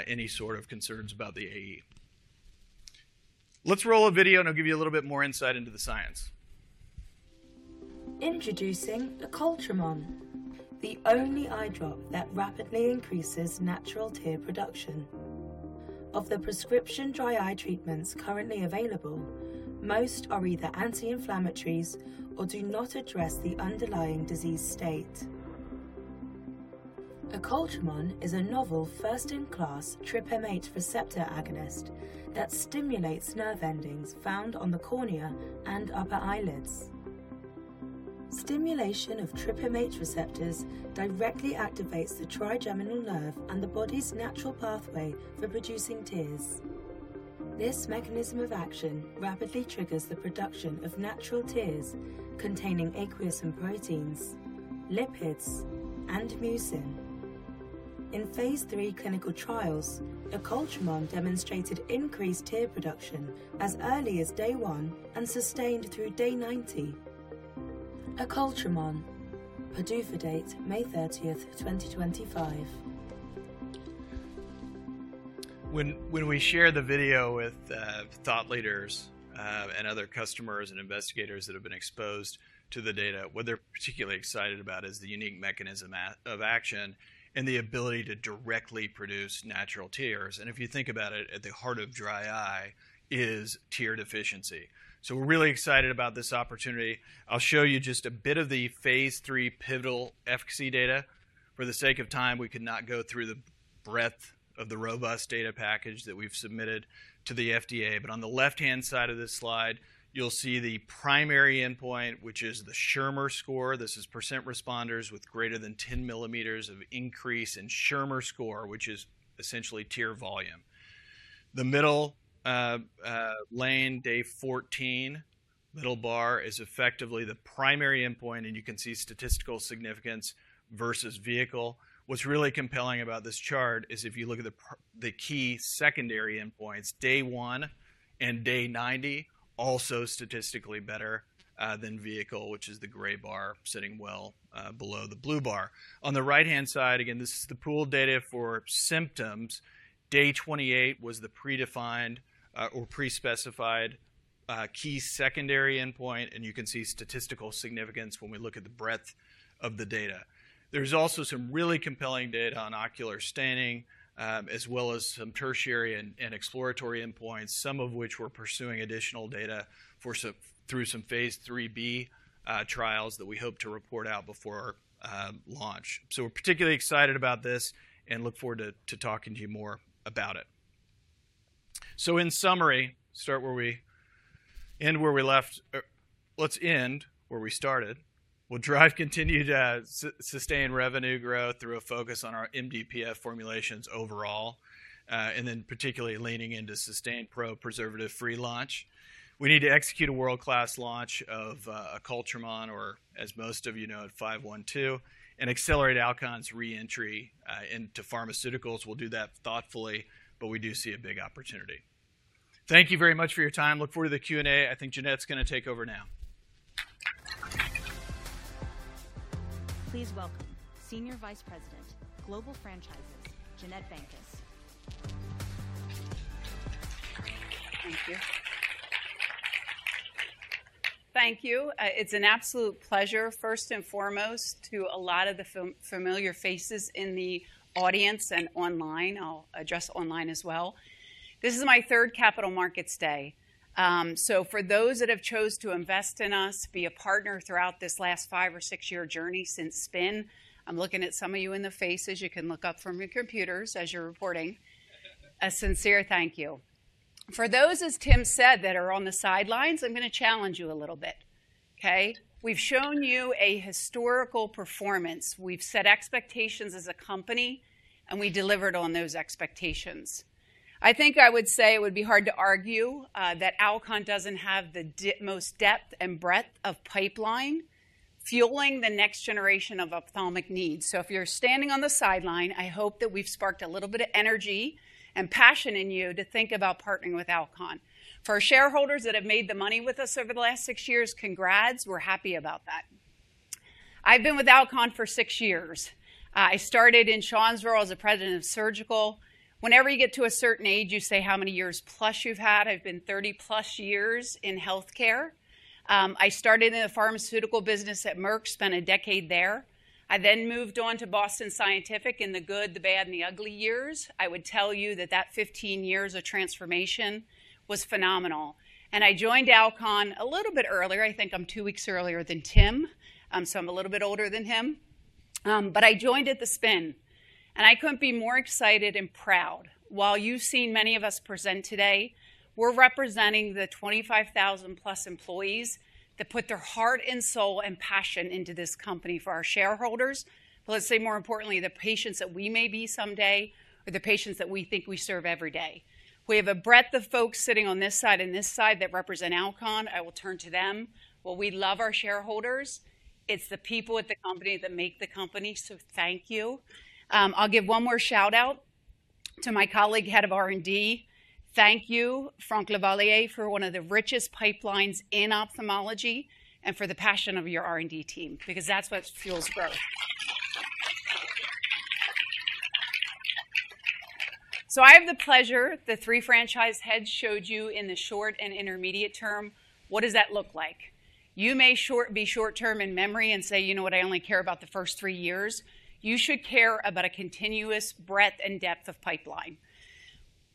any sort of concerns about the AE. Let's roll a video, and I'll give you a little bit more insight into the science. Introducing Acoltremon, the only eye drop that rapidly increases natural tear production. Of the prescription dry eye treatments currently available, most are either anti-inflammatories or do not address the underlying disease state. Acoltremon is a novel first-in-class TRPM8 receptor agonist that stimulates nerve endings found on the cornea and upper eyelids. Stimulation of TRPM8 receptors directly activates the trigeminal nerve and the body's natural pathway for producing tears. This mechanism of action rapidly triggers the production of natural tears containing aqueous proteins, lipids, and mucin. In phase three clinical trials, Acoltremon demonstrated increased tear production as early as day one and sustained through day 90. Acultramon, PDUFA date, May 30, 2025. When we share the video with thought leaders and other customers and investigators that have been exposed to the data, what they're particularly excited about is the unique mechanism of action and the ability to directly produce natural tears. If you think about it, at the heart of dry eye is tear deficiency. We are really excited about this opportunity. I'll show you just a bit of the phase three pivotal efficacy data. For the sake of time, we could not go through the breadth of the robust data package that we've submitted to the FDA. On the left-hand side of this slide, you'll see the primary endpoint, which is the Schirmer score. This is % responders with greater than 10 millimeters of increase in Schirmer score, which is essentially tear volume. The middle lane, day 14, middle bar is effectively the primary endpoint, and you can see statistical significance versus vehicle. What's really compelling about this chart is if you look at the key secondary endpoints, day one and day 90, also statistically better than vehicle, which is the gray bar sitting well below the blue bar. On the right-hand side, again, this is the pooled data for symptoms. Day 28 was the predefined or pre-specified key secondary endpoint, and you can see statistical significance when we look at the breadth of the data. There's also some really compelling data on ocular staining as well as some tertiary and exploratory endpoints, some of which we're pursuing additional data through some phase 3B trials that we hope to report out before launch. We are particularly excited about this and look forward to talking to you more about it. In summary, start where we end where we left. Let's end where we started. We'll drive continued sustained revenue growth through a focus on our MDPF formulations overall, and then particularly leaning into Systane Pro Preservative-Free launch. We need to execute a world-class launch of Acoltremon, or as most of you know, AR-15512, and accelerate Alcon's reentry into pharmaceuticals. We'll do that thoughtfully, but we do see a big opportunity. Thank you very much for your time. Look forward to the Q&A. I think Jeannette Bankes is going to take over now. Please welcome Senior Vice President, Global Franchises, Jeannette Bankes. Thank you. Thank you. It's an absolute pleasure, first and foremost, to a lot of the familiar faces in the audience and online. I'll address online as well. This is my third Capital Markets Day. For those that have chosen to invest in us, be a partner throughout this last five or six-year journey since SPIN, I'm looking at some of you in the faces. You can look up from your computers as you're reporting. A sincere thank you. For those, as Tim said, that are on the sidelines, I'm going to challenge you a little bit. Okay? We've shown you a historical performance. We've set expectations as a company, and we delivered on those expectations. I think I would say it would be hard to argue that Alcon doesn't have the most depth and breadth of pipeline fueling the next generation of ophthalmic needs. If you're standing on the sideline, I hope that we've sparked a little bit of energy and passion in you to think about partnering with Alcon. For our shareholders that have made the money with us over the last six years, congrats. We're happy about that. I've been with Alcon for six years. I started in Shawnsville. I was the President of Surgical. Whenever you get to a certain age, you say how many years plus you've had. I've been 30+ years in healthcare. I started in the pharmaceutical business at Merck, spent a decade there. I then moved on to Boston Scientific in the good, the bad, and the ugly years. I would tell you that that 15 years of transformation was phenomenal. I joined Alcon a little bit earlier. I think I'm two weeks earlier than Tim, so I'm a little bit older than him. I joined at the SPIN, and I couldn't be more excited and proud. While you've seen many of us present today, we're representing the 25,000+ employees that put their heart and soul and passion into this company for our shareholders. Let's say, more importantly, the patients that we may be someday or the patients that we think we serve every day. We have a breadth of folks sitting on this side and this side that represent Alcon. I will turn to them. We love our shareholders. It's the people at the company that make the company. Thank you. I'll give one more shout-out to my colleague, Head of R&D. Thank you, Franck Leveiller, for one of the richest pipelines in ophthalmology and for the passion of your R&D team, because that's what fuels growth. I have the pleasure the three franchise heads showed you in the short and intermediate term. What does that look like? You may be short-term in memory and say, "You know what? I only care about the first three years." You should care about a continuous breadth and depth of pipeline.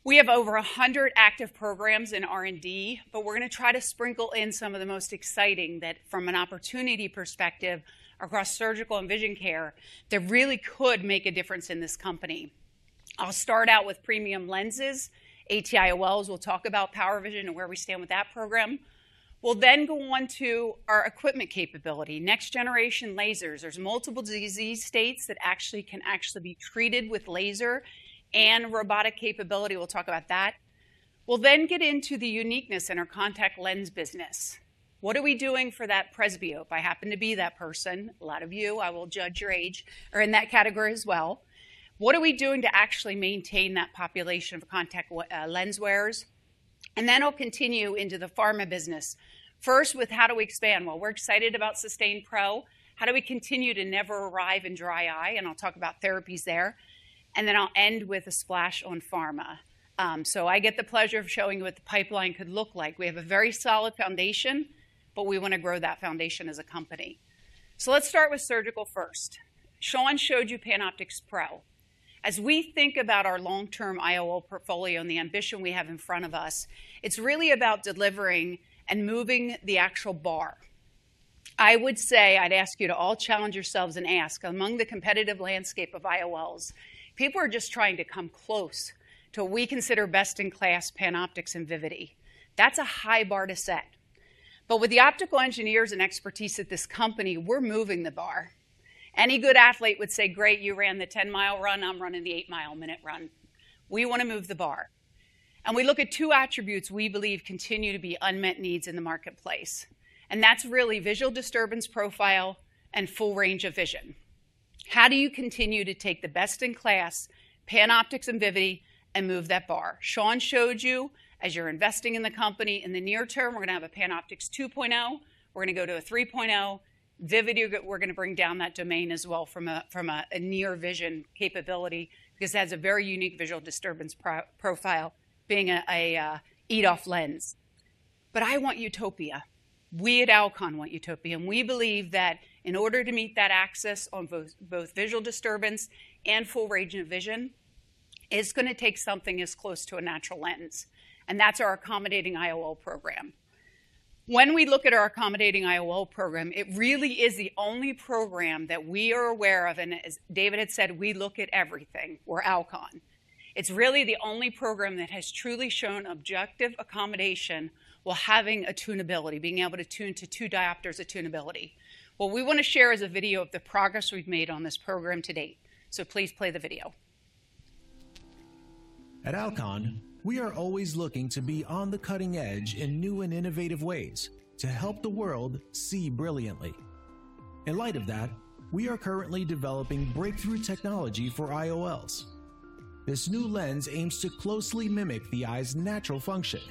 We have over 100 active programs in R&D, but we're going to try to sprinkle in some of the most exciting that, from an opportunity perspective across surgical and vision care, that really could make a difference in this company. I'll start out with premium lenses, ATIOLs. We'll talk about PowerVision and where we stand with that program. We'll then go on to our equipment capability, next-generation lasers. There's multiple disease states that actually can actually be treated with laser and robotic capability. We'll talk about that. We'll then get into the uniqueness in our contact lens business. What are we doing for that presbyo? If I happen to be that person, a lot of you, I will judge your age, are in that category as well. What are we doing to actually maintain that population of contact lens wearers? I will continue into the pharma business, first with how do we expand? We are excited about Systane Pro. How do we continue to never arrive in dry eye? I will talk about therapies there. I will end with a splash on pharma. I get the pleasure of showing you what the pipeline could look like. We have a very solid foundation, but we want to grow that foundation as a company. Let's start with surgical first. Sean showed you PanOptix Pro. As we think about our long-term IOL portfolio and the ambition we have in front of us, it's really about delivering and moving the actual bar. I would say I'd ask you to all challenge yourselves and ask, among the competitive landscape of IOLs, people are just trying to come close to what we consider best-in-class PanOptix and Vivity. That's a high bar to set. With the optical engineers and expertise at this company, we're moving the bar. Any good athlete would say, "Great, you ran the 10mi run. I'm running the 8mi/min run." We want to move the bar. We look at two attributes we believe continue to be unmet needs in the marketplace. That's really visual disturbance profile and full range of vision. How do you continue to take the best-in-class PanOptix and Vivity and move that bar? Sean showed you, as you're investing in the company, in the near term, we're going to have a PanOptix 2.0. We're going to go to a 3.0. Vivity, we're going to bring down that domain as well from a near vision capability because it has a very unique visual disturbance profile being an EDOF lens. I want Utopia. We at Alcon want Utopia. We believe that in order to meet that access on both visual disturbance and full range of vision, it is going to take something as close to a natural lens. That is our accommodating IOL program. When we look at our accommodating IOL program, it really is the only program that we are aware of. As David had said, we look at everything. We're Alcon. It is really the only program that has truly shown objective accommodation while having attunability, being able to tune to 2 diopters attunability. What we want to share is a video of the progress we have made on this program to date. Please play the video. At Alcon, we are always looking to be on the cutting edge in new and innovative ways to help the world see brilliantly. In light of that, we are currently developing breakthrough technology for IOLs. This new lens aims to closely mimic the eye's natural function.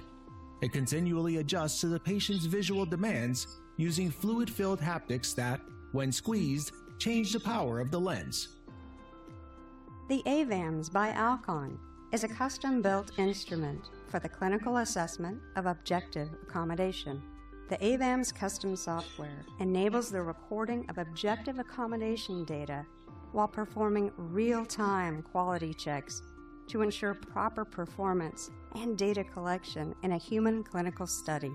It continually adjusts to the patient's visual demands using fluid-filled haptics that, when squeezed, change the power of the lens. The AVAMS by Alcon is a custom-built instrument for the clinical assessment of objective accommodation. The AVAMS custom software enables the recording of objective accommodation data while performing real-time quality checks to ensure proper performance and data collection in a human clinical study.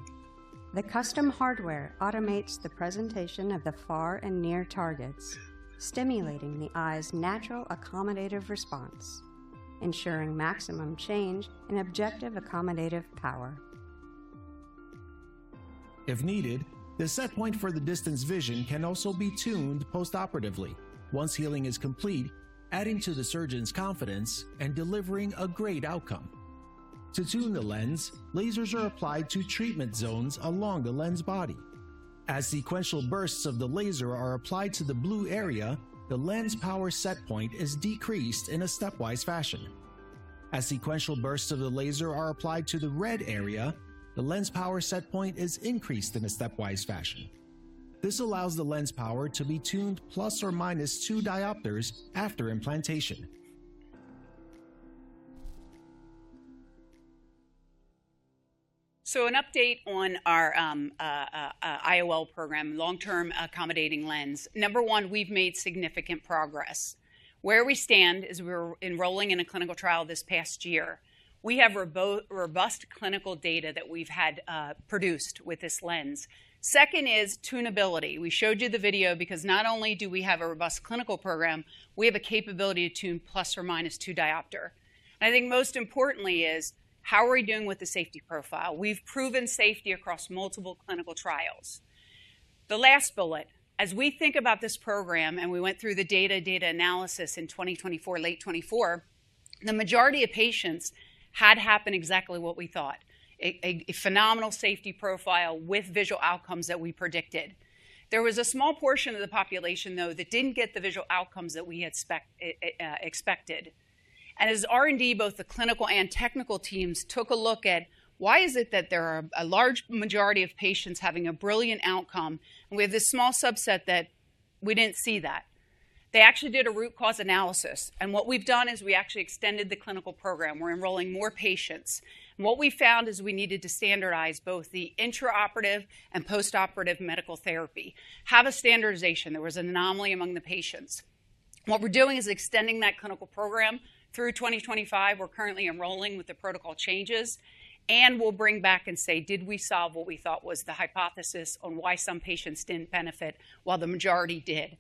The custom hardware automates the presentation of the far and near targets, stimulating the eye's natural accommodative response, ensuring maximum change in objective accommodative power. If needed, the setpoint for the distance vision can also be tuned post-operatively once healing is complete, adding to the surgeon's confidence and delivering a great outcome. To tune the lens, lasers are applied to treatment zones along the lens body. As sequential bursts of the laser are applied to the blue area, the lens power setpoint is decreased in a stepwise fashion. As sequential bursts of the laser are applied to the red area, the lens power setpoint is increased in a stepwise fashion. This allows the lens power to be tuned plus or minus 2 diopters after implantation. An update on our IOL program, long-term accommodating lens. Number one, we've made significant progress. Where we stand is we're enrolling in a clinical trial this past year. We have robust clinical data that we've had produced with this lens. Second is tunability. We showed you the video because not only do we have a robust clinical program, we have a capability to tune plus or minus 2 diopters. I think most importantly is how are we doing with the safety profile? We've proven safety across multiple clinical trials. The last bullet, as we think about this program and we went through the data analysis in 2024, late 2024, the majority of patients had happened exactly what we thought: a phenomenal safety profile with visual outcomes that we predicted. There was a small portion of the population, though, that did not get the visual outcomes that we expected. As R&D, both the clinical and technical teams took a look at why is it that there are a large majority of patients having a brilliant outcome, and we have this small subset that we did not see that. They actually did a root cause analysis. What we've done is we actually extended the clinical program. We're enrolling more patients. What we found is we needed to standardize both the intraoperative and post-operative medical therapy, have a standardization. There was an anomaly among the patients. What we're doing is extending that clinical program through 2025. We're currently enrolling with the protocol changes, and we'll bring back and say, "Did we solve what we thought was the hypothesis on why some patients didn't benefit while the majority did?"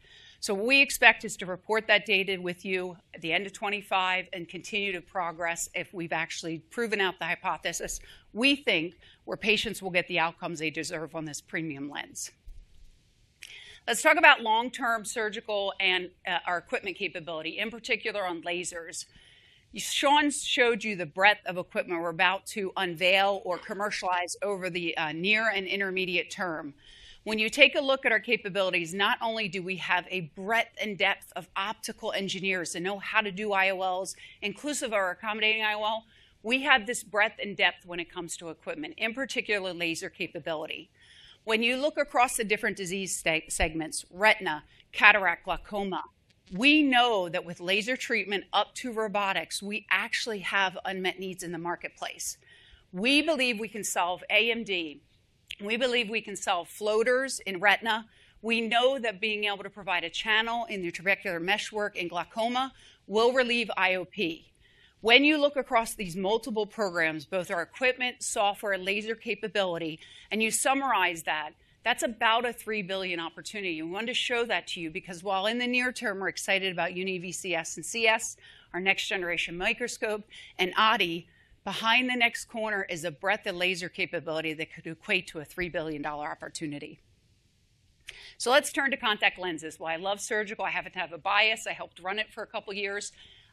We expect to report that data with you at the end of 2025 and continue to progress if we've actually proven out the hypothesis we think where patients will get the outcomes they deserve on this premium lens. Let's talk about long-term surgical and our equipment capability, in particular on lasers. Sean showed you the breadth of equipment we're about to unveil or commercialize over the near and intermediate term. When you take a look at our capabilities, not only do we have a breadth and depth of optical engineers that know how to do IOLs, inclusive of our accommodating IOL, we have this breadth and depth when it comes to equipment, in particular laser capability. When you look across the different disease segments: retina, cataract, glaucoma, we know that with laser treatment up to robotics, we actually have unmet needs in the marketplace. We believe we can solve AMD. We believe we can solve floaters in retina. We know that being able to provide a channel in the trabecular meshwork in glaucoma will relieve IOP. When you look across these multiple programs, both our equipment, software, and laser capability, and you summarize that, that's about a $3 billion opportunity. We wanted to show that to you because while in the near term, we're excited about Unity VCS and Unity CS, our next-generation microscope, and ADI, behind the next corner is a breadth of laser capability that could equate to a $3 billion opportunity. Let's turn to contact lenses. I love surgical. I happen to have a bias. I helped run it for a couple of years.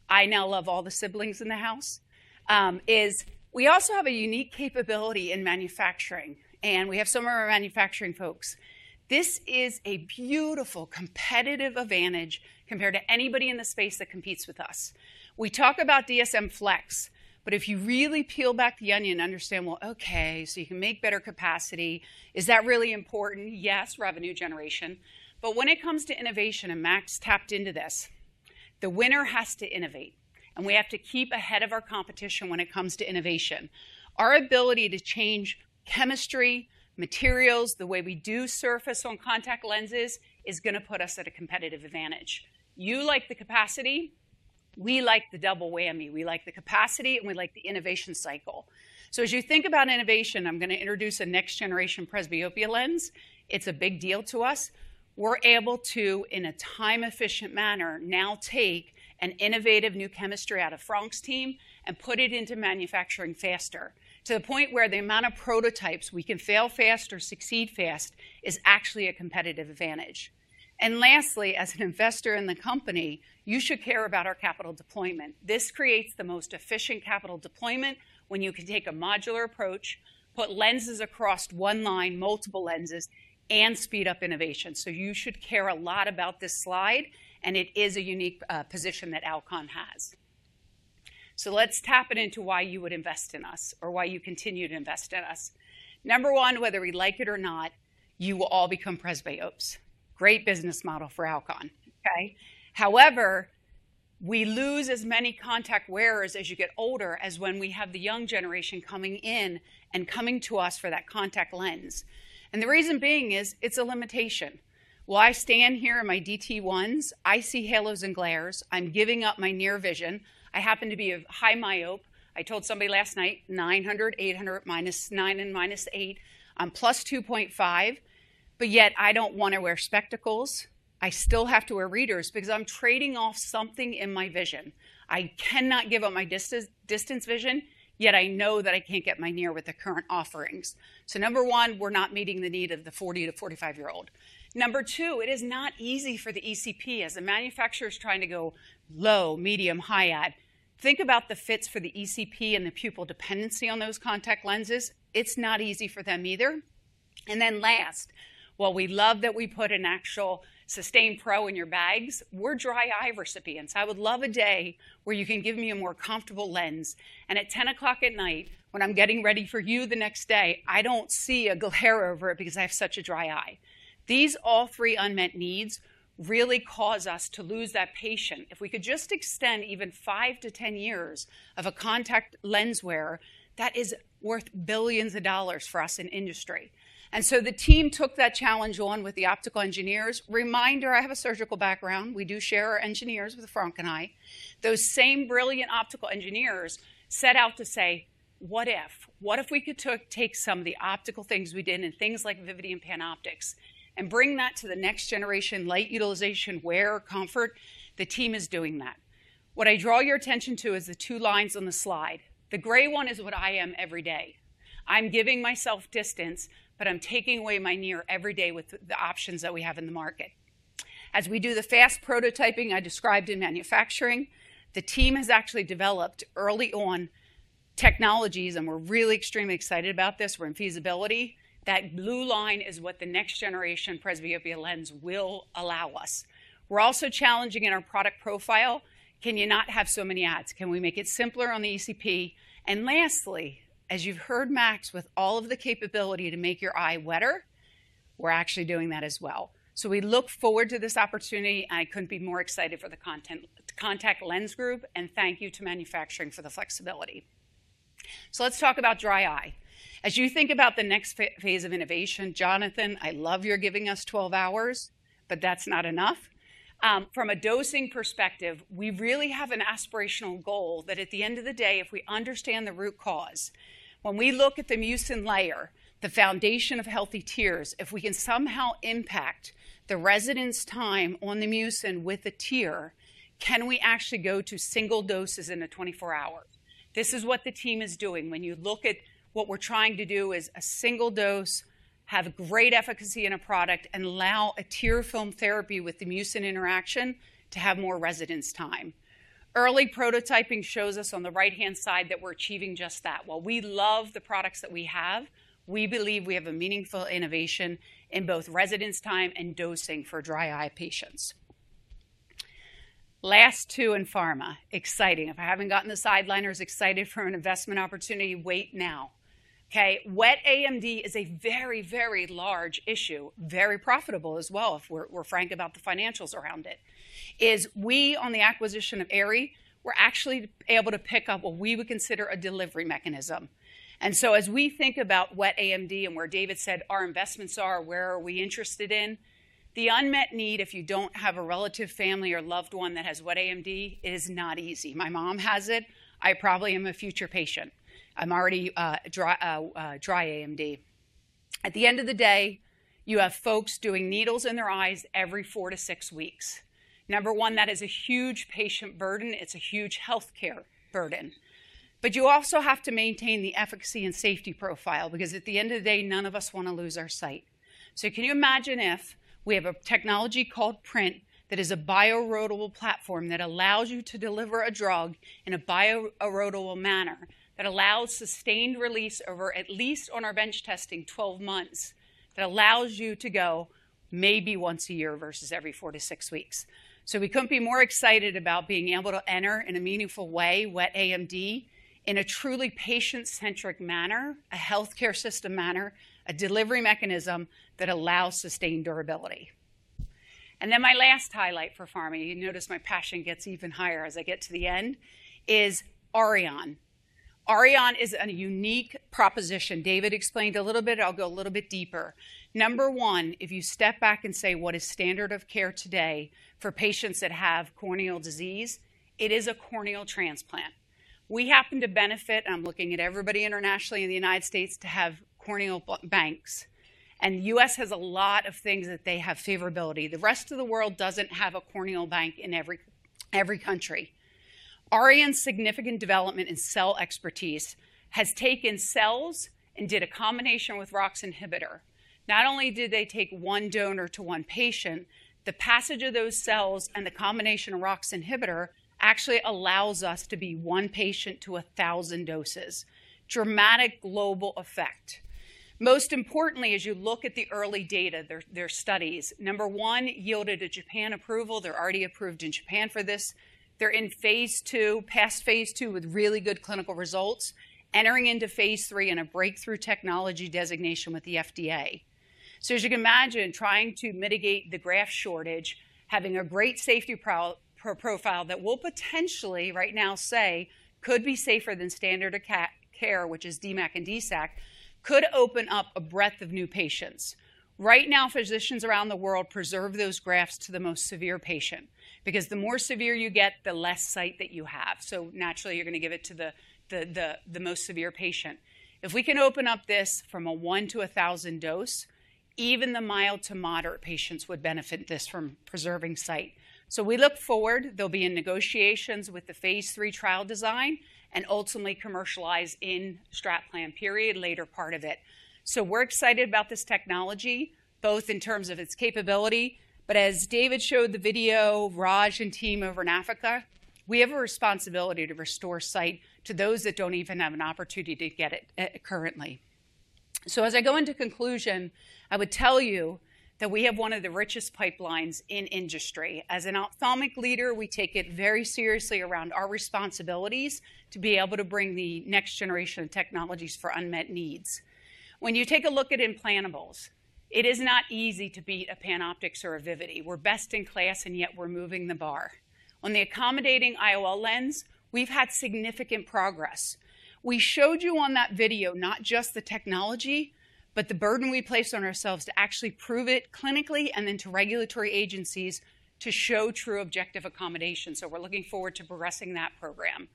I now love all the siblings in the house. We also have a unique capability in manufacturing, and we have some of our manufacturing folks. This is a beautiful competitive advantage compared to anybody in the space that competes with us. We talk about DSM flex, but if you really peel back the onion and understand, well, okay, so you can make better capacity, is that really important? Yes, revenue generation. When it comes to innovation, and Max tapped into this, the winner has to innovate. We have to keep ahead of our competition when it comes to innovation. Our ability to change chemistry, materials, the way we do surface on contact lenses is going to put us at a competitive advantage. You like the capacity. We like the double whammy. We like the capacity, and we like the innovation cycle. As you think about innovation, I'm going to introduce a next-generation presbyopia lens. It's a big deal to us. We're able to, in a time-efficient manner, now take an innovative new chemistry out of Franck's team and put it into manufacturing faster to the point where the amount of prototypes we can fail fast or succeed fast is actually a competitive advantage. Lastly, as an investor in the company, you should care about our capital deployment. This creates the most efficient capital deployment when you can take a modular approach, put lenses across one line, multiple lenses, and speed up innovation. You should care a lot about this slide, and it is a unique position that Alcon has. Let's tap into why you would invest in us or why you continue to invest in us. Number one, whether we like it or not, you will all become presbyopes. Great business model for Alcon. Okay? However, we lose as many contact wearers as you get older as when we have the young generation coming in and coming to us for that contact lens. The reason being is it's a limitation. I stand here in my Dailies TOTAL1s. I see halos and glares. I'm giving up my near vision. I happen to be a high myope. I told somebody last night, "900, 800-9 and -8. I'm +2.5, but yet I don't want to wear spectacles. I still have to wear readers because I'm trading off something in my vision. I cannot give up my distance vision, yet I know that I can't get my near with the current offerings." Number one, we're not meeting the need of the 40-45 year old. Number two, it is not easy for the ECP as a manufacturer is trying to go low, medium, high add. Think about the fits for the ECP and the pupil dependency on those contact lenses. It's not easy for them either. Last, while we love that we put an actual Systane Pro in your bags, we're dry eye recipients. I would love a day where you can give me a more comfortable lens. At 10:00 P.M., when I'm getting ready for you the next day, I don't see a glare over it because I have such a dry eye. These all three unmet needs really cause us to lose that patience. If we could just extend even 5-10 years of a contact lens wearer, that is worth billions of dollars for us in industry. The team took that challenge on with the optical engineers. Reminder, I have a surgical background. We do share our engineers with Franck and I. Those same brilliant optical engineers set out to say, "What if? What if we could take some of the optical things we did in things like Vivity and PanOptix and bring that to the next generation light utilization, wear, comfort?" The team is doing that. What I draw your attention to is the two lines on the slide. The gray one is what I am every day. I'm giving myself distance, but I'm taking away my near every day with the options that we have in the market. As we do the fast prototyping I described in manufacturing, the team has actually developed early on technologies, and we're really extremely excited about this. We're in feasibility. That blue line is what the next generation presbyopia lens will allow us. We're also challenging in our product profile. Can you not have so many ads? Can we make it simpler on the ECP? Lastly, as you've heard, Max, with all of the capability to make your eye wetter, we're actually doing that as well. We look forward to this opportunity, and I couldn't be more excited for the contact lens group, and thank you to manufacturing for the flexibility. Let's talk about dry eye. As you think about the next phase of innovation, Jonathan, I love your giving us 12 hours, but that's not enough. From a dosing perspective, we really have an aspirational goal that at the end of the day, if we understand the root cause, when we look at the mucin layer, the foundation of healthy tears, if we can somehow impact the residence time on the mucin with a tear, can we actually go to single doses in a 24-hour? This is what the team is doing. When you look at what we're trying to do is a single dose, have great efficacy in a product, and allow a tear film therapy with the mucin interaction to have more residence time. Early prototyping shows us on the right-hand side that we're achieving just that. While we love the products that we have, we believe we have a meaningful innovation in both residence time and dosing for dry eye patients. Last two in pharma. Exciting. If I haven't gotten the sideliners excited for an investment opportunity, wait now. Okay? Wet AMD is a very, very large issue, very profitable as well if we're frank about the financials around it. As we on the acquisition of Aerie, we're actually able to pick up what we would consider a delivery mechanism. As we think about wet AMD and where David said our investments are, where are we interested in, the unmet need, if you do not have a relative, family, or loved one that has wet AMD, it is not easy. My mom has it. I probably am a future patient. I am already dry AMD. At the end of the day, you have folks doing needles in their eyes every four to six weeks. Number one, that is a huge patient burden. It is a huge healthcare burden. You also have to maintain the efficacy and safety profile because at the end of the day, none of us want to lose our sight. Can you imagine if we have a technology called Print that is a biodegradable platform that allows you to deliver a drug in a biodegradable manner that allows sustained release over at least, on our bench testing, 12 months, that allows you to go maybe once a year versus every four to six weeks? We could not be more excited about being able to enter in a meaningful way, wet AMD, in a truly patient-centric manner, a healthcare system manner, a delivery mechanism that allows sustained durability. My last highlight for pharma, you notice my passion gets even higher as I get to the end, is Aurion Biotech. Aurion Biotech is a unique proposition. David explained a little bit. I will go a little bit deeper. Number one, if you step back and say, "What is standard of care today for patients that have corneal disease?" It is a corneal transplant. We happen to benefit, and I'm looking at everybody internationally in the United States, to have corneal banks. The U.S. has a lot of things that they have favorability. The rest of the world doesn't have a corneal bank in every country. Aurion Biotech's significant development and cell expertise has taken cells and did a combination with ROCK inhibitor. Not only did they take one donor to one patient, the passage of those cells and the combination of ROCK inhibitor actually allows us to be one patient to 1,000 doses. Dramatic global effect. Most importantly, as you look at the early data, their studies, number one, yielded a Japan approval. They're already approved in Japan for this. They're in phase two, past phase two with really good clinical results, entering into phase three and a breakthrough technology designation with the FDA. As you can imagine, trying to mitigate the graft shortage, having a great safety profile that will potentially right now say could be safer than standard of care, which is DMEC and DSAC, could open up a breadth of new patients. Right now, physicians around the world preserve those grafts to the most severe patient because the more severe you get, the less sight that you have. Naturally, you're going to give it to the most severe patient. If we can open up this from a 1 to 1,000 dose, even the mild to moderate patients would benefit this from preserving sight. We look forward. There'll be negotiations with the phase three trial design and ultimately commercialize in strat plan period, later part of it. We're excited about this technology, both in terms of its capability, but as David showed the video, Raj and team over in Africa, we have a responsibility to restore sight to those that don't even have an opportunity to get it currently. As I go into conclusion, I would tell you that we have one of the richest pipelines in industry. As an ophthalmic leader, we take it very seriously around our responsibilities to be able to bring the next generation of technologies for unmet needs. When you take a look at implantables, it is not easy to beat a PanOptix or a Vivity. We're best in class, and yet we're moving the bar. On the accommodating IOL lens, we've had significant progress. We showed you on that video not just the technology, but the burden we place on ourselves to actually prove it clinically and then to regulatory agencies to show true objective accommodation. We are looking forward to progressing that program.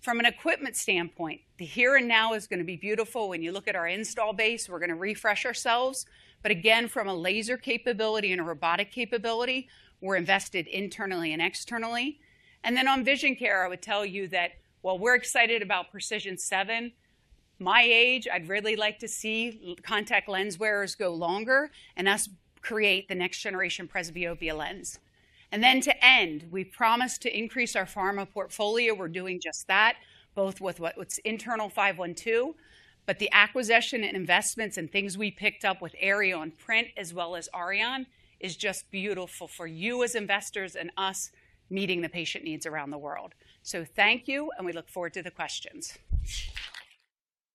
From an equipment standpoint, the here and now is going to be beautiful. When you look at our install base, we are going to refresh ourselves. Again, from a laser capability and a robotic capability, we are invested internally and externally. On vision care, I would tell you that while we are excited about Precision7, my age, I would really like to see contact lens wearers go longer and us create the next generation presbyopia lens. To end, we promised to increase our pharma portfolio. We're doing just that, both with what's internal 512, but the acquisition and investments and things we picked up with AR-15512 on Print as well as Aurion Biotech is just beautiful for you as investors and us meeting the patient needs around the world. Thank you, and we look forward to the questions.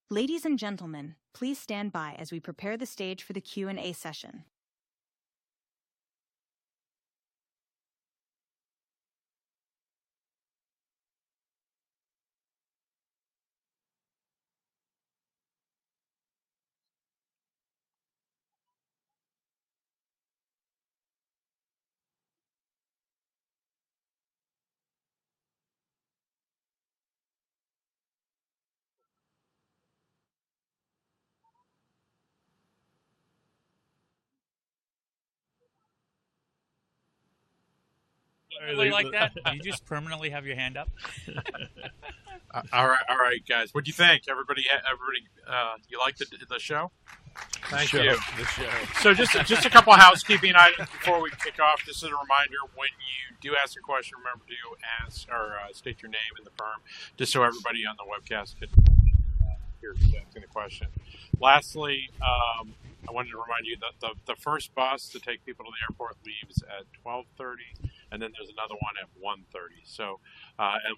Ladies and gentlemen, please stand by as we prepare the stage for the Q&A session. I really like that. You just permanently have your hand up. All right, all right, guys. What do you think? Everybody, you like the show? Thank you. The show. Just a couple of housekeeping items before we kick off. Just as a reminder, when you do ask a question, remember to state your name and the firm just so everybody on the webcast can ask any question. Lastly, I wanted to remind you that the first bus to take people to the airport leaves at 12:30PM, and then there's another one at 1:30PM.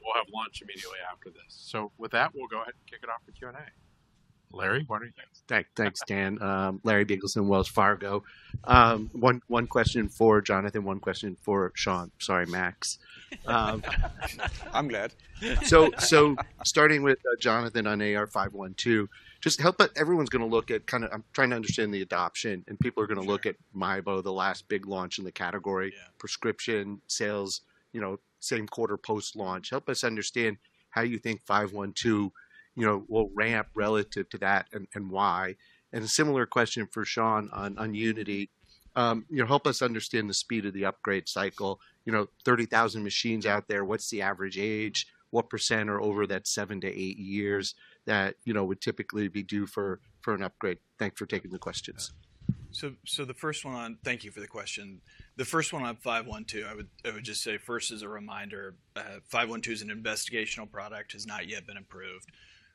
We'll have lunch immediately after this. With that, we'll go ahead and kick it off for Q&A. Larry? Thanks, Dan. Larry Biegelsen, Wells Fargo. One question for Jonathan, one question for Sean. Sorry, Max. I'm glad. Starting with Jonathan on AR-15512, just help us. Everyone's going to look at kind of, I'm trying to understand the adoption, and people are going to look at MiBo, the last big launch in the category, prescription sales, same quarter post-launch. Help us understand how you think 512 will ramp relative to that and why. A similar question for Sean on Unity. Help us understand the speed of the upgrade cycle. 30,000 machines out there. What's the average age? What % are over that seven to eight years that would typically be due for an upgrade? Thanks for taking the questions. Thank you for the question. The first one on 512, I would just say first as a reminder, 512 is an investigational product, has not yet been approved,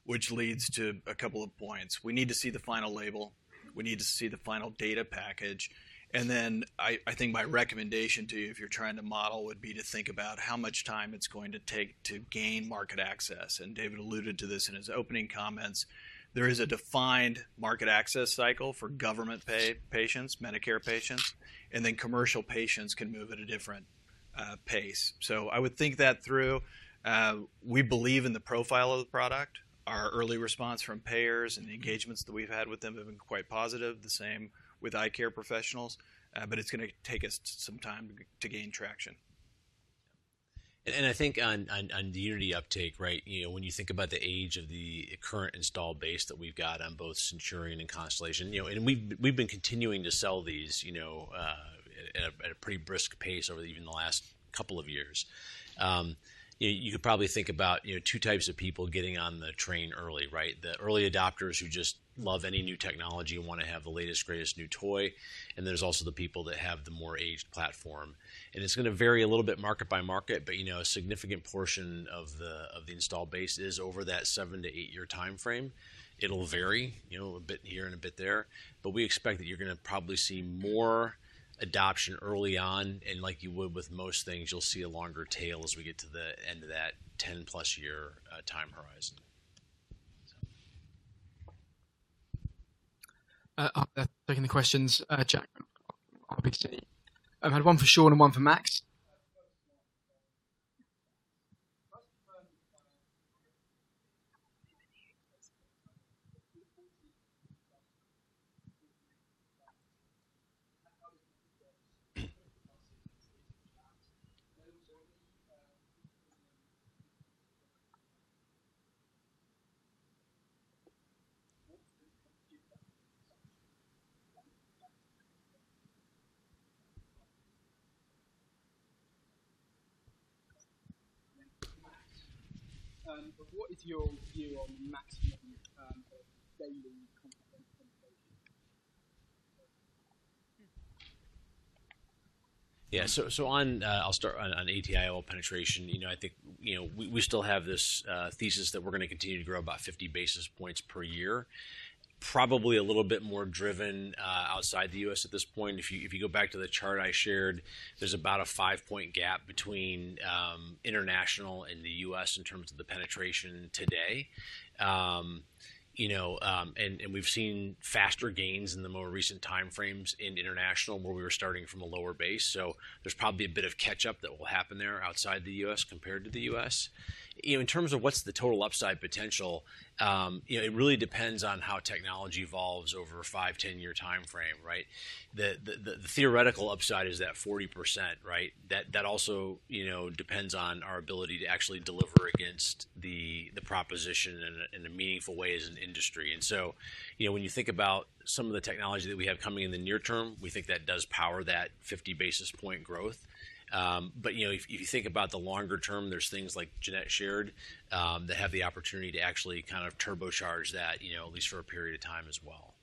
which leads to a couple of points. We need to see the final label. We need to see the final data package. I think my recommendation to you, if you're trying to model, would be to think about how much time it's going to take to gain market access. David alluded to this in his opening comments. There is a defined market access cycle for government patients, Medicare patients, and then commercial patients can move at a different pace. I would think that through. We believe in the profile of the product. Our early response from payers and the engagements that we've had with them have been quite positive, the same with eye care professionals, but it's going to take us some time to gain traction. I think on the Unity uptake, right, when you think about the age of the current install base that we've got on both Centurion and Constellation, and we've been continuing to sell these at a pretty brisk pace over even the last couple of years. You could probably think about two types of people getting on the train early, right? The early adopters who just love any new technology and want to have the latest, greatest new toy, and there's also the people that have the more aged platform. It's going to vary a little bit market by market, but a significant portion of the install base is over that seven to eight-year timeframe. It'll vary a bit here and a bit there, but we expect that you're going to probably see more adoption early on, and like you would with most things, you'll see a longer tail as we get to the end of that 10+ year time horizon. Second the questions, Jack. I'll be seeing. I've had one for Sean and one for Max.What is your view on maximum daily compensation? Yeah, so I'll start on ATIOL penetration. I think we still have this thesis that we're going to continue to grow about 50 basis points per year, probably a little bit more driven outside the U.S. at this point. If you go back to the chart I shared, there's about a five-point gap between international and the U.S. in terms of the penetration today. We've seen faster gains in the more recent timeframes in international where we were starting from a lower base. There's probably a bit of catch-up that will happen there outside the U.S. compared to the U.S. In terms of what's the total upside potential, it really depends on how technology evolves over a five, ten-year timeframe, right? The theoretical upside is that 40%, right? That also depends on our ability to actually deliver against the proposition in a meaningful way as an industry. When you think about some of the technology that we have coming in the near term, we think that does power that 50 basis point growth. If you think about the longer term, there are things like Jeanette Shared that have the opportunity to actually kind of turbocharge that, at least for a period of time as well.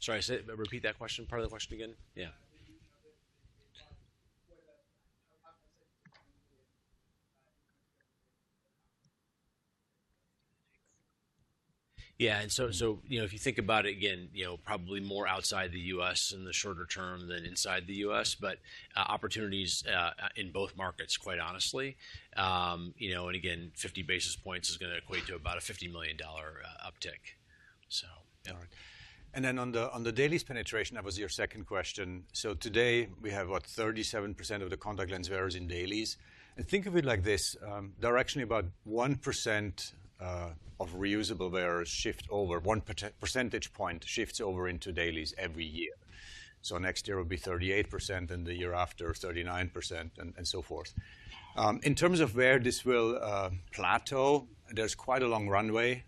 Sorry, repeat that part of the question again? Yeah. If you think about it again, probably more outside the U.S. in the shorter term than inside the U.S., but opportunities in both markets, quite honestly. Again, 50 basis points is going to equate to about a $50 million uptick. On the daily penetration, that was your second question. Today we have, what, 37% of the contact lens wearers in dailies. Think of it like this, there are actually about 1% of reusable wearers shift over, one percentage point shifts over into dailies every year. Next year will be 38% and the year after 39% and so forth. In terms of where this will plateau, there is quite a long runway,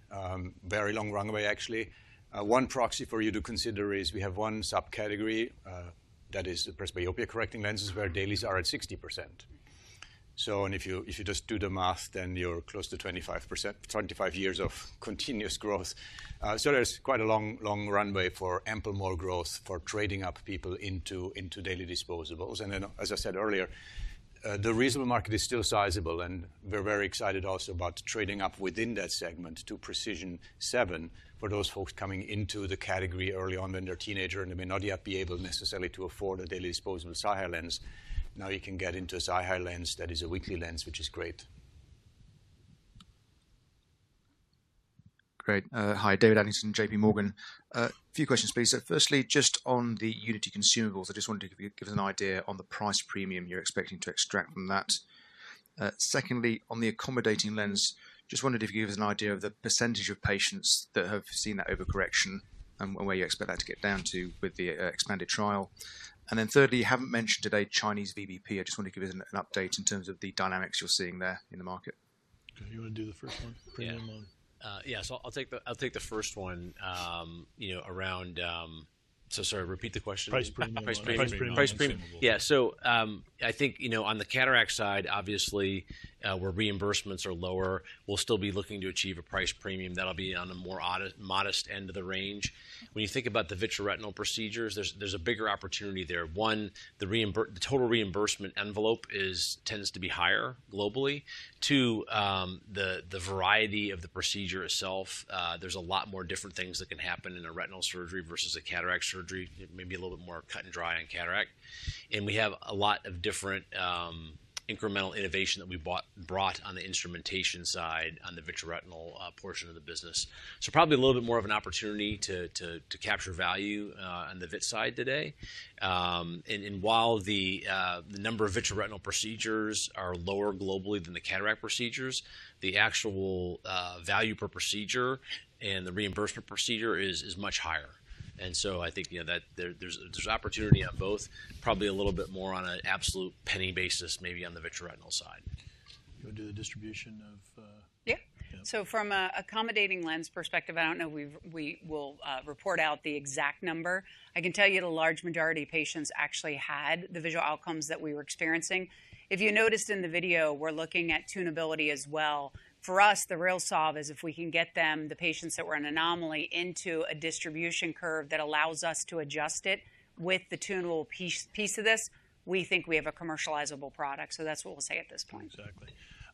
very long runway actually. One proxy for you to consider is we have one subcategory that is presbyopia correcting lenses where dailies are at 60%. If you just do the math, then you are close to 25%, 25 years of continuous growth. There is quite a long runway for ample more growth for trading up people into daily disposables. As I said earlier, the reasonable market is still sizable, and we're very excited also about trading up within that segment to Precision7 for those folks coming into the category early on when they're teenagers and they may not yet be able necessarily to afford a daily disposable lens. Now you can get into a lens that is a weekly lens, which is great. Great. Hi, David Adlington, JP Morgan. A few questions, please. Firstly, just on the Unity consumables, I just wanted to give us an idea on the price premium you're expecting to extract from that. Secondly, on the accommodating lens, just wanted to give us an idea of the percentage of patients that have seen that overcorrection and where you expect that to get down to with the expanded trial. Thirdly, you haven't mentioned today Chinese VBP. I just wanted to give you an update in terms of the dynamics you're seeing there in the market. You want to do the first one? Yeah, I'll take the first one around, sorry, repeat the question. Price premium. Yeah, so I think on the cataract side, obviously, where reimbursements are lower, we'll still be looking to achieve a price premium that'll be on a more modest end of the range. When you think about the vitreoretinal procedures, there's a bigger opportunity there. One, the total reimbursement envelope tends to be higher globally. Two, the variety of the procedure itself, there's a lot more different things that can happen in a retinal surgery versus a cataract surgery. It may be a little bit more cut and dry on cataract. We have a lot of different incremental innovation that we brought on the instrumentation side on the vitreoretinal portion of the business. Probably a little bit more of an opportunity to capture value on the VIT side today. While the number of vitreoretinal procedures are lower globally than the cataract procedures, the actual value per procedure and the reimbursement procedure is much higher. I think there's opportunity on both, probably a little bit more on an absolute penny basis, maybe on the vitreoretinal side. Do the distribution of- Yeah. From an accommodating lens perspective, I don't know if we will report out the exact number. I can tell you the large majority of patients actually had the visual outcomes that we were experiencing. If you noticed in the video, we're looking at tunability as well. For us, the real solve is if we can get them, the patients that were an anomaly, into a distribution curve that allows us to adjust it with the tunable piece of this, we think we have a commercializable product. That's what we'll say at this point. Exactly.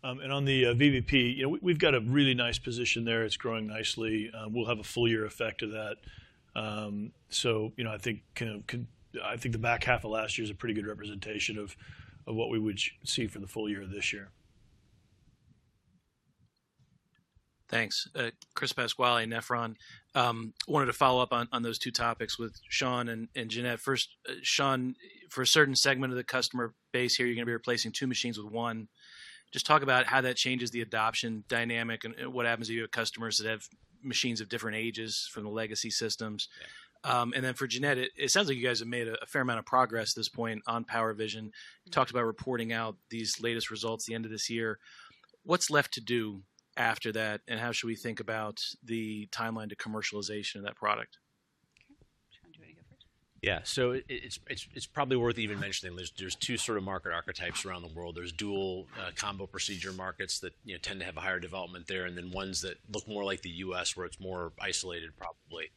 On the VBP, we've got a really nice position there. It's growing nicely. We'll have a full year effect of that. I think the back half of last year is a pretty good representation of what we would see for the full year this year. Thanks. Chris Pasquale, Nephron. Wanted to follow up on those two topics with Sean and Jeannette. First, Sean, for a certain segment of the customer base here, you're going to be replacing two machines with one. Just talk about how that changes the adoption dynamic and what happens to your customers that have machines of different ages from the legacy systems. For Jeannette, it sounds like you guys have made a fair amount of progress at this point on PowerVision. Talked about reporting out these latest results at the end of this year. What's left to do after that, and how should we think about the timeline to commercialization of that product? Yeah, so it's probably worth even mentioning. There are two sort of market archetypes around the world. There are dual combo procedure markets that tend to have a higher development there, and then ones that look more like the U.S. where it's more isolated, probably.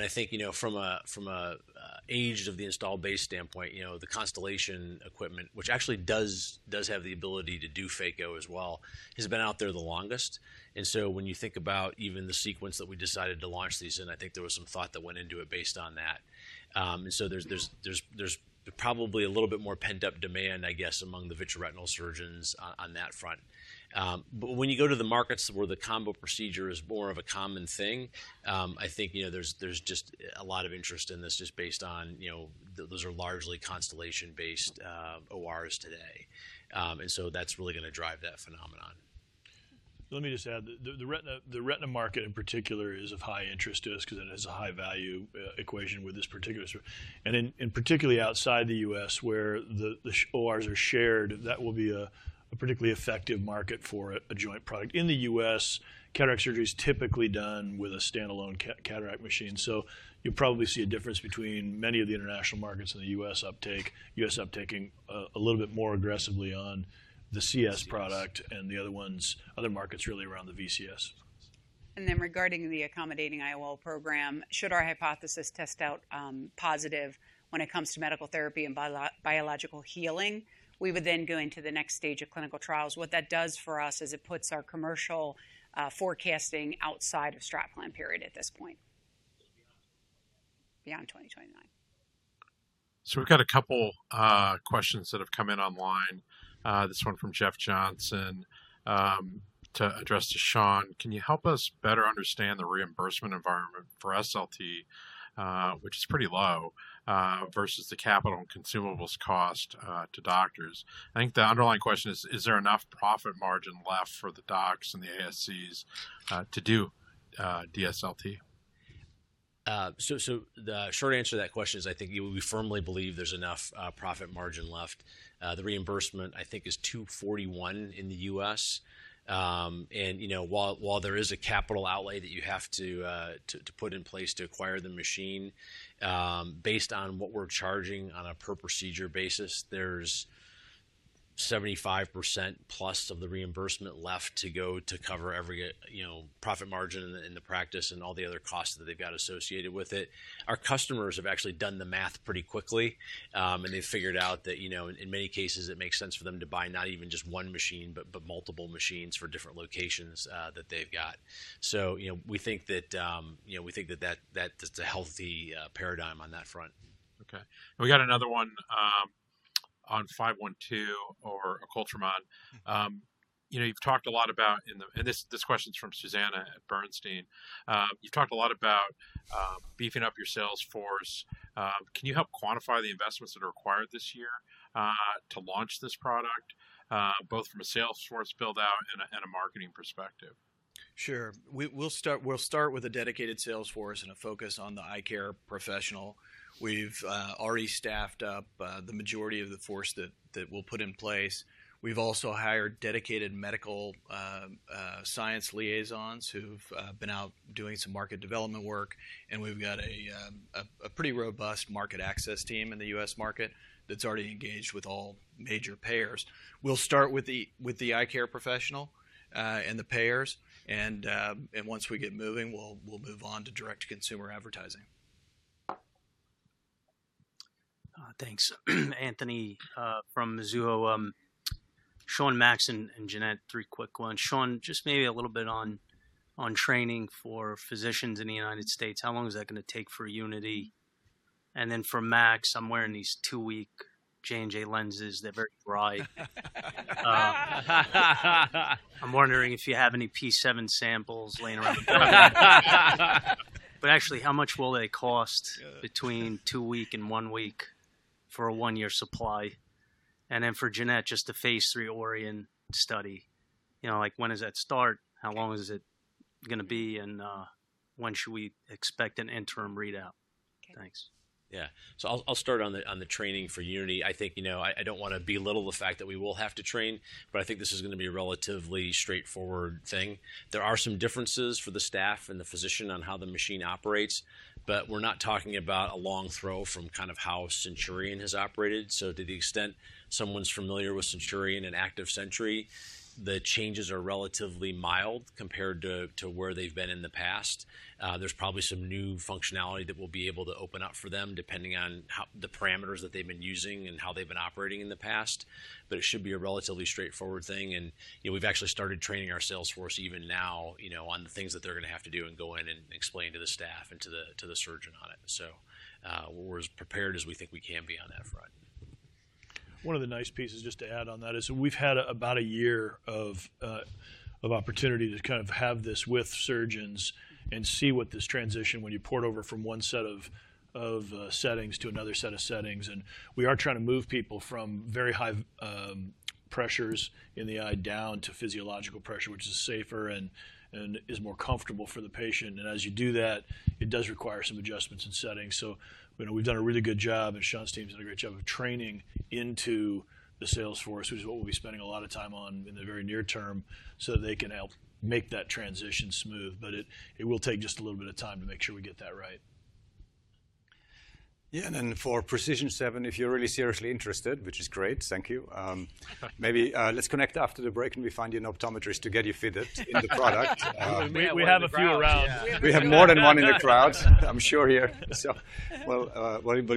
I think from an age of the install base standpoint, the Constellation equipment, which actually does have the ability to do Phaco as well, has been out there the longest. When you think about even the sequence that we decided to launch these in, I think there was some thought that went into it based on that. There is probably a little bit more pent-up demand, I guess, among the vitreoretinal surgeons on that front. When you go to the markets where the combo procedure is more of a common thing, I think there's just a lot of interest in this just based on those are largely Constellation-based ORs today. That is really going to drive that phenomenon. Let me just add, the retina market in particular is of high interest to us because it has a high value equation with this particular service. In particular, outside the U.S., where the ORs are shared, that will be a particularly effective market for a joint product. In the U.S., cataract surgery is typically done with a standalone cataract machine. You will probably see a difference between many of the international markets and the U.S. uptake, U.S. uptaking a little bit more aggressively on the CS product and the other markets really around the VCS. Regarding the accommodating IOL program, should our hypothesis test out positive when it comes to medical therapy and biological healing, we would then go into the next stage of clinical trials. What that does for us is it puts our commercial forecasting outside of strap-time period at this point, beyond 2029. We have got a couple questions that have come in online. This one from Jeff Johnson to address to Sean. Can you help us better understand the reimbursement environment for SLT, which is pretty low, versus the capital and consumables cost to doctors? I think the underlying question is, is there enough profit margin left for the docs and the ASCs to do DSLT? The short answer to that question is I think we firmly believe there's enough profit margin left. The reimbursement, I think, is $241 million in the U.S. And while there is a capital outlay that you have to put in place to acquire the machine, based on what we're charging on a per procedure basis, there's 75% plus of the reimbursement left to go to cover every profit margin in the practice and all the other costs that they've got associated with it. Our customers have actually done the math pretty quickly, and they've figured out that in many cases, it makes sense for them to buy not even just one machine, but multiple machines for different locations that they've got. We think that that's a healthy paradigm on that front. Okay. We got another one on 512 or Acoltremon. You've talked a lot about, and this question's from Susannah at Bernstein. You've talked a lot about beefing up your sales force. Can you help quantify the investments that are required this year to launch this product, both from a sales force build-out and a marketing perspective? Sure. We'll start with a dedicated sales force and a focus on the eye care professional. We've already staffed up the majority of the force that we'll put in place. We've also hired dedicated medical science liaisons who've been out doing some market development work. We've got a pretty robust market access team in the US market that's already engaged with all major payers. We'll start with the eye care professional and the payers. Once we get moving, we'll move on to direct-to-consumer advertising. Thanks. Anthony from Mizuho. Sean, Max, and Jeannette, three quick ones. Sean, just maybe a little bit on training for physicians in the United States. How long is that going to take for Unity? For Max, I'm wearing these two-week J&J lenses that are very dry. I'm wondering if you have any Precision7 samples laying around. Actually, how much will they cost between two weeks and one week for a one-year supply? For Jeannette, just a phase three ORIEN study. When does that start? How long is it going to be? When should we expect an interim readout? Thanks. Yeah. I'll start on the training for Unity. I think I don't want to belittle the fact that we will have to train, but I think this is going to be a relatively straightforward thing. There are some differences for the staff and the physician on how the machine operates, but we're not talking about a long throw from kind of how Centurion has operated. To the extent someone's familiar with Centurion and Active Century, the changes are relatively mild compared to where they've been in the past. There's probably some new functionality that we'll be able to open up for them depending on the parameters that they've been using and how they've been operating in the past. It should be a relatively straightforward thing. We've actually started training our sales force even now on the things that they're going to have to do and go in and explain to the staff and to the surgeon on it. We are as prepared as we think we can be on that front. One of the nice pieces just to add on that is we've had about a year of opportunity to kind of have this with surgeons and see what this transition when you port over from one set of settings to another set of settings. We are trying to move people from very high pressures in the eye down to physiological pressure, which is safer and is more comfortable for the patient. As you do that, it does require some adjustments and settings. We've done a really good job, and Sean's team's done a great job of training into the sales force, which is what we'll be spending a lot of time on in the very near term so that they can help make that transition smooth. It will take just a little bit of time to make sure we get that right. Yeah. For Precision7, if you're really seriously interested, which is great, thank you, maybe let's connect after the break and we find you an optometrist to get you fitted in the product. We have a few around. We have more than one in the crowd, I'm sure here. We'll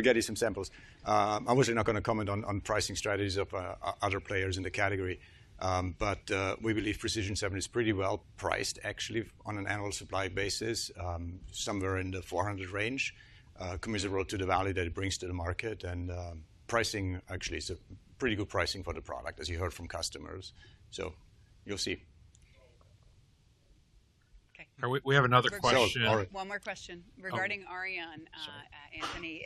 get you some samples. I'm obviously not going to comment on pricing strategies of other players in the category, but we believe Precision7 is pretty well priced, actually, on an annual supply basis, somewhere in the $400 million range, commiserate to the value that it brings to the market. Pricing actually is a pretty good pricing for the product, as you heard from customers. You'll see. We have another question. One more question regarding ORION, Anthony.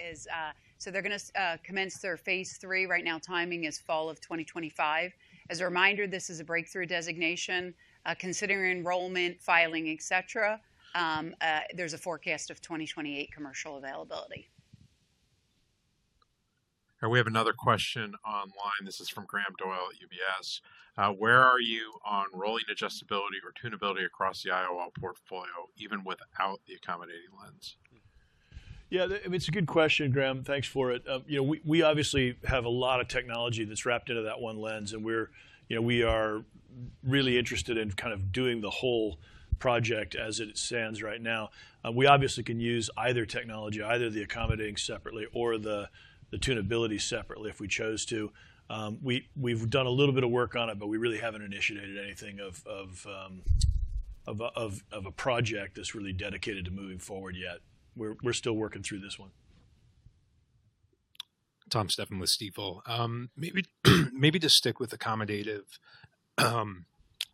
They're going to commence their phase three right now. Timing is fall of 2025. As a reminder, this is a breakthrough designation. Considering enrollment, filing, etc., there's a forecast of 2028 commercial availability. We have another question online. This is from Graham Doyle at UBS. Where are you on rolling adjustability or tunability across the IOL portfolio, even without the accommodating lens? Yeah, it's a good question, Graham. Thanks for it. We obviously have a lot of technology that's wrapped into that one lens, and we are really interested in kind of doing the whole project as it stands right now. We obviously can use either technology, either the accommodating separately or the tunability separately if we chose to. We've done a little bit of work on it, but we really haven't initiated anything of a project that's really dedicated to moving forward yet. We're still working through this one. Tom Stephan with Stifel. Maybe to stick with accommodative,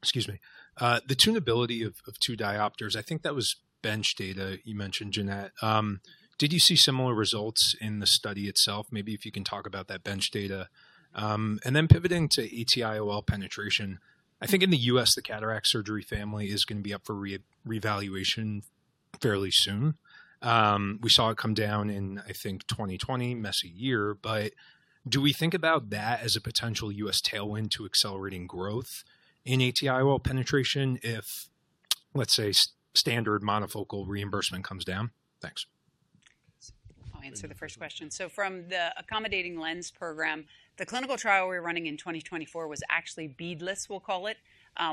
excuse me, the tunability of two diopters, I think that was bench data you mentioned, Jeannette. Did you see similar results in the study itself? Maybe if you can talk about that bench data. Then pivoting to ATIOL penetration, I think in the U.S., the cataract surgery family is going to be up for reevaluation fairly soon. We saw it come down in, I think, 2020, messy year. Do we think about that as a potential U.S. tailwind to accelerating growth in ATIOL penetration if, let's say, standard monofocal reimbursement comes down? Thanks. I'll answer the first question. From the accommodating lens program, the clinical trial we were running in 2024 was actually beadless, we'll call it.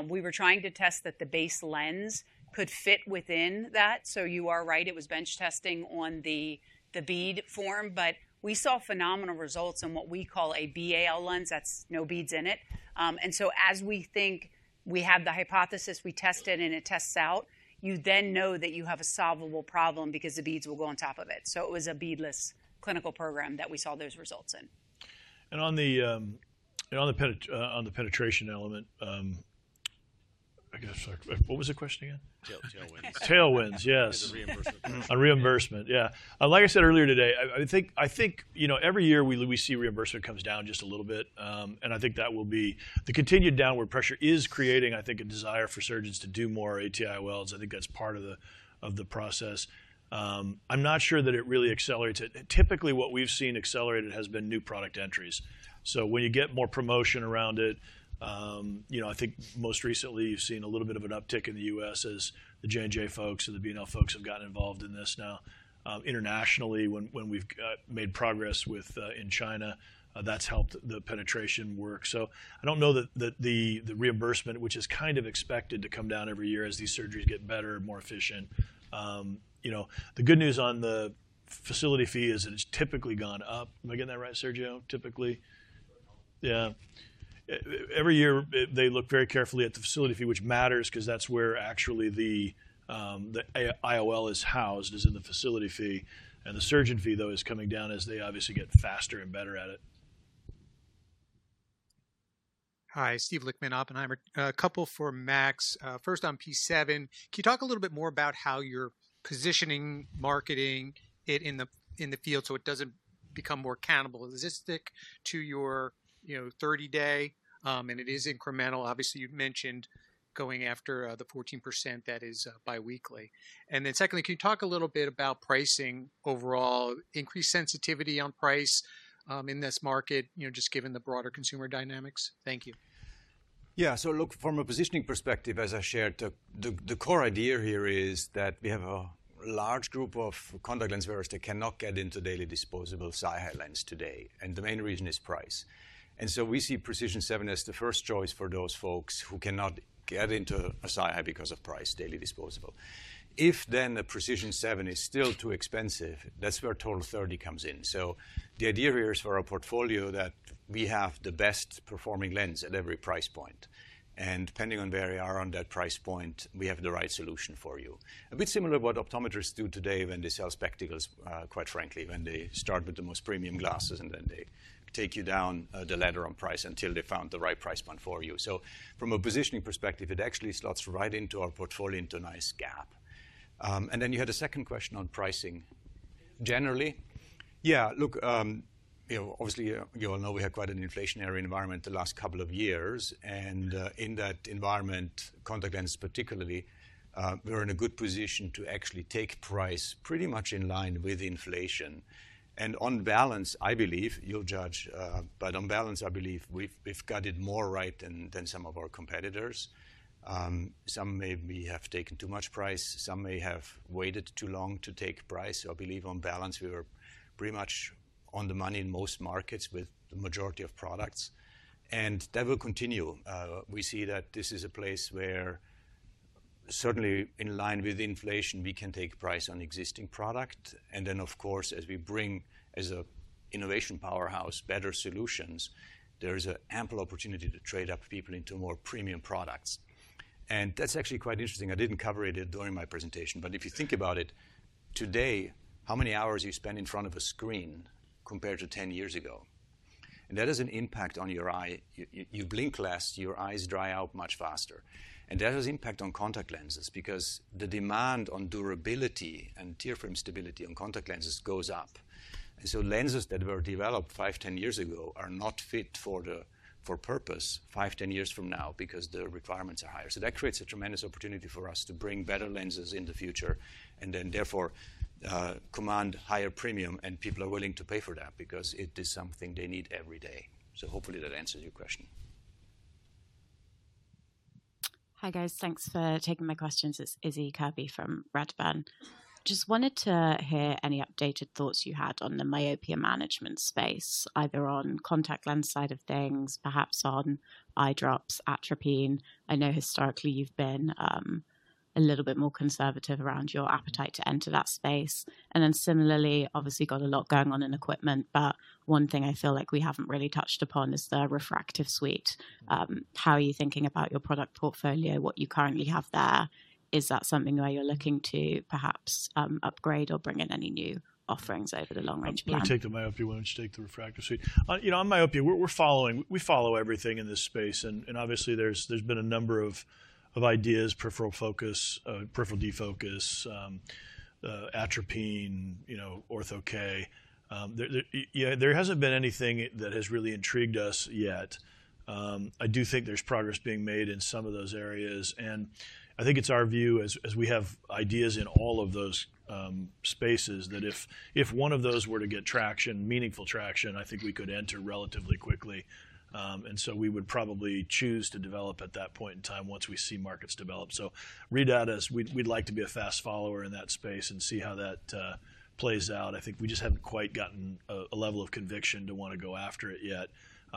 We were trying to test that the base lens could fit within that. You are right, it was bench testing on the bead form, but we saw phenomenal results on what we call a BAL lens that's no beads in it. As we think we have the hypothesis, we test it and it tests out, you then know that you have a solvable problem because the beads will go on top of it. It was a beadless clinical program that we saw those results in. On the penetration element, what was the question again? Tailwinds. Tailwinds, yes. On reimbursement. On reimbursement, yeah. Like I said earlier today, I think every year we see reimbursement comes down just a little bit. I think that will be the continued downward pressure is creating, I think, a desire for surgeons to do more ATIOLs. I think that's part of the process. I'm not sure that it really accelerates it. Typically, what we've seen accelerate it has been new product entries. When you get more promotion around it, I think most recently you've seen a little bit of an uptick in the U.S. as the J&J folks and the B&L folks have gotten involved in this. Now, internationally, when we've made progress in China, that's helped the penetration work. I don't know that the reimbursement, which is kind of expected to come down every year as these surgeries get better and more efficient. The good news on the facility fee is that it's typically gone up. Am I getting that right, Sergio? Typically. Yeah. Every year, they look very carefully at the facility fee, which matters because that's where actually the IOL is housed is in the facility fee. The surgeon fee, though, is coming down as they obviously get faster and better at it. Hi, Steve Lichtman, Oppenheimer. A couple for Max. First on Precision7, can you talk a little bit more about how you're positioning marketing it in the field so it doesn't become more cannibalistic to your 30-day? And it is incremental. Obviously, you've mentioned going after the 14% that is biweekly. Secondly, can you talk a little bit about pricing overall, increased sensitivity on price in this market, just given the broader consumer dynamics? Thank you. Yeah. So look, from a positioning perspective, as I shared, the core idea here is that we have a large group of contact lens wearers that cannot get into daily disposable SiHy lens today. The main reason is price. We see Precision7 as the first choice for those folks who cannot get into a SiHy because of price, daily disposable. If then Precision7 is still too expensive, that's where TOTAL30 comes in. The idea here is for our portfolio that we have the best performing lens at every price point. Depending on where you are on that price point, we have the right solution for you. A bit similar to what optometrists do today when they sell spectacles, quite frankly, when they start with the most premium glasses and then they take you down the ladder on price until they found the right price point for you. From a positioning perspective, it actually slots right into our portfolio into a nice gap. You had a second question on pricing generally. Yeah. Look, obviously, you all know we have quite an inflationary environment the last couple of years. In that environment, contact lens particularly, we're in a good position to actually take price pretty much in line with inflation. On balance, I believe, you'll judge, but on balance, I believe we've got it more right than some of our competitors. Some maybe have taken too much price. Some may have waited too long to take price. I believe on balance, we were pretty much on the money in most markets with the majority of products. That will continue. We see that this is a place where certainly in line with inflation, we can take price on existing product. Of course, as we bring as an innovation powerhouse, better solutions, there is an ample opportunity to trade up people into more premium products. That is actually quite interesting. I did not cover it during my presentation, but if you think about it, today, how many hours do you spend in front of a screen compared to 10 years ago? That has an impact on your eye. You blink less, your eyes dry out much faster. That has an impact on contact lenses because the demand on durability and tear film stability on contact lenses goes up. Lenses that were developed 5-10 years ago are not fit for purpose 5-10 years from now because the requirements are higher. That creates a tremendous opportunity for us to bring better lenses in the future and therefore command a higher premium. People are willing to pay for that because it is something they need every day. Hopefully that answers your question. Hi guys, thanks for taking my questions. It's Issie Kirby from Redburn. Just wanted to hear any updated thoughts you had on the myopia management space, either on contact lens side of things, perhaps on eye drops, atropine. I know historically you've been a little bit more conservative around your appetite to enter that space. Similarly, obviously got a lot going on in equipment, but one thing I feel like we haven't really touched upon is the refractive suite. How are you thinking about your product portfolio, what you currently have there? Is that something where you're looking to perhaps upgrade or bring in any new offerings over the long range plan? You can take the myopia once you take the refractive suit. On myopia, we follow everything in this space. Obviously, there's been a number of ideas, peripheral focus, peripheral defocus, atropine, Ortho-K. There hasn't been anything that has really intrigued us yet. I do think there's progress being made in some of those areas. I think it's our view as we have ideas in all of those spaces that if one of those were to get traction, meaningful traction, I think we could enter relatively quickly. We would probably choose to develop at that point in time once we see markets develop. Read that as we'd like to be a fast follower in that space and see how that plays out. I think we just haven't quite gotten a level of conviction to want to go after it yet.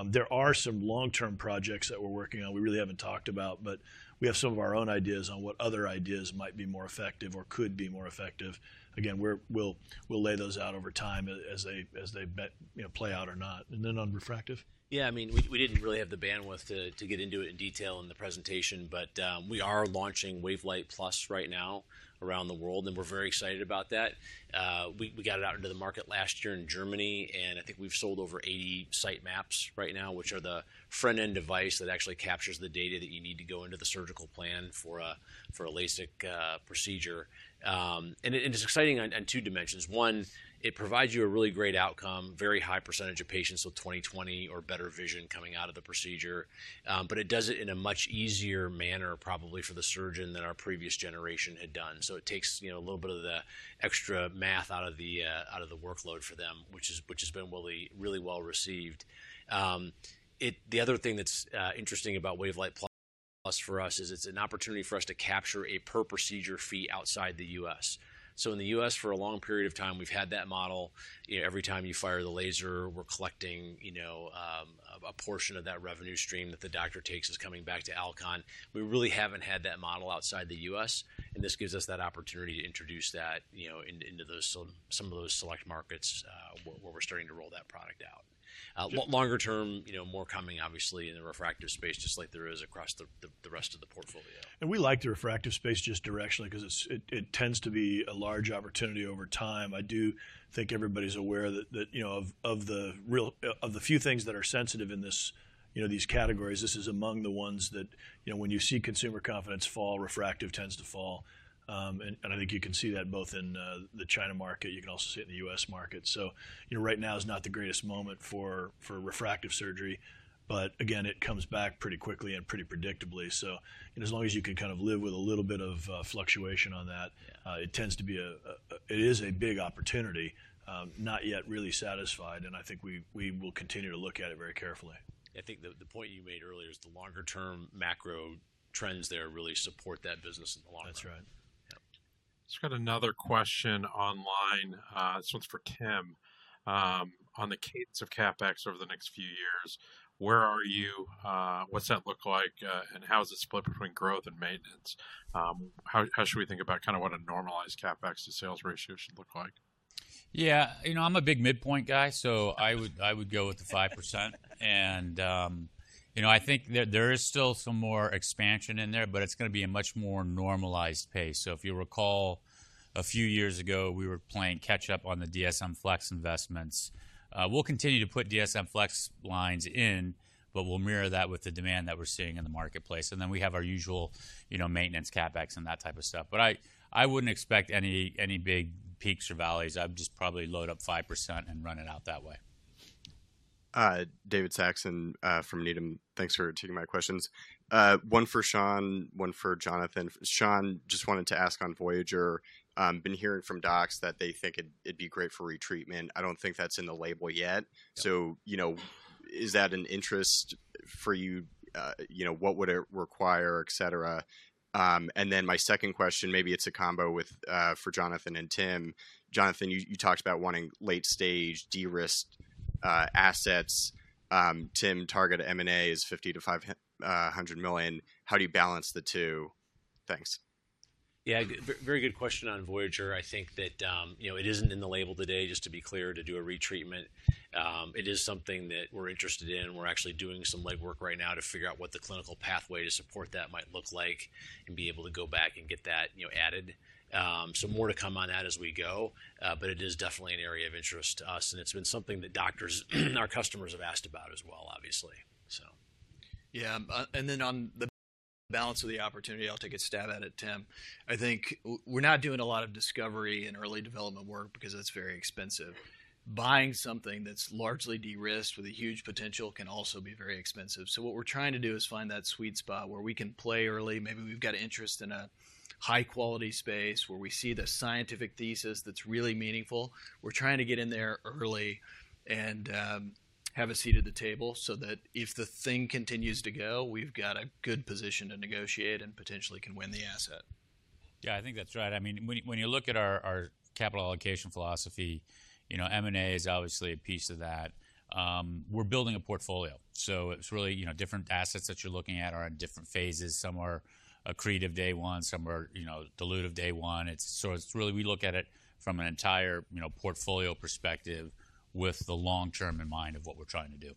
There are some long-term projects that we're working on we really haven't talked about, but we have some of our own ideas on what other ideas might be more effective or could be more effective. Again, we'll lay those out over time as they play out or not. On refractive? I mean we did not really have the bandwidth to get into it in detail in the presentation, but we are launching Wavelight Plus right now around the world. We are very excited about that. We got it out into the market last year in Germany, and I think we have sold over 80 site maps right now, which are the front-end device that actually captures the data that you need to go into the surgical plan for a LASIK procedure. It is exciting on two dimensions. One, it provides you a really great outcome, very high percentage of patients with 20/20 or better vision coming out of the procedure, but it does it in a much easier manner probably for the surgeon than our previous generation had done. It takes a little bit of the extra math out of the workload for them, which has been really well received. The other thing that's interesting about Wavelight Plus for us is it's an opportunity for us to capture a per procedure fee outside the U.S. In the U.S., for a long period of time, we've had that model. Every time you fire the laser, we're collecting a portion of that revenue stream that the doctor takes is coming back to Alcon. We really haven't had that model outside the U.S., and this gives us that opportunity to introduce that into some of those select markets where we're starting to roll that product out. Longer term, more coming obviously in the refractive space just like there is across the rest of the portfolio. We like the refractive space just directionally because it tends to be a large opportunity over time. I do think everybody's aware that of the few things that are sensitive in these categories, this is among the ones that when you see consumer confidence fall, refractive tends to fall. I think you can see that both in the China market, you can also see it in the U.S. market. Right now is not the greatest moment for refractive surgery, but again, it comes back pretty quickly and pretty predictably. As long as you can kind of live with a little bit of fluctuation on that, it tends to be a big opportunity, not yet really satisfied, and I think we will continue to look at it very carefully. I think the point you made earlier is the longer-term macro trends there really support that business in the long run. That's right. Yeah. Just got another question online. This one's for Tim. On the cadence of CapEx over the next few years, where are you? What's that look like? How is it split between growth and maintenance? How should we think about kind of what a normalized CapEx to sales ratio should look like? Yeah, you know I'm a big midpoint guy, so I would go with the 5%. I think there is still some more expansion in there, but it's going to be a much more normalized pace. If you recall, a few years ago, we were playing catch-up on the DSM flex investments. We'll continue to put DSM flex lines in, but we'll mirror that with the demand that we're seeing in the marketplace. We have our usual maintenance CapEx and that type of stuff. I wouldn't expect any big peaks or valleys. I would just probably load up 5% and run it out that way. Hi, David Saxon from Needham. Thanks for taking my questions. One for Sean, one for Jonathan. Sean, just wanted to ask on Voyager. Been hearing from docs that they think it'd be great for retreatment. I do not think that's in the label yet. Is that an interest for you? What would it require, et cetera? My second question, maybe it's a combo for Jonathan and Tim. Jonathan, you talked about wanting late-stage de-risked assets. Tim, target M&A is $50 million-$100 million. How do you balance the two? Thanks. Yeah, very good question on Voyager. I think that it is not in the label today, just to be clear, to do a retreatment. It is something that we're interested in. We're actually doing some legwork right now to figure out what the clinical pathway to support that might look like and be able to go back and get that added. More to come on that as we go, but it is definitely an area of interest to us. It's been something that doctors, our customers have asked about as well, obviously. Yeah. On the balance of the opportunity, I'll take a stab at it, Tim. I think we're not doing a lot of discovery and early development work because that's very expensive. Buying something that's largely de-risked with a huge potential can also be very expensive. What we're trying to do is find that sweet spot where we can play early. Maybe we've got interest in a high-quality space where we see the scientific thesis that's really meaningful. We're trying to get in there early and have a seat at the table so that if the thing continues to go, we've got a good position to negotiate and potentially can win the asset. Yeah, I think that's right. I mean, when you look at our capital allocation philosophy, M&A is obviously a piece of that. We're building a portfolio. It is really different assets that you're looking at are in different phases. Some are creative day one, some are dilutive day one. We look at it from an entire portfolio perspective with the long-term in mind of what we're trying to do.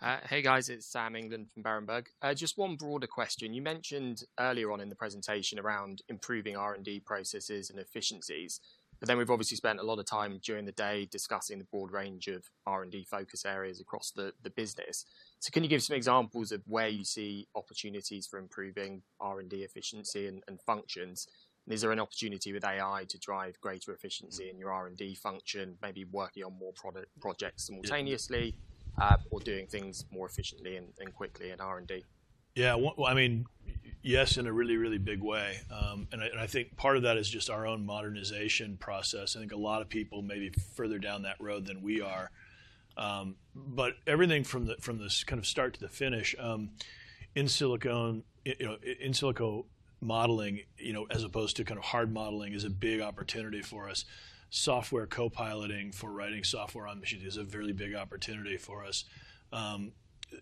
Hi, guys. It's Sam England from Berenberg. Just one broader question. You mentioned earlier on in the presentation around improving R&D processes and efficiencies, but then we've obviously spent a lot of time during the day discussing the broad range of R&D focus areas across the business. Can you give some examples of where you see opportunities for improving R&D efficiency and functions? Is there an opportunity with AI to drive greater efficiency in your R&D function, maybe working on more projects simultaneously or doing things more efficiently and quickly in R&D? Yeah, I mean, yes, in a really, really big way. I think part of that is just our own modernization process. I think a lot of people may be further down that road than we are. Everything from this kind of start to the finish, in silico modeling as opposed to kind of hard modeling is a big opportunity for us. Software co-piloting for writing software on machines is a very big opportunity for us.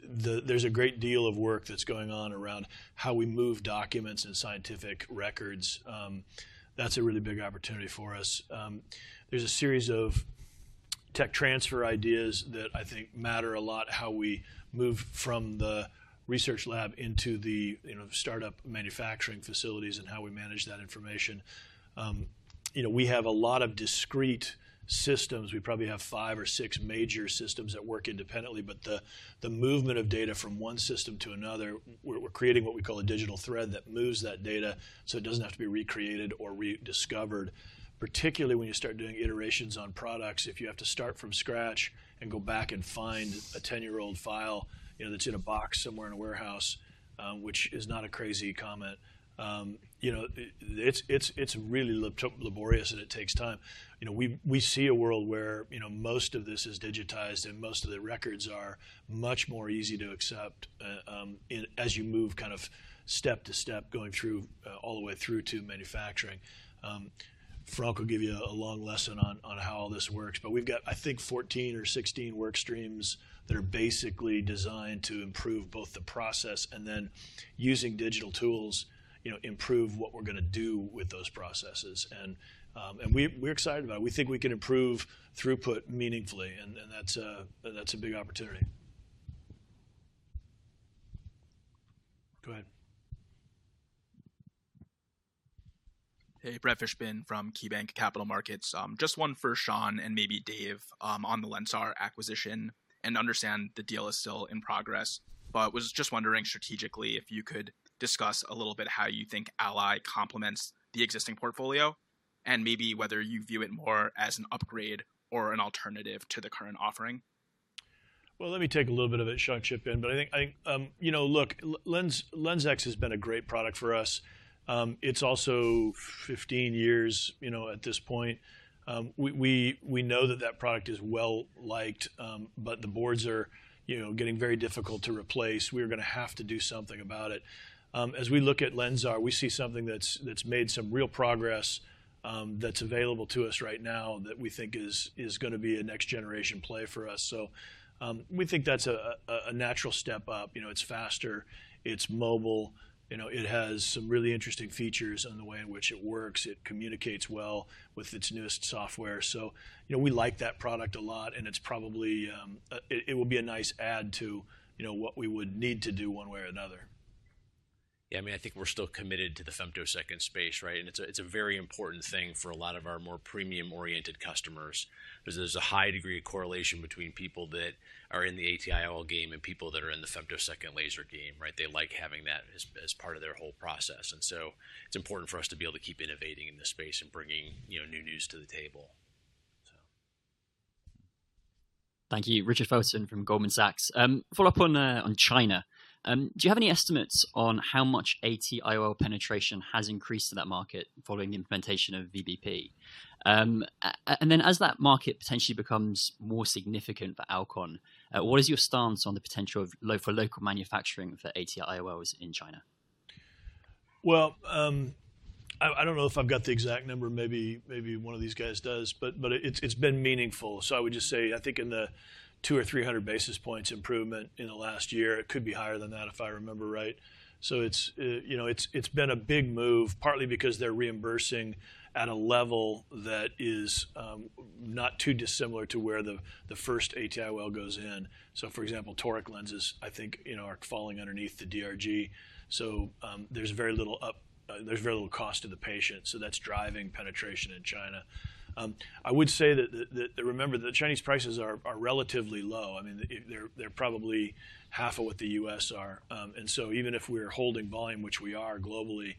There's a great deal of work that's going on around how we move documents and scientific records. That's a really big opportunity for us. There's a series of tech transfer ideas that I think matter a lot, how we move from the research lab into the startup manufacturing facilities and how we manage that information. We have a lot of discrete systems. We probably have five or six major systems that work independently, but the movement of data from one system to another, we're creating what we call a digital thread that moves that data so it doesn't have to be recreated or rediscovered. Particularly when you start doing iterations on products, if you have to start from scratch and go back and find a 10-year-old file that's in a box somewhere in a warehouse, which is not a crazy comment, it's really laborious and it takes time. We see a world where most of this is digitized and most of the records are much more easy to accept as you move kind of step to step going all the way through to manufacturing. Franck will give you a long lesson on how all this works, but we've got, I think, 14 or 16 work streams that are basically designed to improve both the process and then using digital tools improve what we're going to do with those processes. We're excited about it. We think we can improve throughput meaningfully, and that's a big opportunity. Go ahead. Hey, Brad Fishbin from KeyBanc Capital Markets. Just one for Sean and maybe Dave on the Lensar acquisition. I understand the deal is still in progress, but was just wondering strategically if you could discuss a little bit how you think Ally complements the existing portfolio and maybe whether you view it more as an upgrade or an alternative to the current offering. Let me take a little bit of it, Sean will chip in but I think, look, LenSx has been a great product for us. It's also 15 years at this point. We know that that product is well-liked, but the boards are getting very difficult to replace. We are going to have to do something about it. As we look at LENSAR, we see something that's made some real progress that's available to us right now that we think is going to be a next-generation play for us. We think that's a natural step up. It's faster, it's mobile, it has some really interesting features in the way in which it works, it communicates well with its newest software. We like that product a lot, and it will be a nice add to what we would need to do one way or another. Yeah, I mean, I think we're still committed to the femtosecond space, right? It's a very important thing for a lot of our more premium-oriented customers because there's a high degree of correlation between people that are in the ATIOL game and people that are in the femtosecond laser game, right? They like having that as part of their whole process. It's important for us to be able to keep innovating in this space and bringing new news to the table. Thank you. Richard Fosun from Goldman Sachs. Follow up on China. Do you have any estimates on how much ATIOL penetration has increased to that market following the implementation of VBP? As that market potentially becomes more significant for Alcon, what is your stance on the potential for local manufacturing for ATIOLs in China? I don't know if I've got the exact number. Maybe one of these guys does, but it's been meaningful. I would just say, I think in the 200-300 basis points improvement in the last year, it could be higher than that if I remember right. It's been a big move, partly because they're reimbursing at a level that is not too dissimilar to where the first ATIOL goes in. For example, toric lenses, I think, are falling underneath the DRG. There's very little cost to the patient. That's driving penetration in China. I would say that remember that the Chinese prices are relatively low. I mean, they're probably half of what the U.S. are. Even if we're holding volume, which we are globally,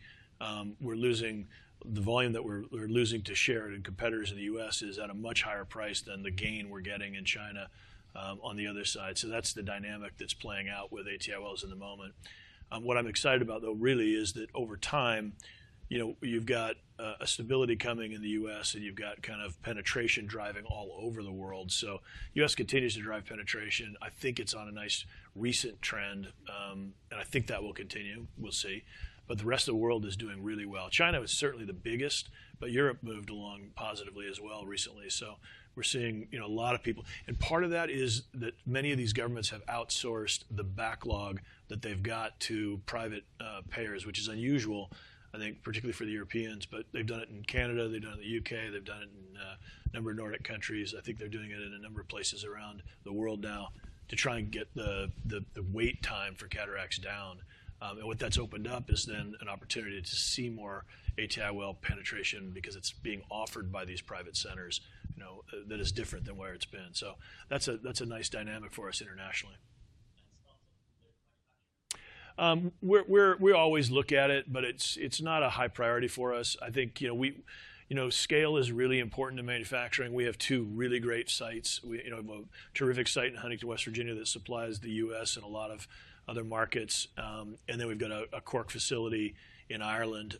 we're losing the volume that we're losing to share in competitors in the U.S. is at a much higher price than the gain we're getting in China on the other side. That's the dynamic that's playing out with ATIOLs in the moment. What I'm excited about, though, really is that over time, you've got a stability coming in the U.S. and you've got kind of penetration driving all over the world. The U.S. continues to drive penetration. I think it's on a nice recent trend, and I think that will continue. We'll see. The rest of the world is doing really well. China was certainly the biggest, but Europe moved along positively as well recently. We're seeing a lot of people. Part of that is that many of these governments have outsourced the backlog that they've got to private payers, which is unusual, I think, particularly for the Europeans. They have done it in Canada, they have done it in the U.K., they have done it in a number of Nordic countries. I think they are doing it in a number of places around the world now to try and get the wait time for cataracts down. What that has opened up is then an opportunity to see more ATIOL penetration because it is being offered by these private centers that is different than where it has been. That is a nice dynamic for us internationally. We always look at it, but it is not a high priority for us. I think scale is really important to manufacturing. We have two really great sites. We have a terrific site in Huntington, West Virginia that supplies the U.S. and a lot of other markets. We have a Cork facility in Ireland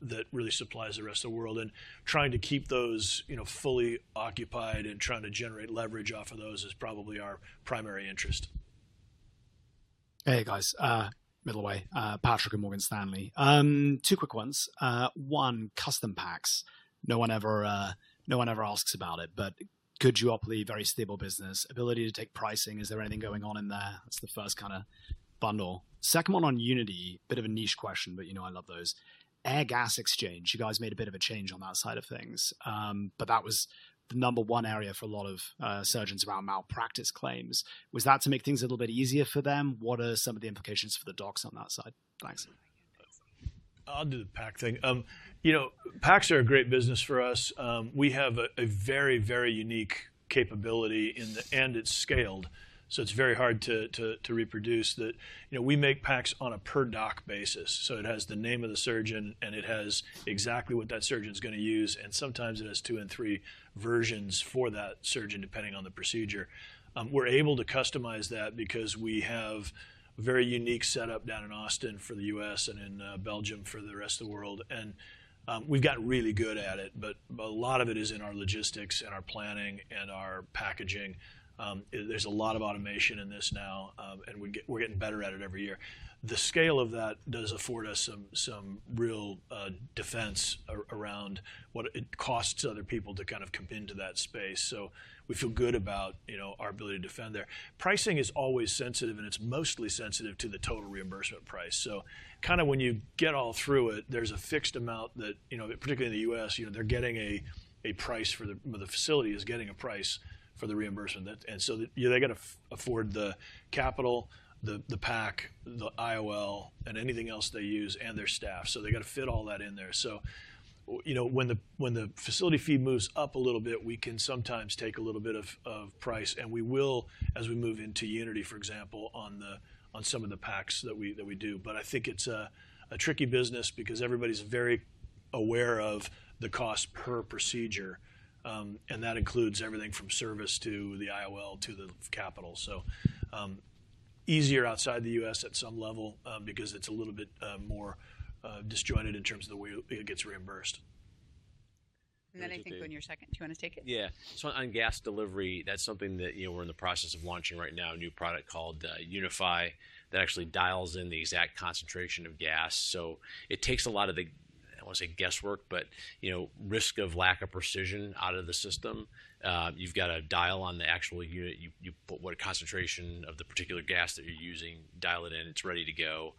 that really supplies the rest of the world. Trying to keep those fully occupied and trying to generate leverage off of those is probably our primary interest. Hey, guys. Middle way. Patrick and Morgan Stanley. Two quick ones. One, custom packs. No one ever asks about it, but good job, very stable business. Ability to take pricing. Is there anything going on in there? That's the first kind of bundle. Second one on Unity, a bit of a niche question, but I love those. Air gas exchange. You guys made a bit of a change on that side of things. That was the number one area for a lot of surgeons around malpractice claims. Was that to make things a little bit easier for them? What are some of the implications for the docs on that side? Thanks. I'll do the pack thing. Packs are a great business for us. We have a very, very unique capability, and it's scaled. It is very hard to reproduce that. We make packs on a per-doc basis. It has the name of the surgeon, and it has exactly what that surgeon is going to use. Sometimes it has two and three versions for that surgeon depending on the procedure. We are able to customize that because we have a very unique setup down in Austin for the U.S.. and in Belgium for the rest of the world. We have gotten really good at it, but a lot of it is in our logistics and our planning and our packaging. There is a lot of automation in this now, and we are getting better at it every year. The scale of that does afford us some real defense around what it costs other people to kind of come into that space. We feel good about our ability to defend there. Pricing is always sensitive, and it's mostly sensitive to the total reimbursement price. When you get all through it, there's a fixed amount that, particularly in the U.S., they're getting a price for, the facility is getting a price for the reimbursement. They have to afford the capital, the pack, the IOL, and anything else they use and their staff. They have to fit all that in there. When the facility fee moves up a little bit, we can sometimes take a little bit of price. We will, as we move into Unity, for example, on some of the packs that we do. I think it's a tricky business because everybody's very aware of the cost per procedure. That includes everything from service to the IOL to the capital. Easier outside the U.S. at some level because it's a little bit more disjointed in terms of the way it gets reimbursed. I think, go in your second. Do you want to take it? Yeah. On gas delivery, that's something that we're in the process of launching right now, a new product called Unify that actually dials in the exact concentration of gas. It takes a lot of the, I want to say, guesswork, but risk of lack of precision out of the system. You've got a dial on the actual unit. You put what concentration of the particular gas that you're using, dial it in, it's ready to go.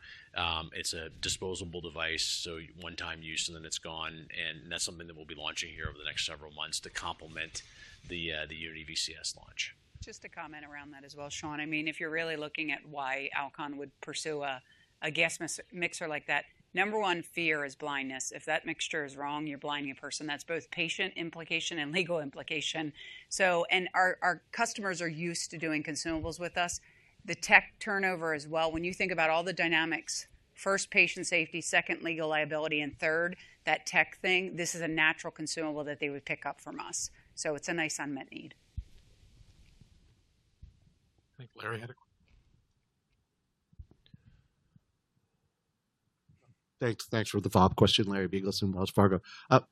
It's a disposable device, so one-time use, and then it's gone. That's something that we'll be launching here over the next several months to complement the Unity VCS launch. Just a comment around that as well, Sean. I mean, if you're really looking at why Alcon would pursue a gas mixer like that, number one fear is blindness. If that mixture is wrong, you're blinding a person. That's both patient implication and legal implication. Our customers are used to doing consumables with us. The tech turnover as well. When you think about all the dynamics, first, patient safety, second, legal liability, and third, that tech thing, this is a natural consumable that they would pick up from us. It's a nice unmet need. Thank you. Larry had a question. Thanks for the follow-up question, Larry Biegelsen from Wells Fargo.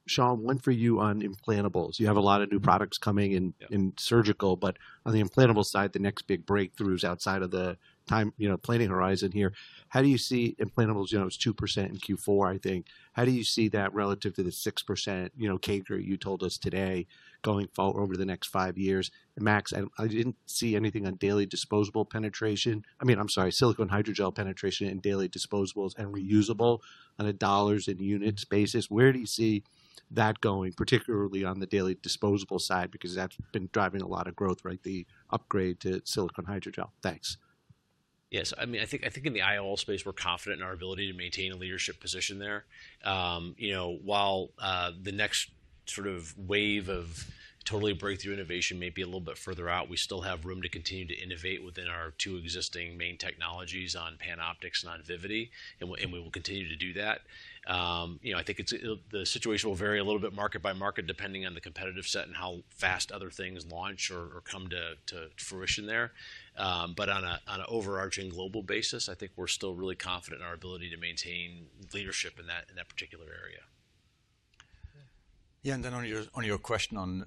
Sean, one for you on implantables. You have a lot of new products coming in surgical, but on the implantable side, the next big breakthroughs outside of the planning horizon here. How do you see implantables? It was 2% in Q4, I think. How do you see that relative to the 6%, CAGR, you told us today, going forward over the next five years? Max, I didn't see anything on daily disposable penetration. I mean, I'm sorry, silicone hydrogel penetration in daily disposables and reusable on a dollars and units basis. Where do you see that going, particularly on the daily disposable side? Because that's been driving a lot of growth, right? The upgrade toSiHy. Thanks. Yes. I mean, I think in the IOL space, we're confident in our ability to maintain a leadership position there. While the next sort of wave of totally breakthrough innovation may be a little bit further out, we still have room to continue to innovate within our two existing main technologies on PanOptix and on Vivity, and we will continue to do that. I think the situation will vary a little bit market by market depending on the competitive set and how fast other things launch or come to fruition there. On an overarching global basis, I think we're still really confident in our ability to maintain leadership in that particular area. Yeah. On your question on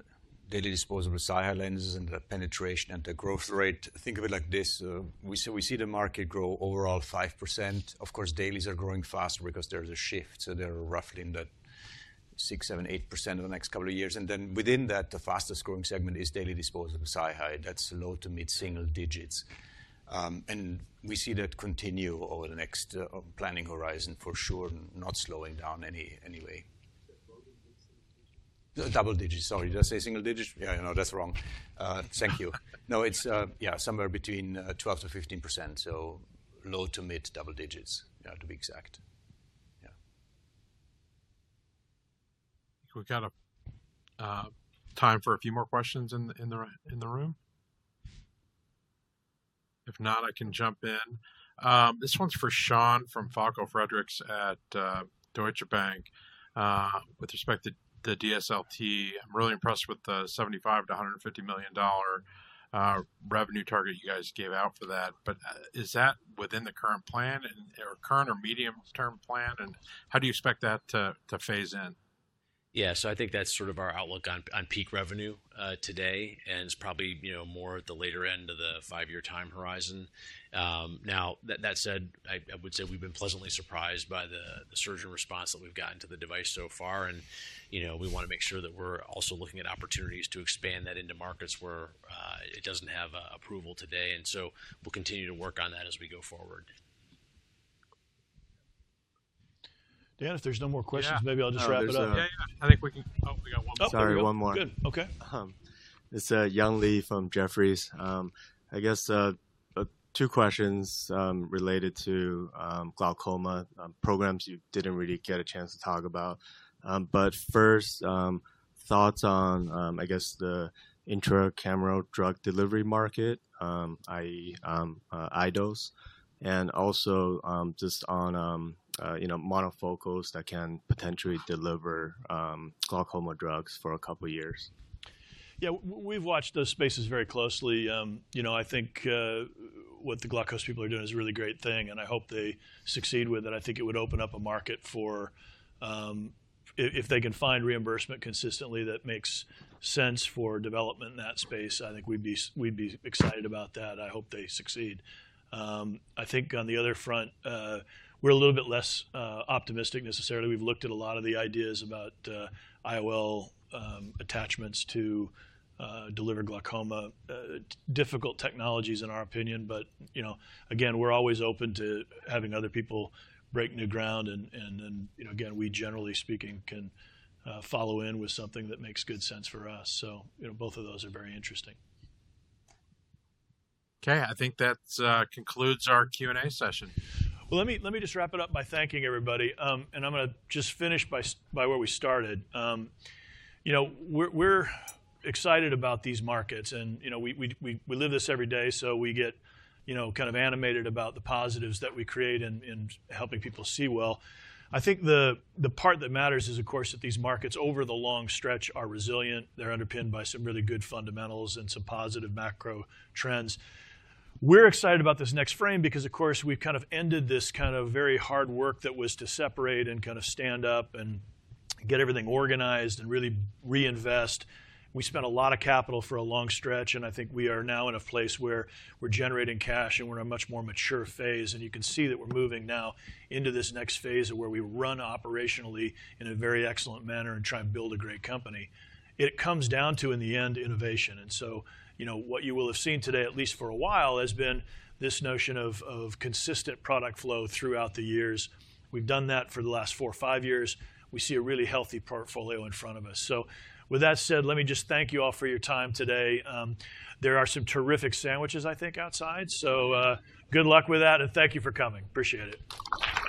daily disposable SiHy lenses and the penetration and the growth rate, think of it like this. We see the market grow overall 5%. Of course, dailies are growing faster because there is a shift. They are roughly in the 6%-8% over the next couple of years. Within that, the fastest growing segment is daily disposable SiHy. That is low to mid-single digits. We see that continue over the next planning horizon for sure, not slowing down anyway. Double digits, sorry. Did I say single digits? Yeah, I know that is wrong. Thank you. No, it is, yeah, somewhere between 12%-15%. Low to mid-double digits, to be exact. Yeah. We've got time for a few more questions in the room. If not, I can jump in. This one's for Sean from Falko Friedrichs at Deutsche Bank with respect to the DSLT. I'm really impressed with the $75 million-$150 million revenue target you guys gave out for that. Is that within the current plan or current or medium-term plan? How do you expect that to phase in? Yeah. I think that's sort of our outlook on peak revenue today and is probably more at the later end of the five-year time horizon. Now, that said, I would say we've been pleasantly surprised by the surgeon response that we've gotten to the device so far. We want to make sure that we're also looking at opportunities to expand that into markets where it doesn't have approval today. We will continue to work on that as we go forward. Dan, if there's no more questions, maybe I'll just wrap it up. Yeah, yeah. I think we got one more. Sorry, one more. Good. Okay. It's Yong Lee from Jefferies. I guess two questions related to glaucoma programs you didn't really get a chance to talk about. First, thoughts on, I guess, the intracameral drug delivery market, i.e., eye dose, and also just on monofocals that can potentially deliver glaucoma drugs for a couple of years. Yeah. We've watched those spaces very closely. I think what the Glaukos people are doing is a really great thing, and I hope they succeed with it. I think it would open up a market if they can find reimbursement consistently that makes sense for development in that space, I think we'd be excited about that. I hope they succeed. I think on the other front, we're a little bit less optimistic necessarily. We've looked at a lot of the ideas about IOL attachments to deliver glaucoma. Difficult technologies in our opinion. Again, we're always open to having other people break new ground. Again, we generally speaking can follow in with something that makes good sense for us. Both of those are very interesting. Okay. I think that concludes our Q&A session. Let me just wrap it up by thanking everybody. I'm going to just finish by where we started. We're excited about these markets. We live this every day, so we get kind of animated about the positives that we create in helping people see well. I think the part that matters is, of course, that these markets over the long stretch are resilient. They're underpinned by some really good fundamentals and some positive macro trends. We're excited about this next frame because, of course, we've kind of ended this very hard work that was to separate and kind of stand up and get everything organized and really reinvest. We spent a lot of capital for a long stretch, and I think we are now in a place where we're generating cash and we're in a much more mature phase. You can see that we're moving now into this next phase of where we run operationally in a very excellent manner and try and build a great company. It comes down to, in the end, innovation. What you will have seen today, at least for a while, has been this notion of consistent product flow throughout the years. We've done that for the last four or five years. We see a really healthy portfolio in front of us. With that said, let me just thank you all for your time today. There are some terrific sandwiches, I think, outside. Good luck with that, and thank you for coming. Appreciate it.